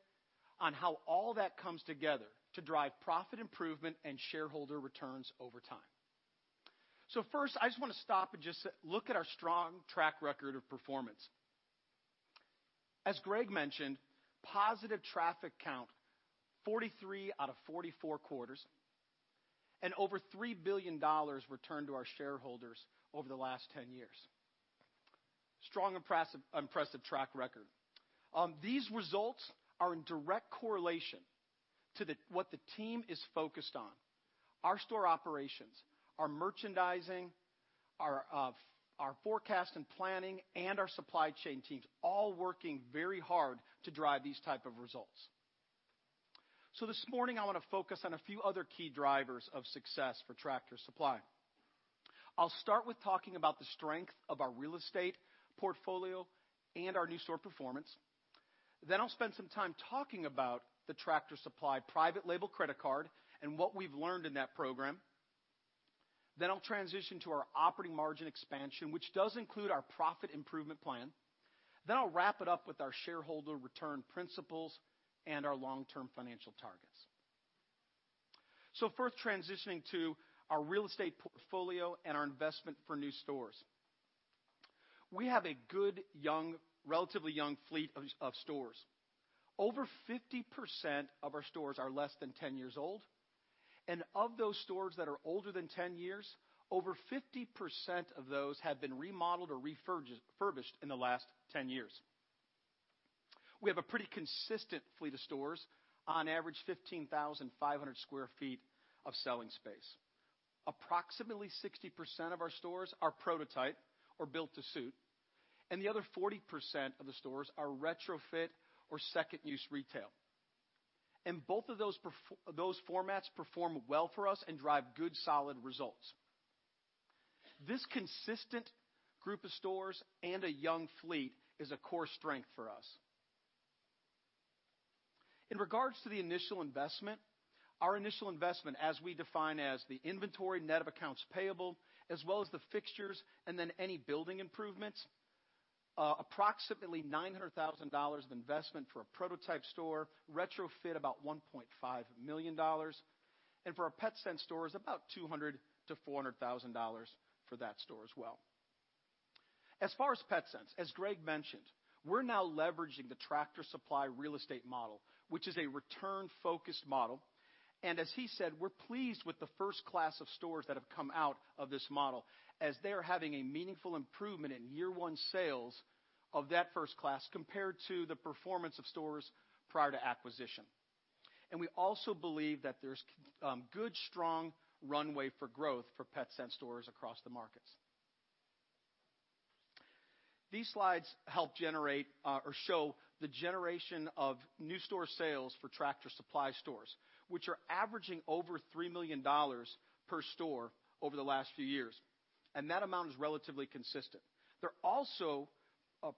on how all that comes together to drive profit improvement and shareholder returns over time. First, I just want to stop and just look at our strong track record of performance. As Hal mentioned, positive traffic count, 43 out of 44 quarters, and over $3 billion returned to our shareholders over the last 10 years. Strong, impressive track record. These results are in direct correlation to what the team is focused on. Our store operations, our merchandising, our forecast and planning, and our supply chain teams all working very hard to drive these type of results. This morning, I want to focus on a few other key drivers of success for Tractor Supply. I'll start with talking about the strength of our real estate portfolio and our new store performance. I'll spend some time talking about the Tractor Supply private label credit card and what we've learned in that program. I'll transition to our operating margin expansion, which does include our profit improvement plan. I'll wrap it up with our shareholder return principles and our long-term financial targets. First, transitioning to our real estate portfolio and our investment for new stores. We have a good, relatively young fleet of stores. Over 50% of our stores are less than 10 years old. Of those stores that are older than 10 years, over 50% of those have been remodeled or refurbished in the last 10 years. We have a pretty consistent fleet of stores, on average 15,500 sq ft of selling space. Approximately 60% of our stores are prototype or built to suit, and the other 40% of the stores are retrofit or second-use retail. Both of those formats perform well for us and drive good, solid results. This consistent group of stores and a young fleet is a core strength for us. In regards to the initial investment, our initial investment as we define as the inventory net of accounts payable, as well as the fixtures and then any building improvements, approximately $900,000 of investment for a prototype store, retrofit about $1.5 million, and for our Petsense store is about $200,000-$400,000 for that store as well. As far as Petsense, as Greg mentioned, we're now leveraging the Tractor Supply real estate model, which is a return-focused model. As he said, we're pleased with the first class of stores that have come out of this model, as they are having a meaningful improvement in year one sales of that first class compared to the performance of stores prior to acquisition. We also believe that there's good, strong runway for growth for Petsense stores across the markets. These slides help show the generation of new store sales for Tractor Supply stores, which are averaging over $3 million per store over the last few years. That amount is relatively consistent. They're also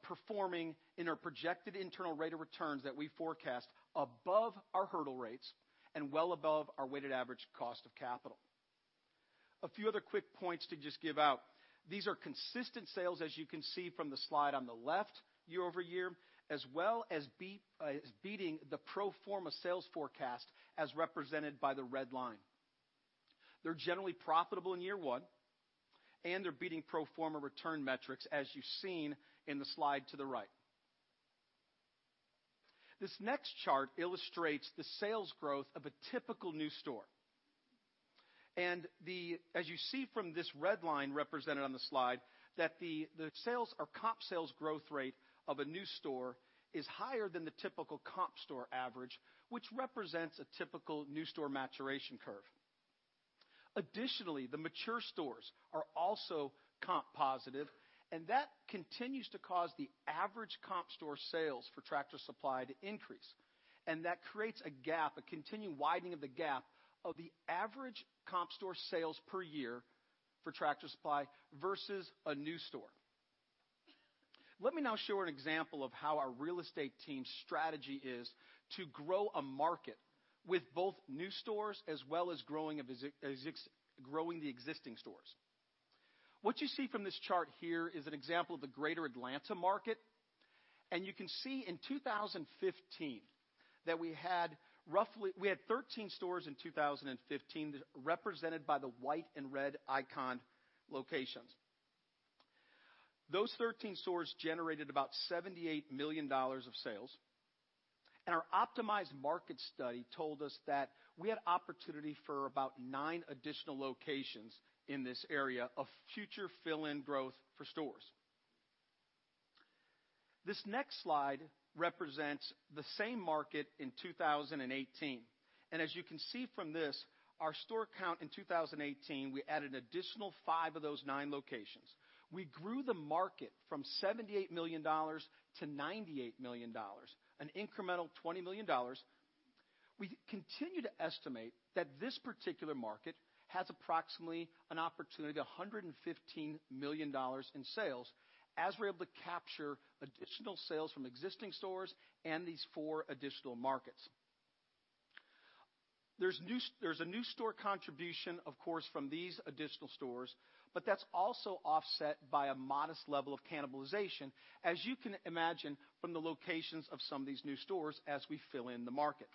performing in our projected internal rate of returns that we forecast above our hurdle rates and well above our weighted average cost of capital. A few other quick points to just give out. These are consistent sales, as you can see from the slide on the left year-over-year, as well as beating the pro forma sales forecast as represented by the red line. They're generally profitable in year one, and they're beating pro forma return metrics, as you've seen in the slide to the right. This next chart illustrates the sales growth of a typical new store. As you see from this red line represented on the slide, that the comp sales growth rate of a new store is higher than the typical comp store average, which represents a typical new store maturation curve. Additionally, the mature stores are also comp positive, that continues to cause the average comp store sales for Tractor Supply to increase. That creates a gap, a continued widening of the gap of the average comp store sales per year for Tractor Supply versus a new store. Let me now show an example of how our real estate team's strategy is to grow a market with both new stores as well as growing the existing stores. What you see from this chart here is an example of the greater Atlanta market, you can see in 2015 that we had 13 stores in 2015 represented by the white and red icon locations. Those 13 stores generated about $78 million of sales. Our optimized market study told us that we had opportunity for about nine additional locations in this area of future fill-in growth for stores. This next slide represents the same market in 2018. As you can see from this, our store count in 2018, we added an additional five of those nine locations. We grew the market from $78 million-$98 million, an incremental $20 million. We continue to estimate that this particular market has approximately an opportunity of $115 million in sales as we're able to capture additional sales from existing stores and these four additional markets. There's a new store contribution, of course, from these additional stores, but that's also offset by a modest level of cannibalization, as you can imagine, from the locations of some of these new stores as we fill in the market.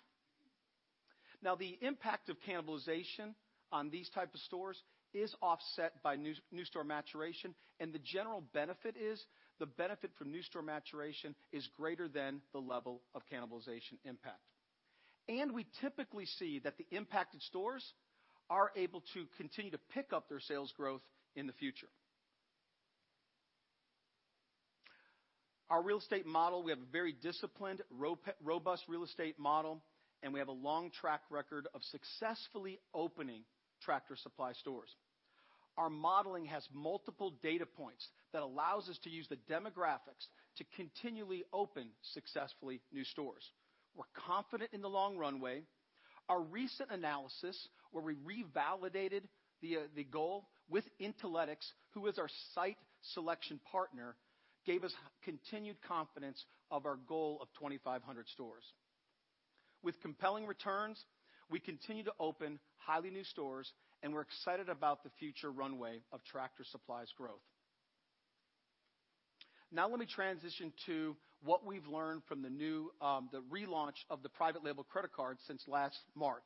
The impact of cannibalization on these type of stores is offset by new store maturation, and the general benefit is the benefit from new store maturation is greater than the level of cannibalization impact. We typically see that the impacted stores are able to continue to pick up their sales growth in the future. Our real estate model, we have a very disciplined, robust real estate model, and we have a long track record of successfully opening Tractor Supply stores. Our modeling has multiple data points that allows us to use the demographics to continually open successfully new stores. We're confident in the long runway. Our recent analysis, where we revalidated the goal with Intalytics, who is our site selection partner, gave us continued confidence of our goal of 2,500 stores. With compelling returns, we continue to open highly new stores, and we're excited about the future runway of Tractor Supply's growth. Let me transition to what we've learned from the relaunch of the private label credit card since last March.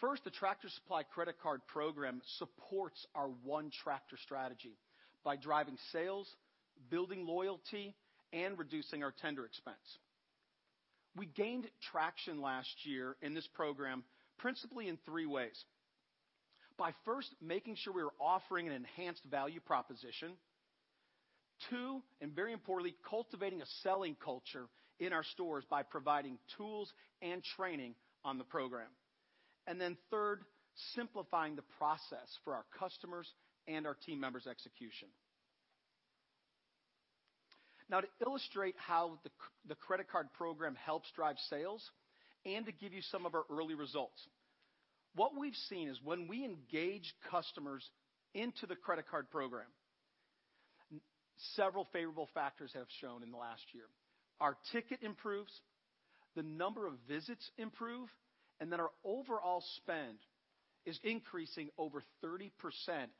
First, the Tractor Supply credit card program supports our One Tractor strategy by driving sales, building loyalty, and reducing our tender expense. We gained traction last year in this program, principally in three ways. By first making sure we were offering an enhanced value proposition. Two, and very importantly, cultivating a selling culture in our stores by providing tools and training on the program. Then third, simplifying the process for our customers and our team members' execution. To illustrate how the credit card program helps drive sales and to give you some of our early results. What we've seen is when we engage customers into the credit card program, several favorable factors have shown in the last year. Our ticket improves, the number of visits improve, our overall spend is increasing over 30%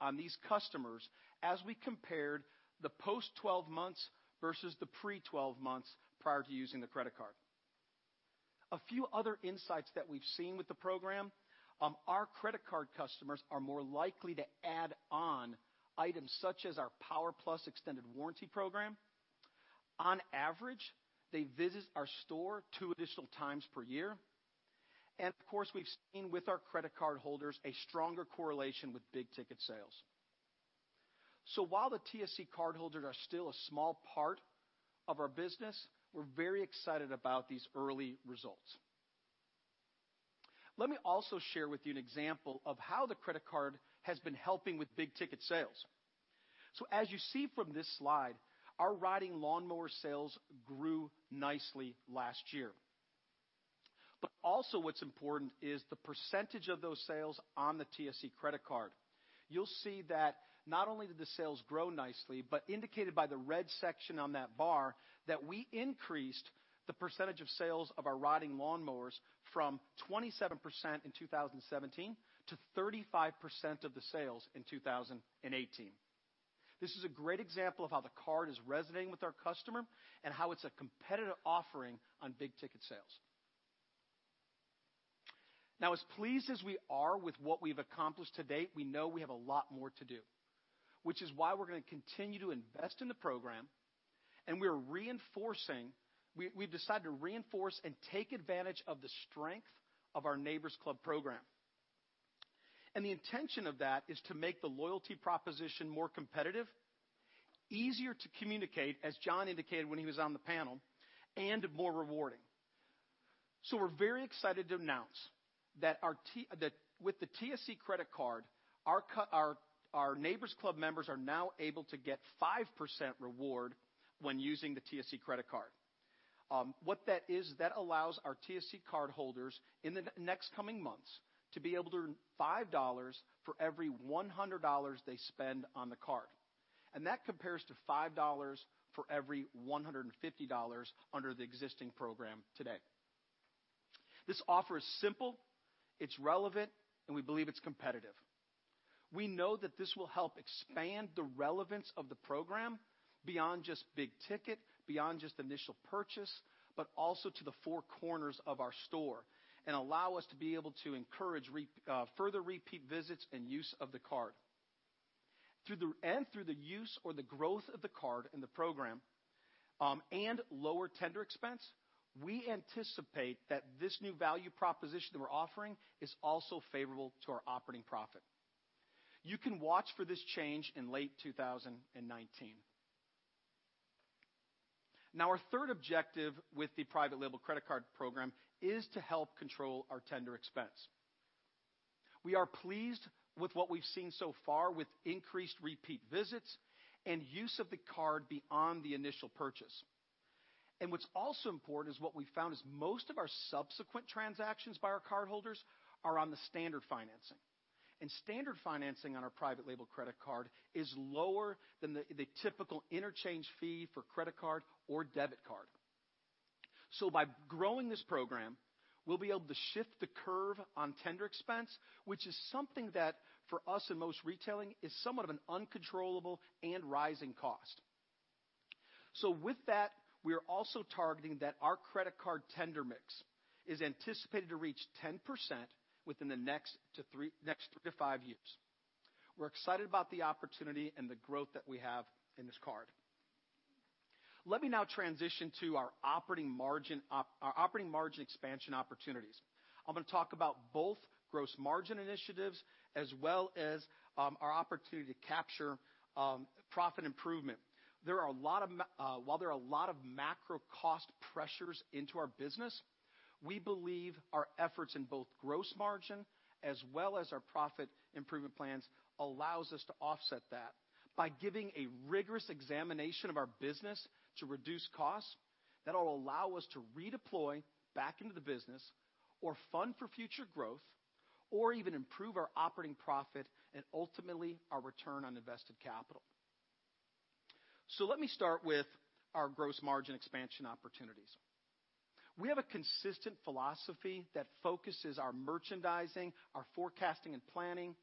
on these customers as we compared the post 12 months versus the pre 12 months prior to using the credit card. A few other insights that we've seen with the program. Our credit card customers are more likely to add on items such as our Power Plus extended warranty program. On average, they visit our store two additional times per year. Of course, we've seen with our credit card holders a stronger correlation with big-ticket sales. While the TSC card holders are still a small part of our business, we're very excited about these early results. Let me also share with you an example of how the credit card has been helping with big-ticket sales. As you see from this slide, our riding lawnmower sales grew nicely last year. Also what's important is the percentage of those sales on the TSC credit card. You'll see that not only did the sales grow nicely, but indicated by the red section on that bar, that we increased the percentage of sales of our riding lawnmowers from 27% in 2017 to 35% of the sales in 2018. This is a great example of how the card is resonating with our customer and how it's a competitive offering on big-ticket sales. As pleased as we are with what we've accomplished to date, we know we have a lot more to do, which is why we're going to continue to invest in the program. We've decided to reinforce and take advantage of the strength of our Neighbor's Club program. The intention of that is to make the loyalty proposition more competitive, easier to communicate, as John indicated when he was on the panel, and more rewarding. We're very excited to announce that with the TSC credit card, our Neighbor's Club members are now able to get 5% reward when using the TSC credit card. What that is, that allows our TSC card holders in the next coming months to be able to earn $5 for every $100 they spend on the card. That compares to $5 for every $150 under the existing program today. This offer is simple, it's relevant, and we believe it's competitive. We know that this will help expand the relevance of the program beyond just big ticket, beyond just initial purchase, but also to the four corners of our store and allow us to be able to encourage further repeat visits and use of the card. Through the use or the growth of the card in the program, and lower tender expense, we anticipate that this new value proposition that we're offering is also favorable to our operating profit. You can watch for this change in late 2019. Our third objective with the private label credit card program is to help control our tender expense. We are pleased with what we've seen so far with increased repeat visits and use of the card beyond the initial purchase. What's also important is what we found is most of our subsequent transactions by our cardholders are on the standard financing. Standard financing on our private label credit card is lower than the typical interchange fee for credit card or debit card. By growing this program, we'll be able to shift the curve on tender expense, which is something that for us and most retailing is somewhat of an uncontrollable and rising cost. With that, we are also targeting that our credit card tender mix is anticipated to reach 10% within the next three to five years. We're excited about the opportunity and the growth that we have in this card. Let me now transition to our operating margin expansion opportunities. I'm going to talk about both gross margin initiatives as well as our opportunity to capture profit improvement. While there are a lot of macro cost pressures into our business, we believe our efforts in both gross margin as well as our profit improvement plans allows us to offset that by giving a rigorous examination of our business to reduce costs that'll allow us to redeploy back into the business or fund for future growth, or even improve our operating profit and ultimately our return on invested capital. Let me start with our gross margin expansion opportunities. We have a consistent philosophy that focuses our merchandising, our forecasting and planning,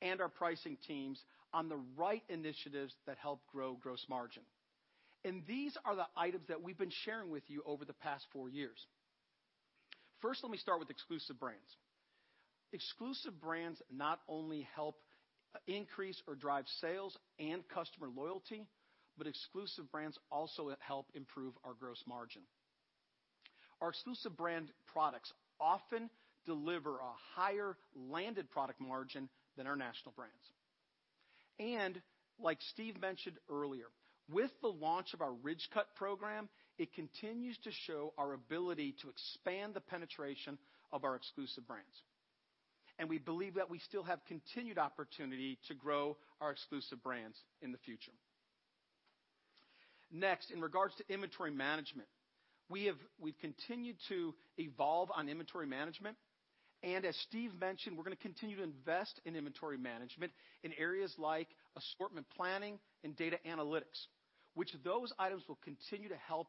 and our pricing teams on the right initiatives that help grow gross margin. These are the items that we've been sharing with you over the past four years. First, let me start with exclusive brands. Exclusive brands not only help increase or drive sales and customer loyalty, but exclusive brands also help improve our gross margin. Our exclusive brand products often deliver a higher landed product margin than our national brands. Like Steve mentioned earlier, with the launch of our Ridgecut program, it continues to show our ability to expand the penetration of our exclusive brands. We believe that we still have continued opportunity to grow our exclusive brands in the future. In regards to inventory management, we've continued to evolve on inventory management. As Steve mentioned, we're going to continue to invest in inventory management in areas like assortment planning and data analytics, which those items will continue to help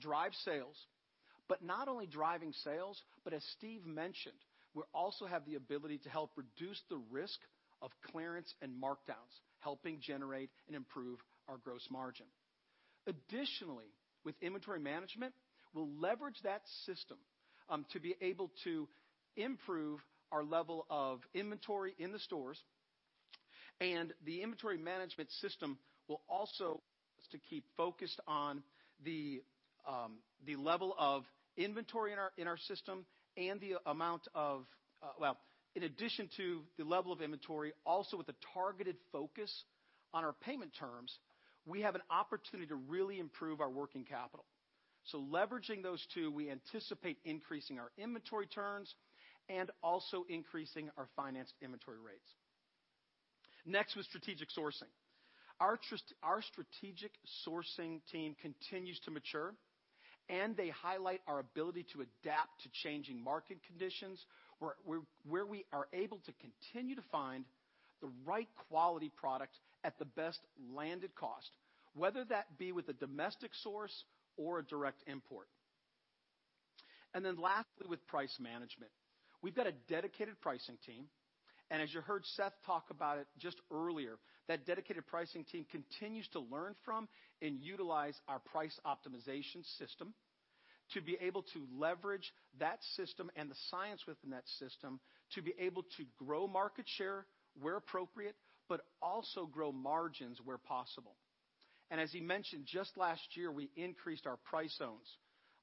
drive sales. Not only driving sales, but as Steve mentioned, we also have the ability to help reduce the risk of clearance and markdowns, helping generate and improve our gross margin. Additionally, with inventory management, we'll leverage that system to be able to improve our level of inventory in the stores, and the inventory management system will us to keep focused on the level of inventory in our system and, well, in addition to the level of inventory, also with a targeted focus on our payment terms, we have an opportunity to really improve our working capital. Leveraging those two, we anticipate increasing our inventory turns and also increasing our financed inventory rates. With strategic sourcing. Our strategic sourcing team continues to mature. They highlight our ability to adapt to changing market conditions, where we are able to continue to find the right quality product at the best landed cost, whether that be with a domestic source or a direct import. Lastly, with price management, we've got a dedicated pricing team. As you heard Seth talk about it just earlier, that dedicated pricing team continues to learn from and utilize our price optimization system to be able to leverage that system and the science within that system to be able to grow market share where appropriate, but also grow margins where possible. As he mentioned, just last year, we increased our price zones,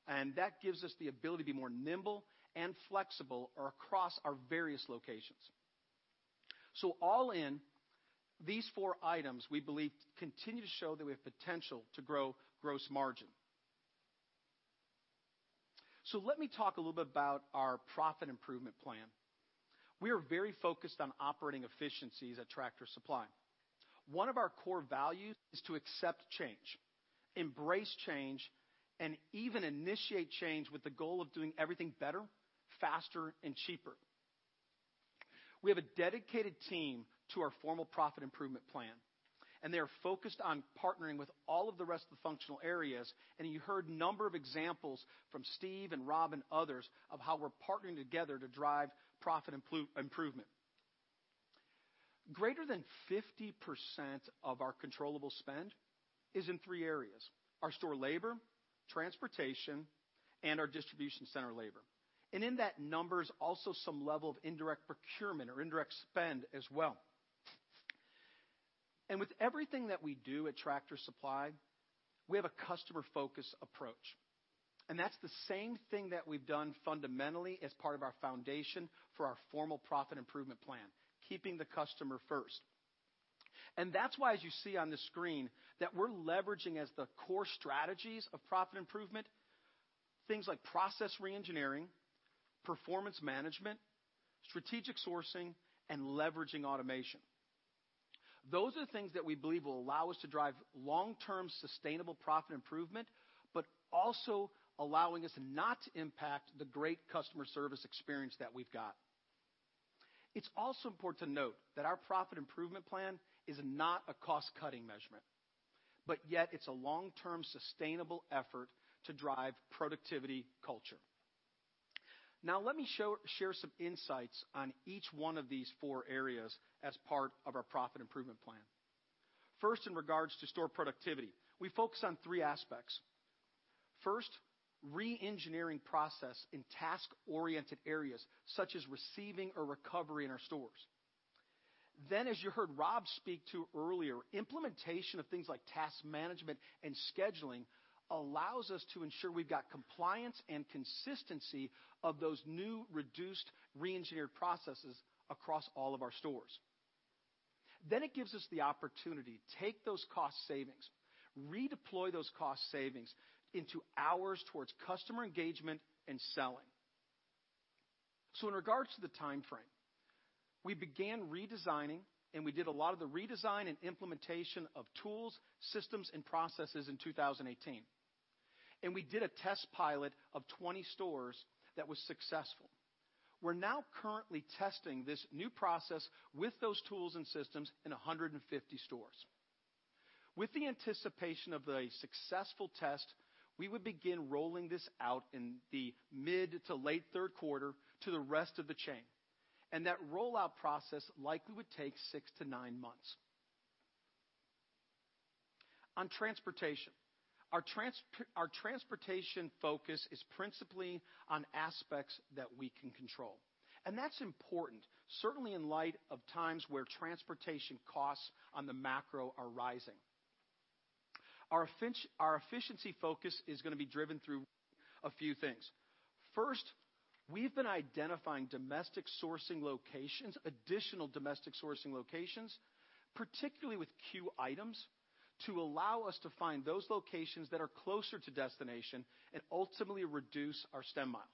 and that gives us the ability to be more nimble and flexible across our various locations. All in, these four items, we believe, continue to show that we have potential to grow gross margin. Let me talk a little bit about our profit improvement plan. We are very focused on operating efficiencies at Tractor Supply. One of our core values is to accept change, embrace change, and even initiate change with the goal of doing everything better, faster, and cheaper. We have a dedicated team to our formal profit improvement plan. They are focused on partnering with all of the rest of the functional areas, and you heard number of examples from Steve and Rob and others of how we're partnering together to drive profit improvement. Greater than 50% of our controllable spend is in 3 areas: our store labor, transportation, and our distribution center labor. In that number is also some level of indirect procurement or indirect spend as well. With everything that we do at Tractor Supply, we have a customer-focused approach. That's the same thing that we've done fundamentally as part of our foundation for our formal profit improvement plan, keeping the customer first. That's why, as you see on the screen, that we're leveraging as the core strategies of profit improvement, things like process re-engineering, performance management, strategic sourcing, and leveraging automation. Those are the things that we believe will allow us to drive long-term sustainable profit improvement, but also allowing us not to impact the great customer service experience that we've got. It's also important to note that our profit improvement plan is not a cost-cutting measurement, but yet it's a long-term sustainable effort to drive productivity culture. Let me share some insights on each one of these four areas as part of our profit improvement plan. First, in regards to store productivity, we focus on 3 aspects. First, re-engineering process in task-oriented areas, such as receiving or recovery in our stores. As you heard Rob speak to earlier, implementation of things like task management and scheduling allows us to ensure we've got compliance and consistency of those new, reduced, re-engineered processes across all of our stores. It gives us the opportunity to take those cost savings, redeploy those cost savings into hours towards customer engagement and selling. In regards to the timeframe, we began redesigning, we did a lot of the redesign and implementation of tools, systems, and processes in 2018. We did a test pilot of 20 stores that was successful. We're now currently testing this new process with those tools and systems in 150 stores. With the anticipation of the successful test, we would begin rolling this out in the mid to late third quarter to the rest of the chain, that rollout process likely would take six to nine months. On transportation. Our transportation focus is principally on aspects that we can control, that's important, certainly in light of times where transportation costs on the macro are rising. Our efficiency focus is going to be driven through a few things. First, we've been identifying domestic sourcing locations, additional domestic sourcing locations, particularly with queue items, to allow us to find those locations that are closer to destination and ultimately reduce our stem miles.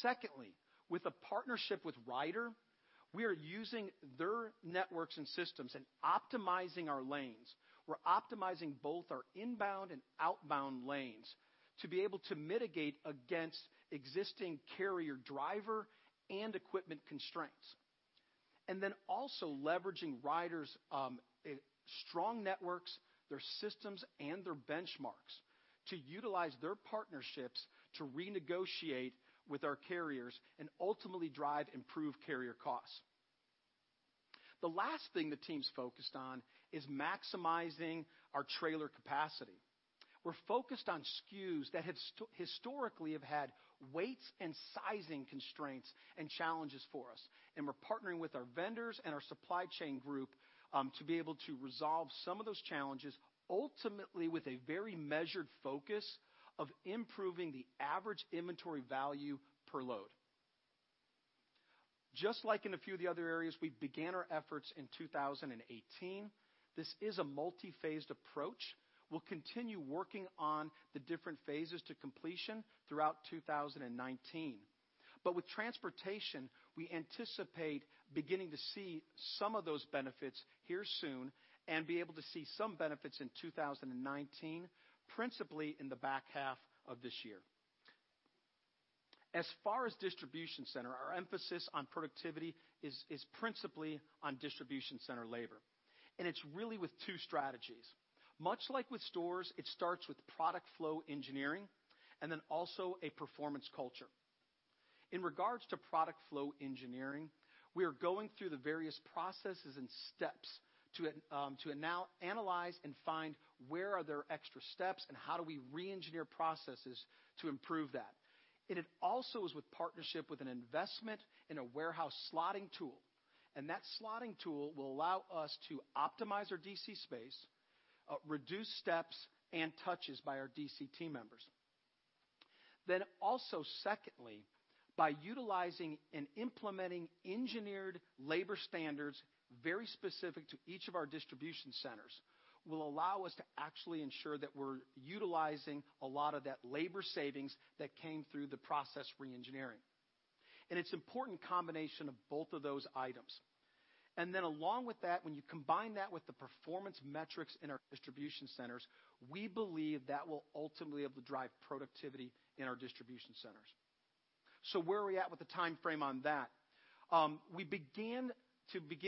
Secondly, with a partnership with Ryder, we are using their networks and systems and optimizing our lanes. We're optimizing both our inbound and outbound lanes to be able to mitigate against existing carrier driver and equipment constraints. Also leveraging Ryder's strong networks, their systems, and their benchmarks to utilize their partnerships to renegotiate with our carriers and ultimately drive improved carrier costs. The last thing the team's focused on is maximizing our trailer capacity. We're focused on SKUs that historically have had weights and sizing constraints and challenges for us. We're partnering with our vendors and our supply chain group, to be able to resolve some of those challenges, ultimately with a very measured focus of improving the average inventory value per load. Just like in a few of the other areas, we began our efforts in 2018. This is a multi-phased approach. We'll continue working on the different phases to completion throughout 2019. With transportation, we anticipate beginning to see some of those benefits here soon and be able to see some benefits in 2019, principally in the back half of this year. As far as distribution center, our emphasis on productivity is principally on distribution center labor. It's really with two strategies. Much like with stores, it starts with product flow engineering and then also a performance culture. In regards to product flow engineering, we are going through the various processes and steps to analyze and find where are there extra steps and how do we re-engineer processes to improve that. It also is with partnership with an investment in a warehouse slotting tool, and that slotting tool will allow us to optimize our DC space, reduce steps, and touches by our DC team members. Also secondly, by utilizing and implementing engineered labor standards very specific to each of our distribution centers, will allow us to actually ensure that we're utilizing a lot of that labor savings that came through the process re-engineering. It's an important combination of both of those items. Then along with that, when you combine that with the performance metrics in our distribution centers, we believe that will ultimately drive productivity in our distribution centers. Where are we at with the timeframe on that? We began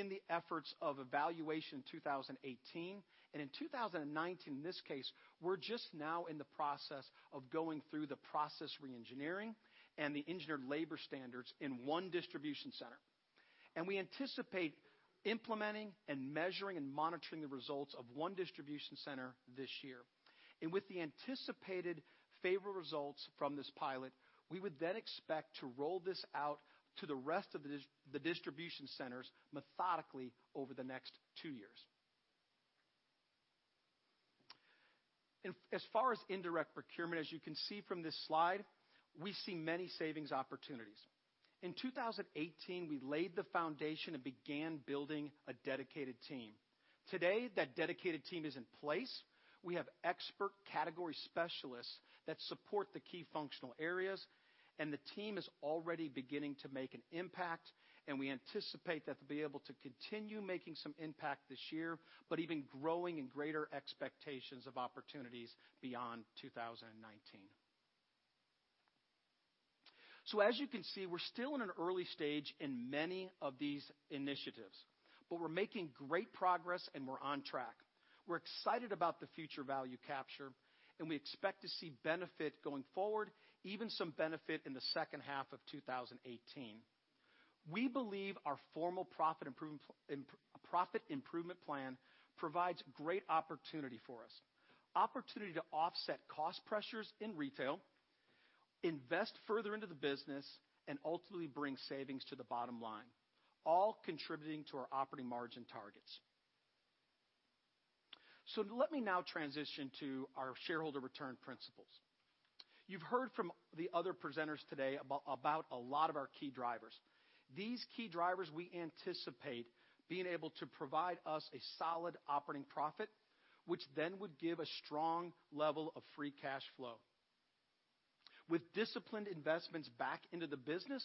the efforts of evaluation in 2018, and in 2019, in this case, we're just now in the process of going through the process re-engineering and the engineered labor standards in one distribution center. We anticipate implementing and measuring and monitoring the results of one distribution center this year. With the anticipated favorable results from this pilot, we would then expect to roll this out to the rest of the distribution centers methodically over the next two years. As far as indirect procurement, as you can see from this slide, we see many savings opportunities. In 2018, we laid the foundation and began building a dedicated team. Today, that dedicated team is in place. We have expert category specialists that support the key functional areas, and the team is already beginning to make an impact, and we anticipate that they'll be able to continue making some impact this year, but even growing in greater expectations of opportunities beyond 2019. As you can see, we're still in an early stage in many of these initiatives, but we're making great progress and we're on track. We're excited about the future value capture, and we expect to see benefit going forward, even some benefit in the second half of 2018. We believe our formal profit improvement plan provides great opportunity for us. Opportunity to offset cost pressures in retail, invest further into the business, and ultimately bring savings to the bottom line, all contributing to our operating margin targets. Let me now transition to our shareholder return principles. You've heard from the other presenters today about a lot of our key drivers. These key drivers we anticipate being able to provide us a solid operating profit, which then would give a strong level of free cash flow. With disciplined investments back into the business,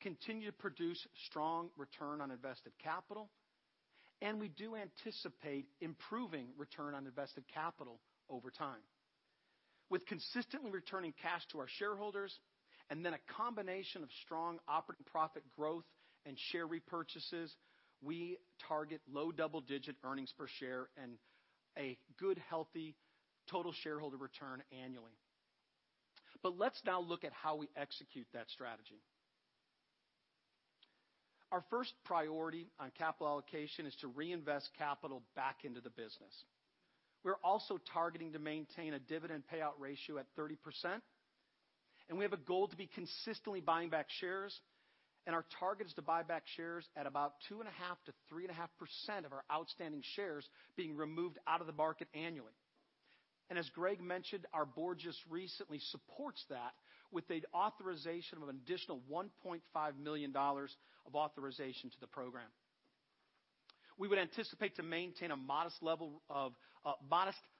continue to produce strong return on invested capital, and we do anticipate improving return on invested capital over time. With consistently returning cash to our shareholders, and then a combination of strong operating profit growth and share repurchases, we target low double-digit earnings per share and a good, healthy total shareholder return annually. Let's now look at how we execute that strategy. Our first priority on capital allocation is to reinvest capital back into the business. We're also targeting to maintain a dividend payout ratio at 30%, and we have a goal to be consistently buying back shares, and our target is to buy back shares at about 2.5%-3.5% of our outstanding shares being removed out of the market annually. As Hal mentioned, our board just recently supports that with an authorization of an additional $1.5 million of authorization to the program. We would anticipate to maintain a modest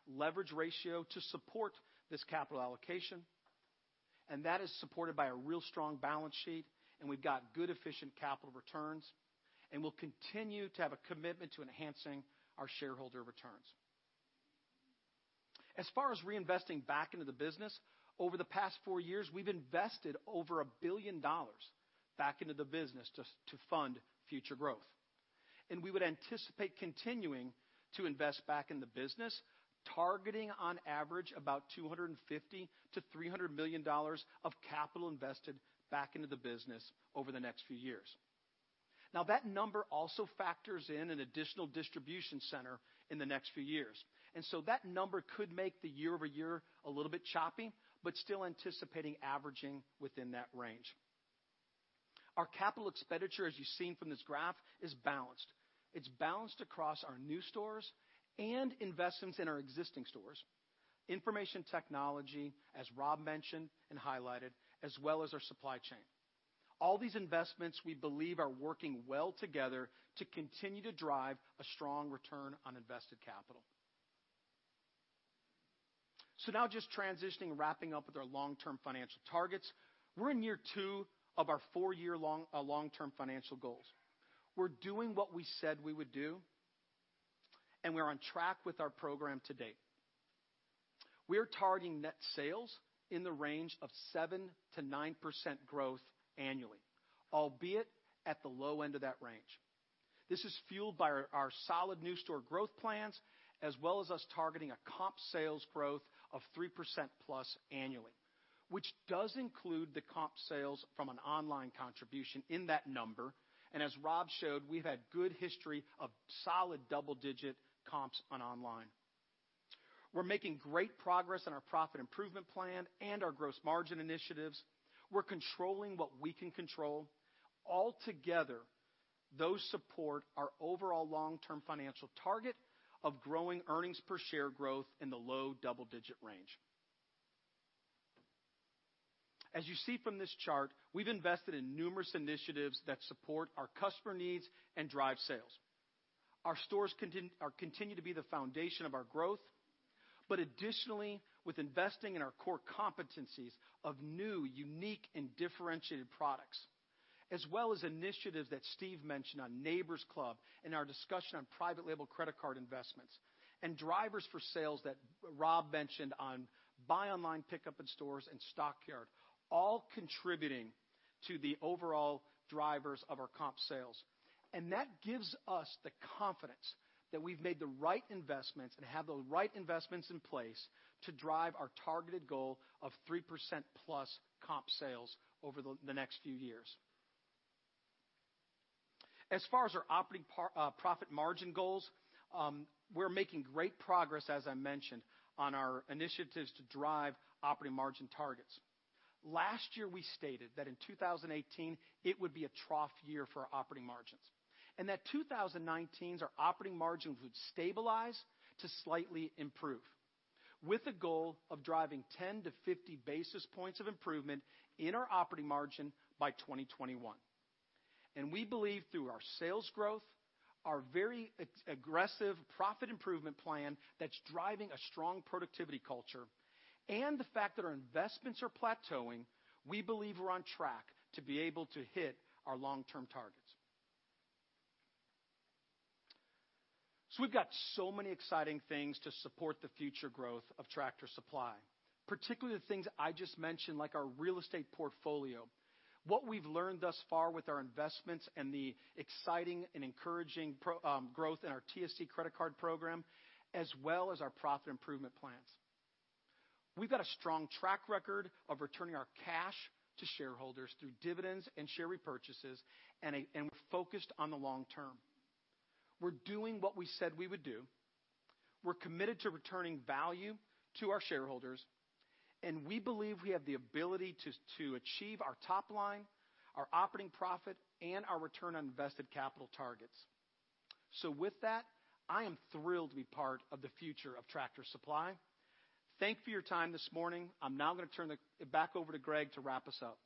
leverage ratio to support this capital allocation, and that is supported by a real strong balance sheet, and we've got good, efficient capital returns, and we'll continue to have a commitment to enhancing our shareholder returns. As far as reinvesting back into the business, over the past four years, we've invested over $1 billion back into the business to fund future growth. We would anticipate continuing to invest back in the business, targeting on average about $250 million-$300 million of capital invested back into the business over the next few years. Now, that number also factors in an additional distribution center in the next few years. So that number could make the year-over-year a little bit choppy, but still anticipating averaging within that range. Our capital expenditure, as you've seen from this graph, is balanced. It's balanced across our new stores and investments in our existing stores, information technology, as Rob mentioned and highlighted, as well as our supply chain. All these investments, we believe, are working well together to continue to drive a strong return on invested capital. Now just transitioning and wrapping up with our long-term financial targets. We're in year two of our four-year long-term financial goals. We're doing what we said we would do, and we're on track with our program to date. We are targeting net sales in the range of 7%-9% growth annually, albeit at the low end of that range. This is fueled by our solid new store growth plans, as well as us targeting a comp sales growth of 3%+ annually, which does include the comp sales from an online contribution in that number. As Rob showed, we've had good history of solid double-digit comps on online. We're making great progress on our profit improvement plan and our gross margin initiatives. We're controlling what we can control. All together, those support our overall long-term financial target of growing earnings per share growth in the low double-digit range. As you see from this chart, we've invested in numerous initiatives that support our customer needs and drive sales. Our stores continue to be the foundation of our growth, but additionally, with investing in our core competencies of new, unique, and differentiated products, as well as initiatives that Steve mentioned on Neighbor's Club and our discussion on private label credit card investments, and drivers for sales that Rob mentioned on buy online, pickup in stores, and Stockyard, all contributing to the overall drivers of our comp sales. That gives us the confidence that we've made the right investments and have the right investments in place to drive our targeted goal of 3%+ comp sales over the next few years. As far as our operating profit margin goals, we're making great progress, as I mentioned, on our initiatives to drive operating margin targets. Last year, we stated that in 2018, it would be a trough year for our operating margins, and that 2019, our operating margins would stabilize to slightly improve, with a goal of driving 10 to 50 basis points of improvement in our operating margin by 2021. We believe through our sales growth, our very aggressive profit improvement plan that's driving a strong productivity culture, and the fact that our investments are plateauing, we believe we're on track to be able to hit our long-term targets. We've got so many exciting things to support the future growth of Tractor Supply, particularly the things I just mentioned, like our real estate portfolio, what we've learned thus far with our investments and the exciting and encouraging growth in our TSC credit card program, as well as our profit improvement plans. We've got a strong track record of returning our cash to shareholders through dividends and share repurchases, and we're focused on the long term. We're doing what we said we would do. We're committed to returning value to our shareholders, and we believe we have the ability to achieve our top line, our operating profit, and our return on invested capital targets. With that, I am thrilled to be part of the future of Tractor Supply. Thank you for your time this morning. I'm now going to turn it back over to Hal to wrap us up.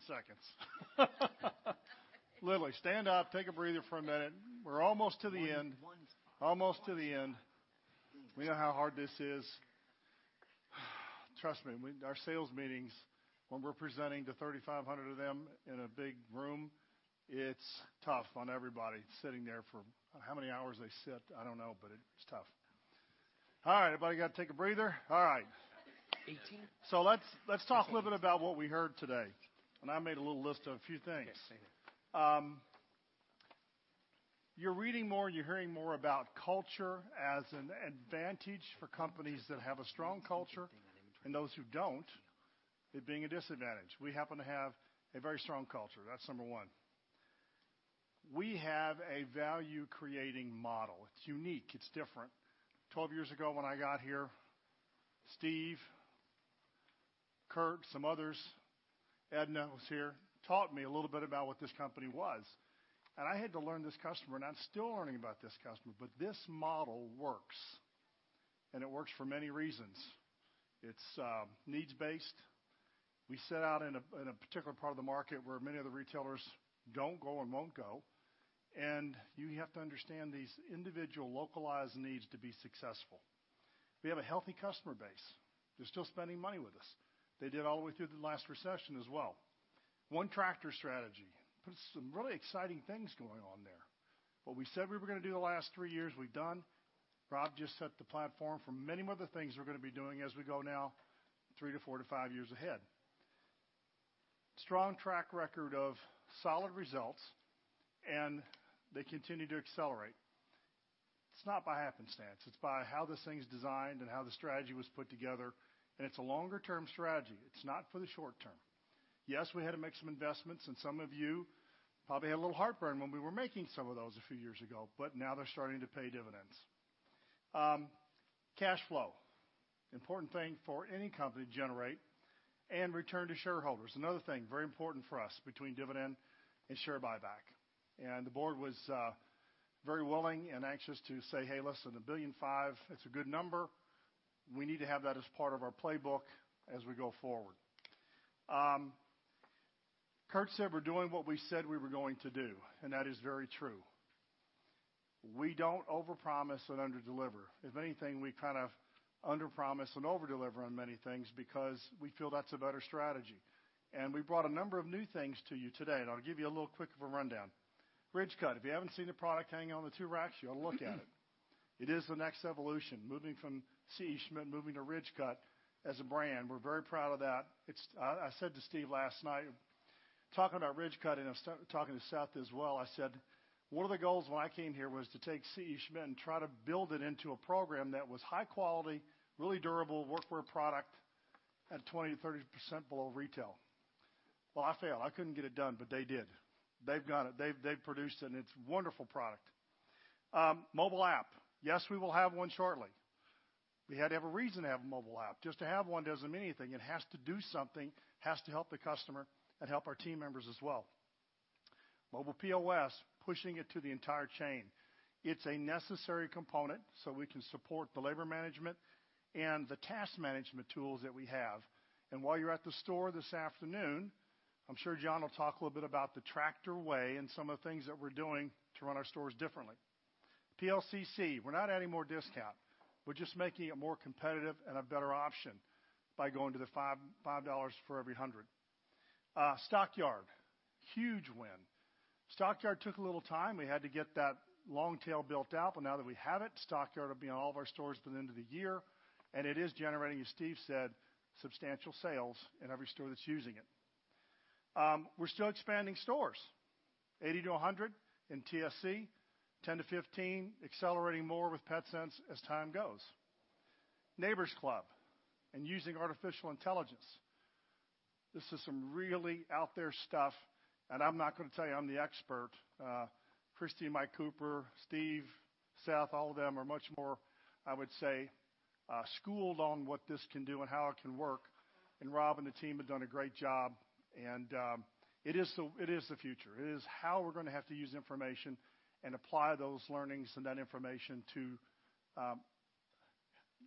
All right. All right, everybody. Everybody stand up for about 10 seconds. Literally, stand up, take a breather for a minute. We're almost to the end. Almost to the end. We know how hard this is. Trust me, our sales meetings, when we're presenting to 3,500 of them in a big room, it's tough on everybody sitting there for how many hours they sit, I don't know, but it's tough. All right, everybody got to take a breather? All right. 18. Let's talk a little bit about what we heard today. I made a little list of a few things. Yes, same here. You're reading more and you're hearing more about culture as an advantage for companies that have a strong culture, and those who don't, it being a disadvantage. We happen to have a very strong culture. That's number one. We have a value-creating model. It's unique. It's different. 12 years ago when I got here, Steve, Kurt, some others, Edna, who's here, taught me a little bit about what this company was. I had to learn this customer, and I'm still learning about this customer, but this model works. It works for many reasons. It's needs-based. We set out in a particular part of the market where many other retailers don't go and won't go. You have to understand these individual localized needs to be successful. We have a healthy customer base. They're still spending money with us. They did all the way through the last recession as well. One Tractor strategy. Put some really exciting things going on there. What we said we were going to do the last three years, we've done. Rob just set the platform for many more things we're going to be doing as we go now three to four to five years ahead. Strong track record of solid results, and they continue to accelerate. It's not by happenstance. It's by how this thing's designed and how the strategy was put together, and it's a longer-term strategy. It's not for the short term. Yes, we had to make some investments, and some of you probably had a little heartburn when we were making some of those a few years ago, but now they're starting to pay dividends. Cash flow, important thing for any company to generate, and return to shareholders. Another thing, very important for us between dividend and share buyback. The board was very willing and anxious to say, "Hey, listen, $1.5 billion, it's a good number. We need to have that as part of our playbook as we go forward." Kurt said we're doing what we said we were going to do, and that is very true. We don't overpromise and under-deliver. If anything, we kind of underpromise and over-deliver on many things because we feel that's a better strategy. We brought a number of new things to you today, and I'll give you a little quick of a rundown. Ridgecut. If you haven't seen the product hanging on the two racks, you ought to look at it. It is the next evolution. Moving from C.E. Schmidt, moving to Ridgecut as a brand. We're very proud of that. I said to Steve last night, talking about Ridgecut, and I was talking to Seth as well, I said, "One of the goals when I came here was to take C.E. Schmidt and try to build it into a program that was high quality, really durable work wear product at 20%-30% below retail." Well, I failed. I couldn't get it done, but they did. They've got it. They've produced it, and it's a wonderful product. Mobile app. Yes, we will have one shortly. We had to have a reason to have a mobile app. Just to have one doesn't mean anything. It has to do something, has to help the customer, and help our team members as well. Mobile POS, pushing it to the entire chain. It's a necessary component so we can support the labor management and the task management tools that we have. While you're at the store this afternoon, I'm sure John will talk a little bit about the Tractor Way and some of the things that we're doing to run our stores differently. PLCC, we're not adding more discount. We're just making it more competitive and a better option by going to the $5 for every 100. Stockyard, huge win. Stockyard took a little time. We had to get that long tail built out, but now that we have it, Stockyard will be in all of our stores by the end of the year. It is generating, as Steve said, substantial sales in every store that's using it. We're still expanding stores, 80-100 in TSC, 10-15, accelerating more with Petsense as time goes. Neighbor's Club and using artificial intelligence. This is some really out there stuff, and I'm not going to tell you I'm the expert. Christi and Mike Cooper, Steve, Seth, all of them are much more, I would say, schooled on what this can do and how it can work. Rob and the team have done a great job. It is the future. It is how we're going to have to use information and apply those learnings and that information to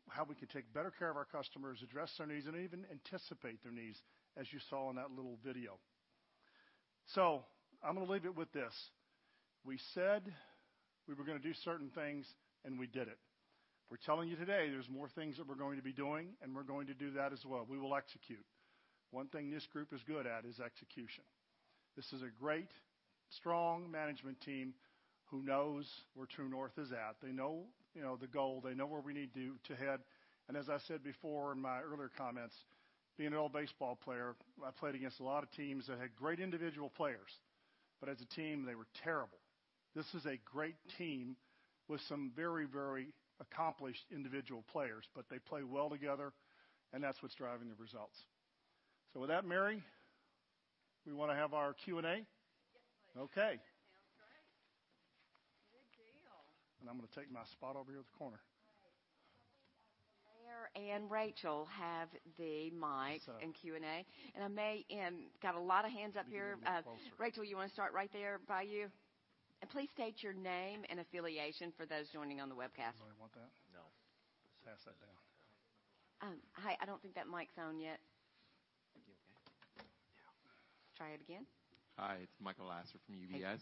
how we can take better care of our customers, address their needs, and even anticipate their needs, as you saw in that little video. I'm going to leave it with this. We said we were going to do certain things, and we did it. We're telling you today there's more things that we're going to be doing, and we're going to do that as well. We will execute. One thing this group is good at is execution. This is a great, strong management team who knows where true north is at. They know the goal. They know where we need to head. As I said before in my earlier comments, being an old baseball player, I played against a lot of teams that had great individual players, but as a team, they were terrible. This is a great team with some very accomplished individual players, but they play well together, and that's what's driving the results. With that, Mary, we want to have our Q&A? Yes, please. Okay. Sounds great. Good deal. I'm going to take my spot over here at the corner. All right. Mary and Rachel have the mic. What's up? Q&A. Got a lot of hands up here. Let me move in closer. Rachel, you want to start right there by you? Please state your name and affiliation for those joining on the webcast. You want that? No. Just pass that down. Hi. I don't think that mic's on yet. Thank you. Okay. Yeah. Try it again. Hi, it's Michael Lasser from UBS.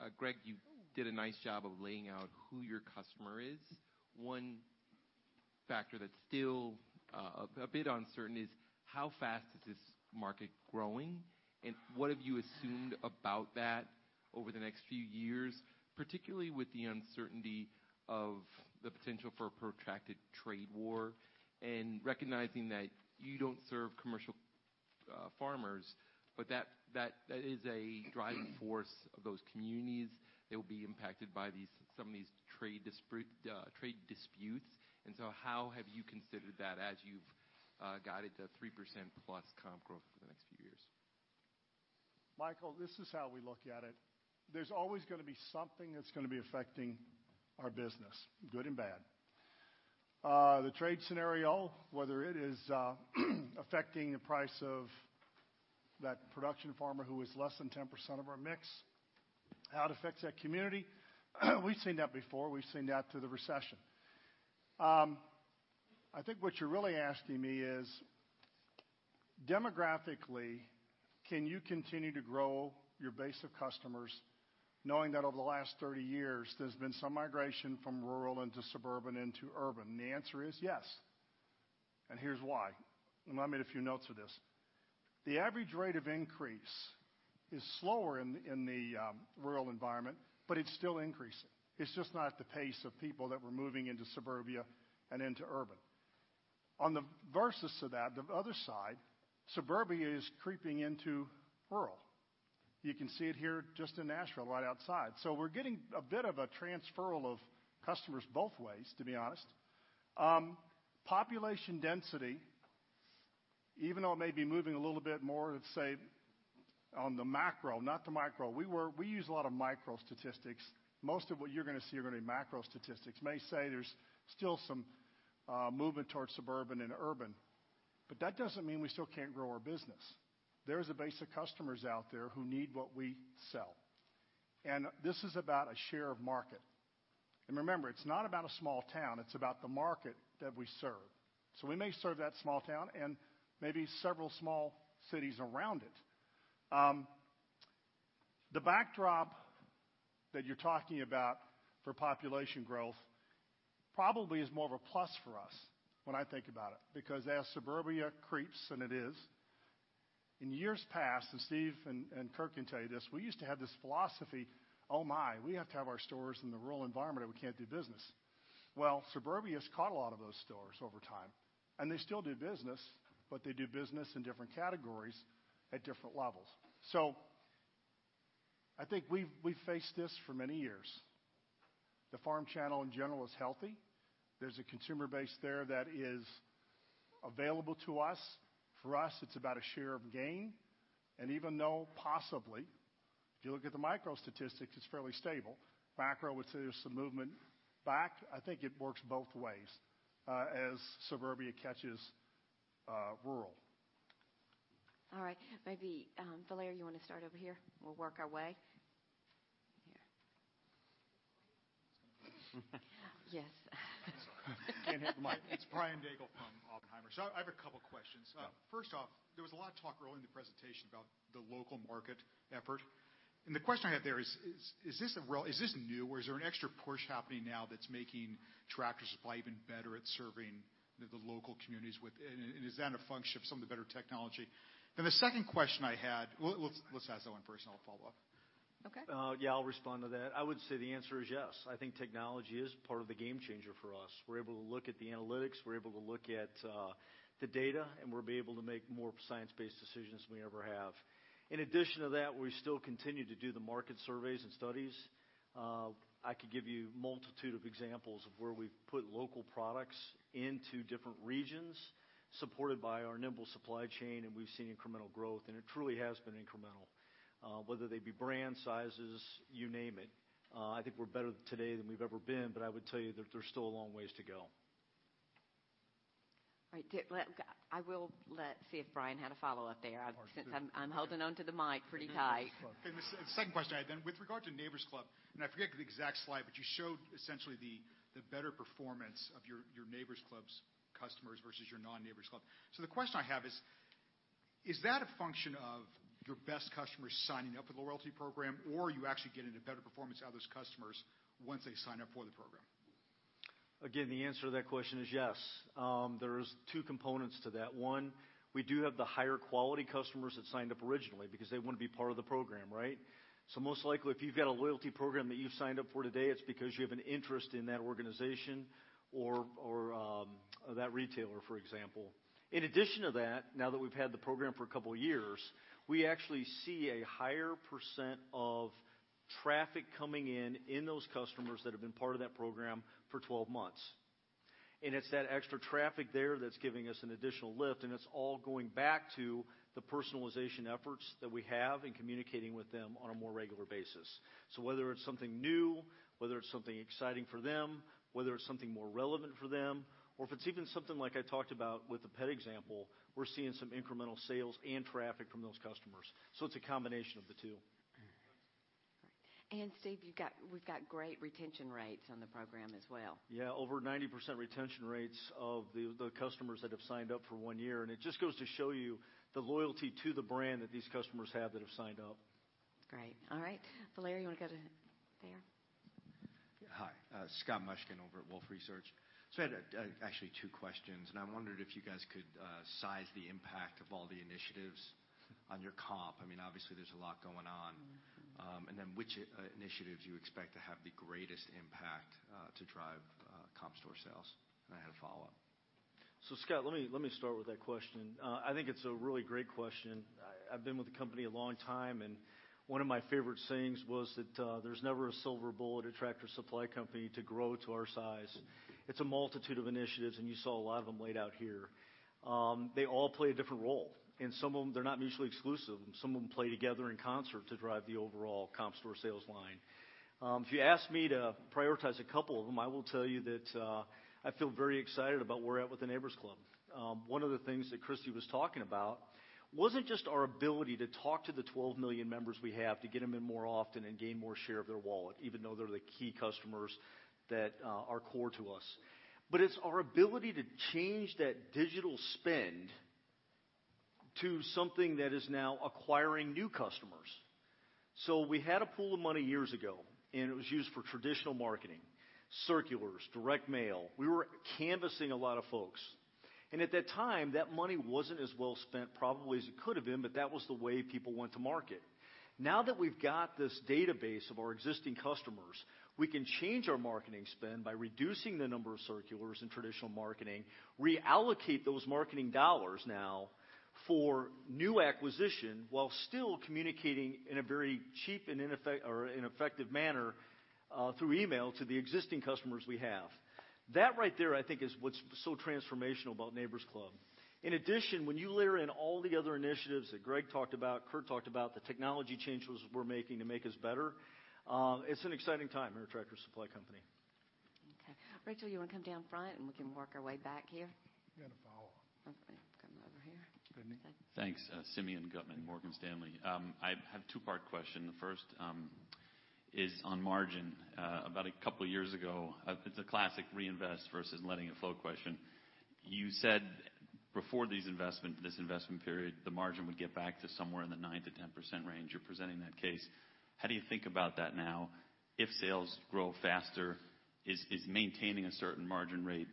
Hi. Hal, you did a nice job of laying out who your customer is. One factor that's still a bit uncertain is how fast is this market growing, and what have you assumed about that over the next few years, particularly with the uncertainty of the potential for a protracted trade war and recognizing that you don't serve commercial farmers, but that is a driving force of those communities that will be impacted by some of these trade disputes. How have you considered that as you've guided the 3% plus comp growth for the next few years? Michael, this is how we look at it. There's always going to be something that's going to be affecting our business, good and bad. The trade scenario, whether it is affecting the price of that production farmer who is less than 10% of our mix, how it affects that community, we've seen that before. We've seen that through the recession. I think what you're really asking me is, demographically, can you continue to grow your base of customers knowing that over the last 30 years, there's been some migration from rural into suburban into urban? The answer is yes. Here's why, and I made a few notes of this. The average rate of increase is slower in the rural environment, but it's still increasing. It's just not at the pace of people that were moving into suburbia and into urban. On the versus to that, the other side, suburbia is creeping into rural. You can see it here, just in Nashville, right outside. We're getting a bit of a transferal of customers both ways, to be honest. Population density, even though it may be moving a little bit more, let's say, on the macro, not the micro. We use a lot of micro statistics. Most of what you're going to see are going to be macro statistics. May say there's still some movement towards suburban and urban. That doesn't mean we still can't grow our business. There is a base of customers out there who need what we sell, and this is about a share of market. Remember, it's not about a small town, it's about the market that we serve. We may serve that small town and maybe several small cities around it. The backdrop that you're talking about for population growth probably is more of a plus for us when I think about it, because as suburbia creeps, and it is. In years past, Steve and Kurt can tell you this, we used to have this philosophy, "Oh my, we have to have our stores in the rural environment or we can't do business." Well, suburbia's caught a lot of those stores over time, and they still do business, but they do business in different categories at different levels. I think we've faced this for many years. The farm channel in general is healthy. There's a consumer base there that is available to us. For us, it's about a share of gain. Even though possibly, if you look at the micro statistics, it's fairly stable. Macro would say there's some movement back. I think it works both ways as suburbia catches rural. All right. Maybe, Valera, you want to start over here? We'll work our way. Here. Yes. Sorry. Can't have the mic. It's Brian Daigle from Oppenheimer. I have a couple questions. Yeah. First off, there was a lot of talk early in the presentation about the local market effort, and the question I have there is: Is this new, or is there an extra push happening now that's making Tractor Supply even better at serving the local communities with? Is that a function of some of the better technology? The second question I had. Let's ask that one first, then I'll follow up. Okay. Yeah, I'll respond to that. I would say the answer is yes, I think technology is part of the game changer for us. We're able to look at the analytics, we're able to look at the data, and we're able to make more science-based decisions than we ever have. In addition to that, we still continue to do the market surveys and studies. I could give you multitude of examples of where we've put local products into different regions supported by our nimble supply chain, and we've seen incremental growth, and it truly has been incremental. Whether they be brand, sizes, you name it. I think we're better today than we've ever been, but I would tell you that there's still a long ways to go. All right. I will see if Brian had a follow-up there since I'm holding onto the mic pretty tight. The second question I had, with regard to Neighbor's Club, I forget the exact slide, you showed essentially the better performance of your Neighbor's Club's customers versus your non-Neighbor's Club. The question I have is: Is that a function of your best customers signing up for the loyalty program, or are you actually getting a better performance out of those customers once they sign up for the program? Again, the answer to that question is yes. There's two components to that. One, we do have the higher quality customers that signed up originally because they want to be part of the program, right? Most likely, if you've got a loyalty program that you've signed up for today, it's because you have an interest in that organization or that retailer, for example. In addition to that, now that we've had the program for a couple of years, we actually see a higher percent of traffic coming in in those customers that have been part of that program for 12 months. It's that extra traffic there that's giving us an additional lift, and it's all going back to the personalization efforts that we have in communicating with them on a more regular basis. Whether it's something new, whether it's something exciting for them, whether it's something more relevant for them, or if it's even something like I talked about with the pet example, we're seeing some incremental sales and traffic from those customers. It's a combination of the two. Steve, we've got great retention rates on the program as well. Yeah, over 90% retention rates of the customers that have signed up for one year. It just goes to show you the loyalty to the brand that these customers have that have signed up. Great. All right. [Valera], you want to go to there? Hi. Scott Mushkin over at Wolfe Research. I had actually two questions, I wondered if you guys could size the impact of all the initiatives on your comp. I mean, obviously there's a lot going on. Which initiatives you expect to have the greatest impact to drive comp store sales. I had a follow-up. Scott, let me start with that question. I think it's a really great question. I've been with the company a long time, one of my favorite sayings was that there's never a silver bullet at Tractor Supply Company to grow to our size. It's a multitude of initiatives, you saw a lot of them laid out here. They all play a different role, some of them, they're not mutually exclusive, some of them play together in concert to drive the overall comp store sales line. If you ask me to prioritize a couple of them, I will tell you that I feel very excited about where we're at with the Neighbor's Club. One of the things that Christi was talking about wasn't just our ability to talk to the 12 million members we have to get them in more often and gain more share of their wallet, even though they're the key customers that are core to us. It's our ability to change that digital spend. to something that is now acquiring new customers. We had a pool of money years ago, it was used for traditional marketing, circulars, direct mail. We were canvassing a lot of folks. At that time, that money wasn't as well spent probably as it could've been, that was the way people went to market. Now that we've got this database of our existing customers, we can change our marketing spend by reducing the number of circulars in traditional marketing, reallocate those marketing dollars now for new acquisition, while still communicating in a very cheap and effective manner through email to the existing customers we have. That right there, I think, is what's so transformational about Neighbor's Club. In addition, when you layer in all the other initiatives that Hal talked about, Kurt talked about, the technology changes we're making to make us better, it's an exciting time here at Tractor Supply Company. Okay. Rachel, you want to come down front and we can work our way back here? You had a follow-up. Okay. Come over here. Go ahead. Thank you. Thanks. Simeon Gutman, Morgan Stanley. I have a two-part question. The first is on margin. About a couple of years ago, it's a classic reinvest versus letting it flow question. You said before this investment period, the margin would get back to somewhere in the 9%-10% range. You're presenting that case. How do you think about that now if sales grow faster? Is maintaining a certain margin rate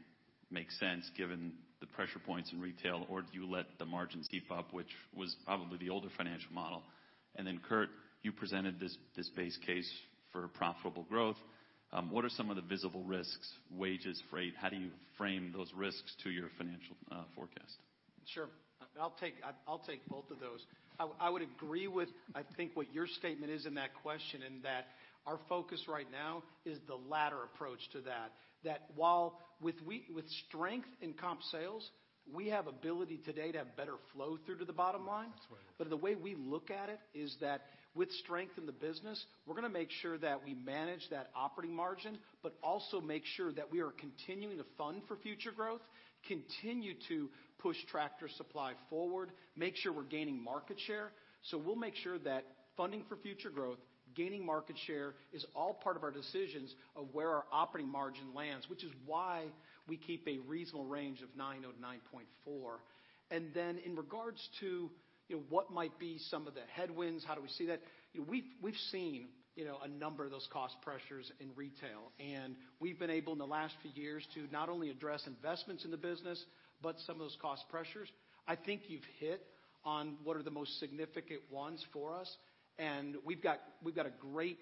make sense given the pressure points in retail, or do you let the margins seep up, which was probably the older financial model? Kurt, you presented this base case for profitable growth. What are some of the visible risks, wages, freight? How do you frame those risks to your financial forecast? Sure. I'll take both of those. I would agree with, I think, what your statement is in that question, in that our focus right now is the latter approach to that. While with strength in comp sales, we have ability today to have better flow through to the bottom line. That's the way to look at it. The way we look at it is that with strength in the business, we're going to make sure that we manage that operating margin, but also make sure that we are continuing to fund for future growth, continue to push Tractor Supply forward, make sure we're gaining market share. We'll make sure that funding for future growth, gaining market share, is all part of our decisions of where our operating margin lands, which is why we keep a reasonable range of 9% or 9.4%. In regards to what might be some of the headwinds, how do we see that? We've seen a number of those cost pressures in retail, and we've been able in the last few years to not only address investments in the business, but some of those cost pressures. I think you've hit on what are the most significant ones for us. We've got a great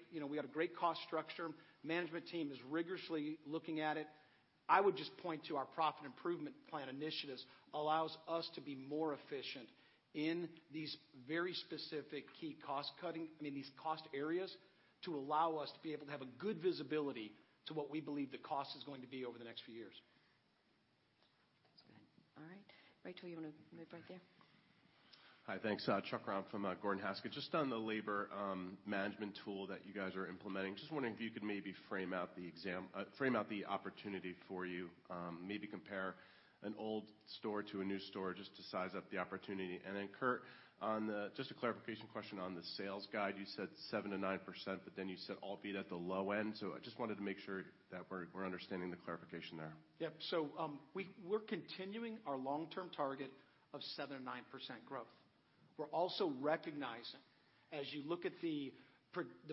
cost structure. Management team is rigorously looking at it. I would just point to our profit improvement plan initiatives allows us to be more efficient in these very specific key cost areas to allow us to be able to have a good visibility to what we believe the cost is going to be over the next few years. That's good. All right. Rachel, you want to move right there? Hi, thanks. Chuck Grom from Gordon Haskett. On the labor management tool that you guys are implementing, just wondering if you could maybe frame out the opportunity for you. Maybe compare an old store to a new store just to size up the opportunity. Kurt, just a clarification question on the sales guide. You said 7%-9%, you said albeit at the low end. I just wanted to make sure that we're understanding the clarification there. Yeah. We're continuing our long-term target of 7%-9% growth. We're also recognizing, as you look at the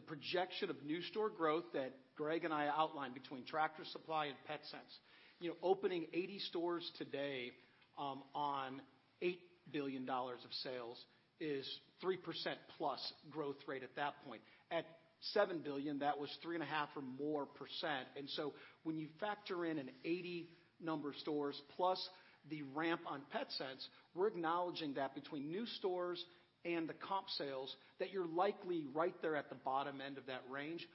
projection of new store growth that Hal and I outlined between Tractor Supply and Petsense. Opening 80 stores today on $8 billion of sales is 3%+ growth rate at that point. At $7 billion, that was 3.5% or more. When you factor in an 80 stores plus the ramp on Petsense, we're acknowledging that between new stores and the comp sales, that you're likely right there at the bottom end of that range.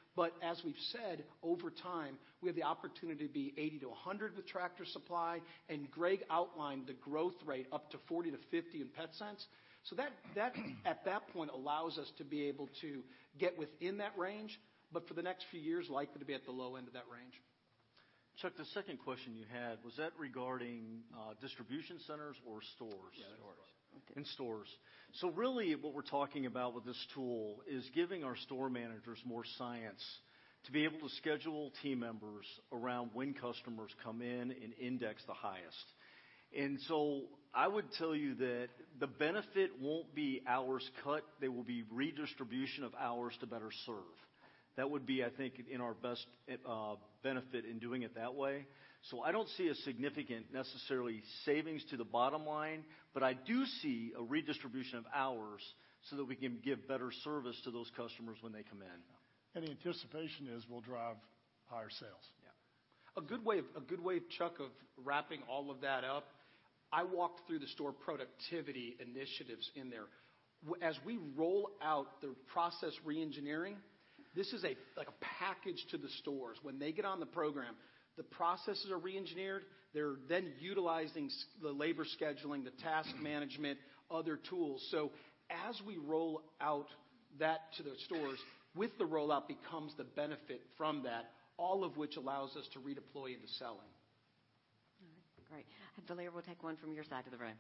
As we've said, over time, we have the opportunity to be 80-100 with Tractor Supply, and Hal outlined the growth rate up to 40-50 in Petsense. That at that point allows us to be able to get within that range, for the next few years, likely to be at the low end of that range. Chuck, the second question you had, was that regarding distribution centers or stores? Yeah, stores. Okay. In stores. Really what we're talking about with this tool is giving our store managers more science to be able to schedule team members around when customers come in and index the highest. I would tell you that the benefit won't be hours cut. They will be redistribution of hours to better serve. That would be, I think, in our best benefit in doing it that way. I don't see a significant necessarily savings to the bottom line, but I do see a redistribution of hours so that we can give better service to those customers when they come in. The anticipation is we'll drive higher sales. Yeah. A good way, Chuck Grom, of wrapping all of that up. I walked through the store productivity initiatives in there. As we roll out the process re-engineering, this is like a package to the stores. When they get on the program, the processes are re-engineered. They're then utilizing the labor scheduling, the task management, other tools. As we roll out that to the stores, with the rollout becomes the benefit from that, all of which allows us to redeploy into selling. All right. Great. Valaire, we'll take one from your side of the room.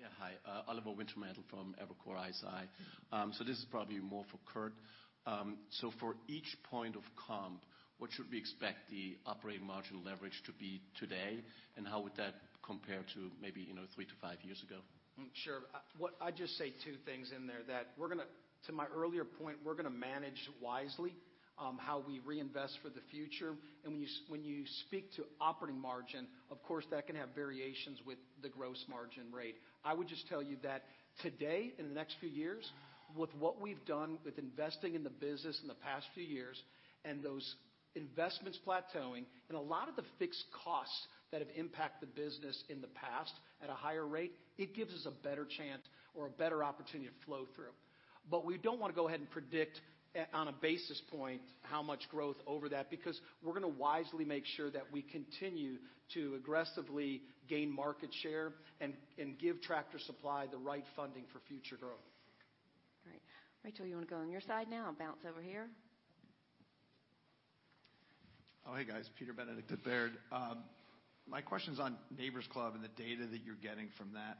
Yeah. Hi. Oliver Wintermantel from Evercore ISI. This is probably more for Kurt. For each point of comp, what should we expect the operating margin leverage to be today, and how would that compare to maybe three to five years ago? Sure. I'd just say two things in there. To my earlier point, we're going to manage wisely how we reinvest for the future. When you speak to operating margin, of course, that can have variations with the gross margin rate. I would just tell you that today, in the next few years, with what we've done with investing in the business in the past few years and those investments plateauing and a lot of the fixed costs that have impacted the business in the past at a higher rate, it gives us a better chance or a better opportunity to flow through. We don't want to go ahead and predict on a basis point how much growth over that, because we're going to wisely make sure that we continue to aggressively gain market share and give Tractor Supply the right funding for future growth. Great. Rachel, you want to go on your side now and bounce over here? Oh, hey, guys. Peter Benedict at Baird. My question's on Neighbor's Club and the data that you're getting from that.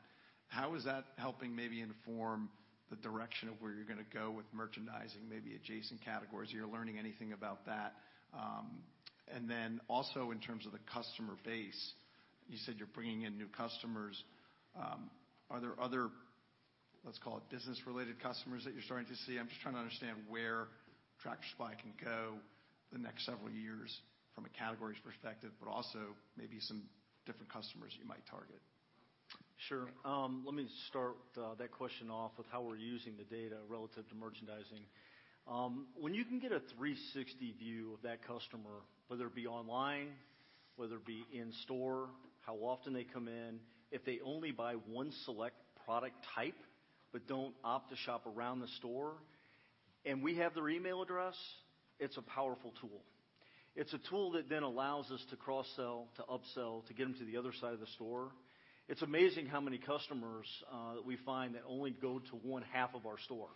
How is that helping maybe inform the direction of where you're going to go with merchandising, maybe adjacent categories? Are you learning anything about that? Also in terms of the customer base, you said you're bringing in new customers. Are there other, let's call it business-related customers, that you're starting to see? I'm just trying to understand where Tractor Supply can go the next several years from a categories perspective, but also maybe some different customers you might target. Sure. Let me start that question off with how we're using the data relative to merchandising. When you can get a 360 view of that customer, whether it be online, whether it be in store, how often they come in. If they only buy one select product type but don't opt to shop around the store, and we have their email address, it's a powerful tool. It's a tool that allows us to cross-sell, to upsell, to get them to the other side of the store. It's amazing how many customers that we find that only go to one half of our store.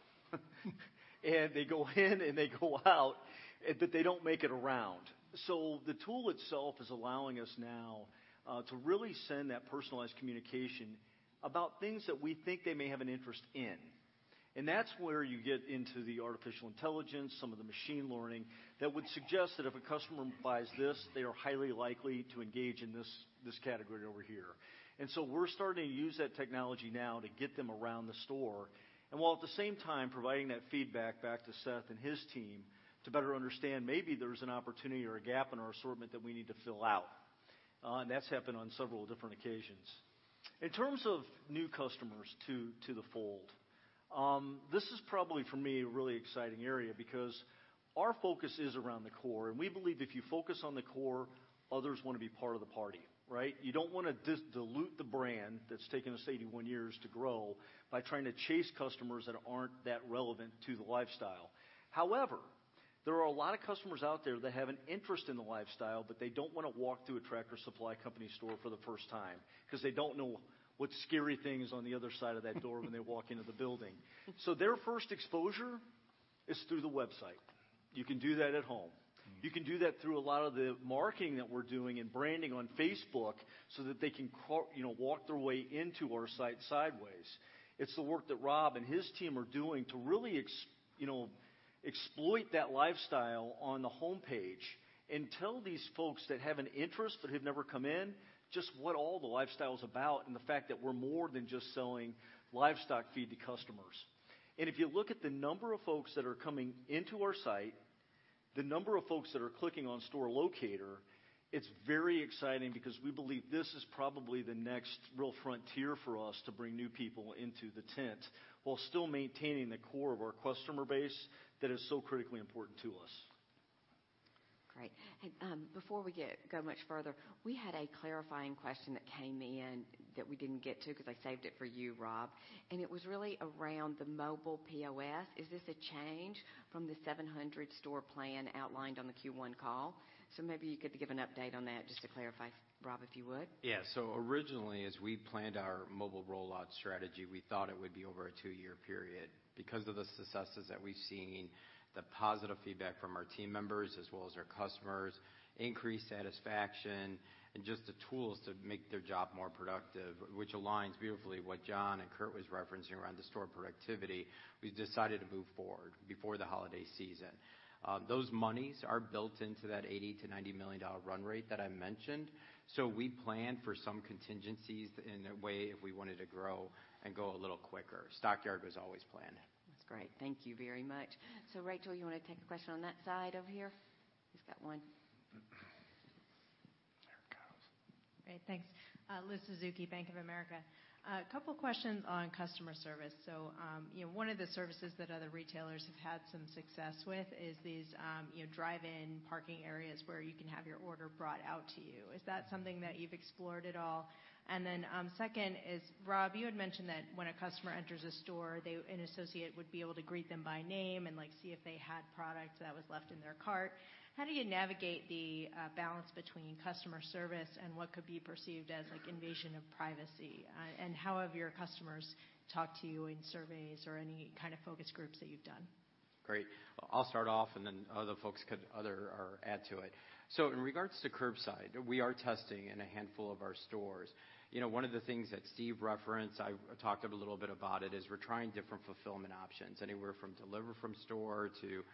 They go in and they go out, but they don't make it around. The tool itself is allowing us now to really send that personalized communication about things that we think they may have an interest in. That's where you get into the artificial intelligence, some of the machine learning that would suggest that if a customer buys this, they are highly likely to engage in this category over here. We're starting to use that technology now to get them around the store. While at the same time providing that feedback back to Seth and his team to better understand maybe there's an opportunity or a gap in our assortment that we need to fill out. That's happened on several different occasions. In terms of new customers to the fold. This is probably, for me, a really exciting area because our focus is around the core, and we believe if you focus on the core, others want to be part of the party. You don't want to dilute the brand that's taken us 81 years to grow by trying to chase customers that aren't that relevant to the lifestyle. However, there are a lot of customers out there that have an interest in the lifestyle, but they don't want to walk through a Tractor Supply Company store for the first time because they don't know what scary thing is on the other side of that door when they walk into the building. Their first exposure is through the website. You can do that at home. You can do that through a lot of the marketing that we're doing and branding on Facebook so that they can walk their way into our site sideways. It's the work that Rob and his team are doing to really exploit that lifestyle on the homepage and tell these folks that have an interest but have never come in just what all the lifestyle's about and the fact that we're more than just selling livestock feed to customers. If you look at the number of folks that are coming into our site, the number of folks that are clicking on store locator, it's very exciting because we believe this is probably the next real frontier for us to bring new people into the tent while still maintaining the core of our customer base that is so critically important to us. Great. Before we go much further, we had a clarifying question that came in that we didn't get to because I saved it for you, Rob, and it was really around the mobile POS. Is this a change from the 700 store plan outlined on the Q1 call? Maybe you could give an update on that just to clarify, Rob, if you would. Yeah. Originally, as we planned our mobile rollout strategy, we thought it would be over a two-year period. Because of the successes that we've seen, the positive feedback from our team members as well as our customers, increased satisfaction, and just the tools to make their job more productive, which aligns beautifully what John and Kurt was referencing around the store productivity. We've decided to move forward before the holiday season. Those monies are built into that $80 million to $90 million run rate that I mentioned. We planned for some contingencies in the way if we wanted to grow and go a little quicker. Stockyard was always planned. That's great. Thank you very much. Rachel, you want to take a question on that side over here? He's got one. There it goes. Great. Thanks. Liz Suzuki, Bank of America. A couple questions on customer service. One of the services that other retailers have had some success with is these drive-in parking areas where you can have your order brought out to you. Is that something that you've explored at all? Second is, Rob, you had mentioned that when a customer enters a store, an associate would be able to greet them by name and see if they had product that was left in their cart. How do you navigate the balance between customer service and what could be perceived as invasion of privacy? How have your customers talked to you in surveys or any kind of focus groups that you've done? Great. I'll start off and then other folks could add to it. In regards to curbside, we are testing in a handful of our stores. One of the things that Steve referenced, I talked a little bit about it, is we're trying different fulfillment options, anywhere from deliver from store to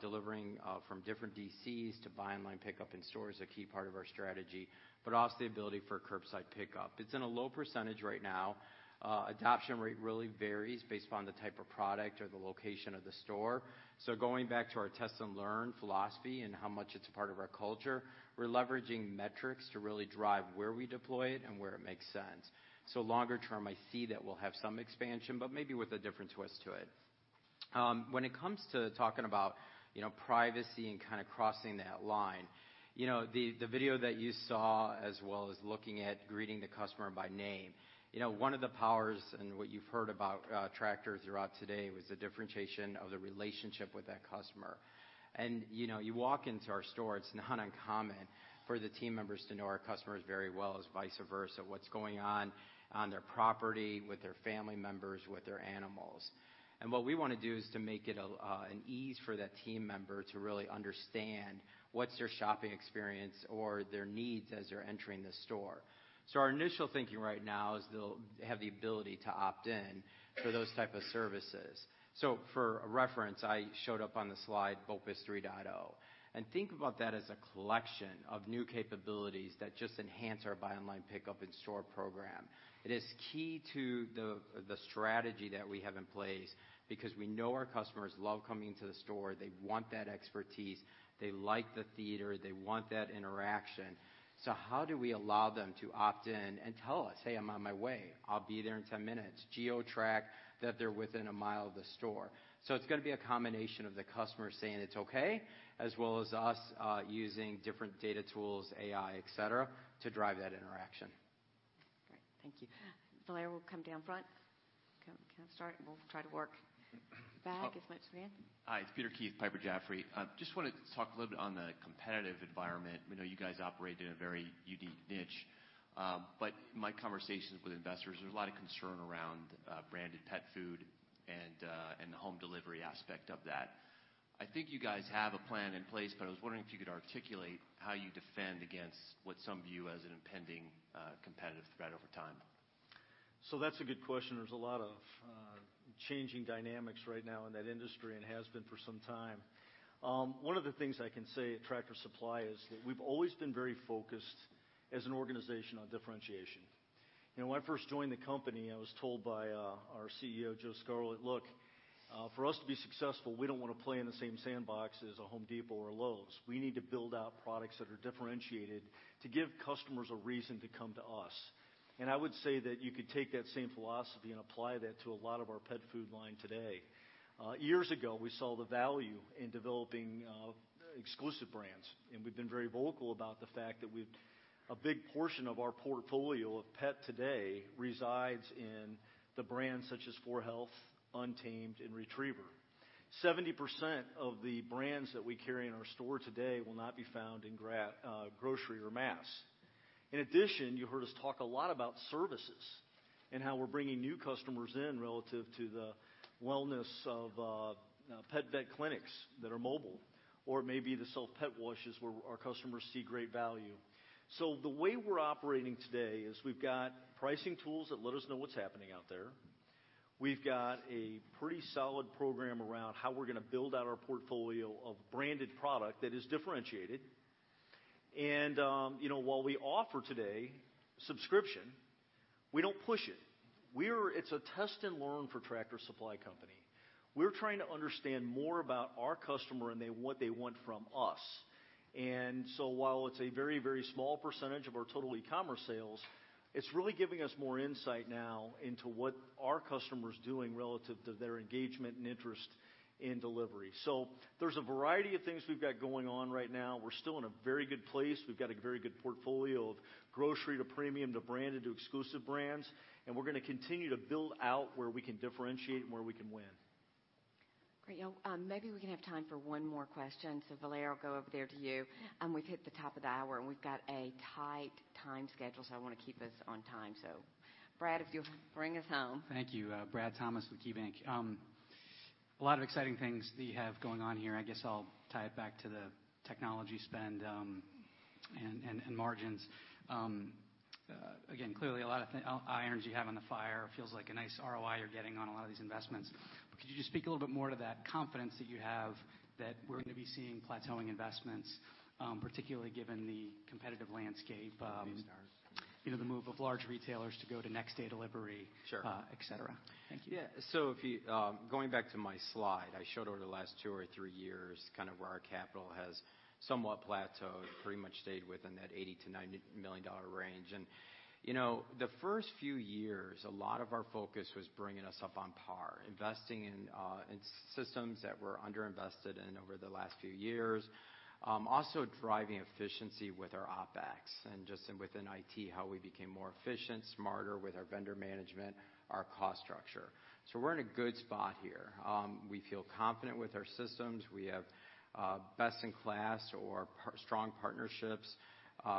delivering from different DCs to Buy Online, Pick-up in Store is a key part of our strategy, but also the ability for curbside pickup. It's in a low percentage right now. Adoption rate really varies based upon the type of product or the location of the store. Going back to our test and learn philosophy and how much it's a part of our culture, we're leveraging metrics to really drive where we deploy it and where it makes sense. Longer term, I see that we'll have some expansion, but maybe with a different twist to it. When it comes to talking about privacy and crossing that line, the video that you saw as well as looking at greeting the customer by name. One of the powers and what you've heard about Tractor throughout today was the differentiation of the relationship with that customer. You walk into our store, it's not uncommon for the team members to know our customers very well as vice versa, what's going on their property, with their family members, with their animals. What we want to do is to make it an ease for that team member to really understand what's their shopping experience or their needs as they're entering the store. Our initial thinking right now is they'll have the ability to opt in for those type of services. For a reference, I showed on the slide, BOPIS 3.0, and think about that as a collection of new capabilities that just enhance our Buy Online, Pick-up In Store program. It is key to the strategy that we have in place because we know our customers love coming to the store. They want that expertise. They like the theater. They want that interaction. How do we allow them to opt in and tell us, "Hey, I'm on my way. I'll be there in 10 minutes." Geo-track that they're within a mile of the store. It's going to be a combination of the customer saying it's okay, as well as us using different data tools, AI, et cetera, to drive that interaction. Great. Thank you. Valera will come down front. Kind of start and we'll try to work back as much as we can. Hi, it's Peter Keith, Piper Sandler. Just wanted to talk a little bit on the competitive environment. We know you guys operate in a very unique niche. My conversations with investors, there's a lot of concern around branded pet food and the home delivery aspect of that. I think you guys have a plan in place, but I was wondering if you could articulate how you defend against what some view as an impending competitive threat over time. That's a good question. There's a lot of changing dynamics right now in that industry and has been for some time. One of the things I can say at Tractor Supply is that we've always been very focused as an organization on differentiation. When I first joined the company, I was told by our CEO, Joe Scarlett, "Look, for us to be successful, we don't want to play in the same sandbox as The Home Depot or a Lowe's. We need to build out products that are differentiated to give customers a reason to come to us." I would say that you could take that same philosophy and apply that to a lot of our pet food line today. Years ago, we saw the value in developing exclusive brands, we've been very vocal about the fact that a big portion of our portfolio of pet today resides in the brands such as 4health, Untamed, and Retriever. 70% of the brands that we carry in our store today will not be found in grocery or mass. In addition, you heard us talk a lot about services and how we're bringing new customers in relative to the wellness of PetVet clinics that are mobile, or it may be the self-pet washes where our customers see great value. The way we're operating today is we've got pricing tools that let us know what's happening out there. We've got a pretty solid program around how we're going to build out our portfolio of branded product that is differentiated. While we offer today subscription, we don't push it. It's a test and learn for Tractor Supply Company. We're trying to understand more about our customer and what they want from us. While it's a very small percentage of our total e-commerce sales, it's really giving us more insight now into what our customer's doing relative to their engagement and interest in delivery. There's a variety of things we've got going on right now. We're still in a very good place. We've got a very good portfolio of grocery to premium to branded to exclusive brands, and we're going to continue to build out where we can differentiate and where we can win. Great. Maybe we can have time for one more question. Valera, I'll go over there to you. We've hit the top of the hour, and we've got a tight time schedule, I want to keep us on time. Brad, if you'll bring us home. Thank you. Brad Thomas with KeyBanc. A lot of exciting things that you have going on here. I guess I'll tie it back to the technology spend and margins. Again, clearly a lot of energy you have on the fire. Feels like a nice ROI you're getting on a lot of these investments. Could you just speak a little bit more to that confidence that you have that we're going to be seeing plateauing investments, particularly given the competitive landscape- New stars the move of large retailers to go to next day delivery. Sure et cetera. Thank you. Yeah. Going back to my slide, I showed over the last two or three years where our capital has somewhat plateaued, pretty much stayed within that $80 million to $90 million range. The first few years, a lot of our focus was bringing us up on par, investing in systems that were under-invested in over the last few years. Also driving efficiency with our OpEx and just within IT, how we became more efficient, smarter with our vendor management, our cost structure. We're in a good spot here. We feel confident with our systems. We have best in class or strong partnerships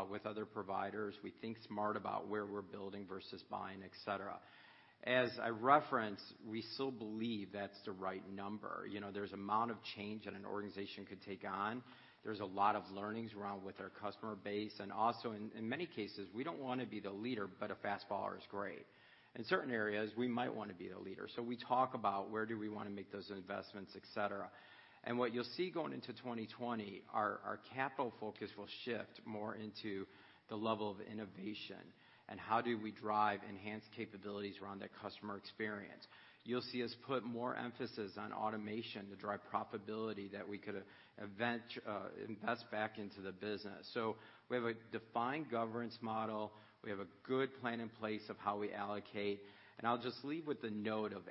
with other providers. We think smart about where we're building versus buying, et cetera. As I referenced, we still believe that's the right number. There's amount of change that an organization could take on. There's a lot of learnings around with our customer base. Also in many cases, we don't want to be the leader, but a fast follower is great. In certain areas, we might want to be the leader. We talk about where do we want to make those investments, et cetera. What you'll see going into 2020, our capital focus will shift more into the level of innovation and how do we drive enhanced capabilities around that customer experience. You'll see us put more emphasis on automation to drive profitability that we could invest back into the business. We have a defined governance model. We have a good plan in place of how we allocate. I'll just leave with the note of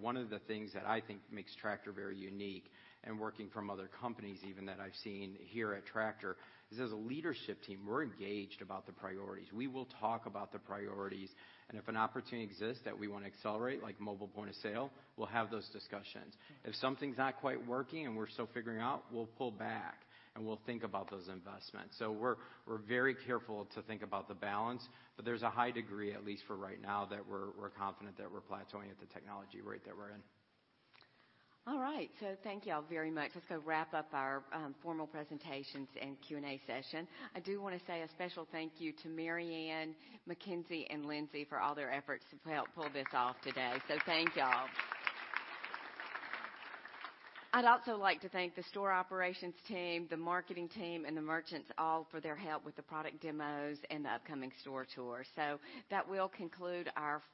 one of the things that I think makes Tractor very unique and working from other companies even that I've seen here at Tractor, is as a leadership team, we're engaged about the priorities. We will talk about the priorities, and if an opportunity exists that we want to accelerate, like mobile point of sale, we'll have those discussions. If something's not quite working and we're still figuring out, we'll pull back and we'll think about those investments. We're very careful to think about the balance, but there's a high degree, at least for right now, that we're confident that we're plateauing at the technology rate that we're in. All right. Thank you all very much. Let's go wrap up our formal presentations and Q&A session. I do want to say a special thank you to Mary Ann, McKenzie, and Lindsay for all their efforts to help pull this off today. Thank you all. I'd also like to thank the store operations team, the marketing team, and the merchants all for their help with the product demos and the upcoming store tour. That will conclude our formal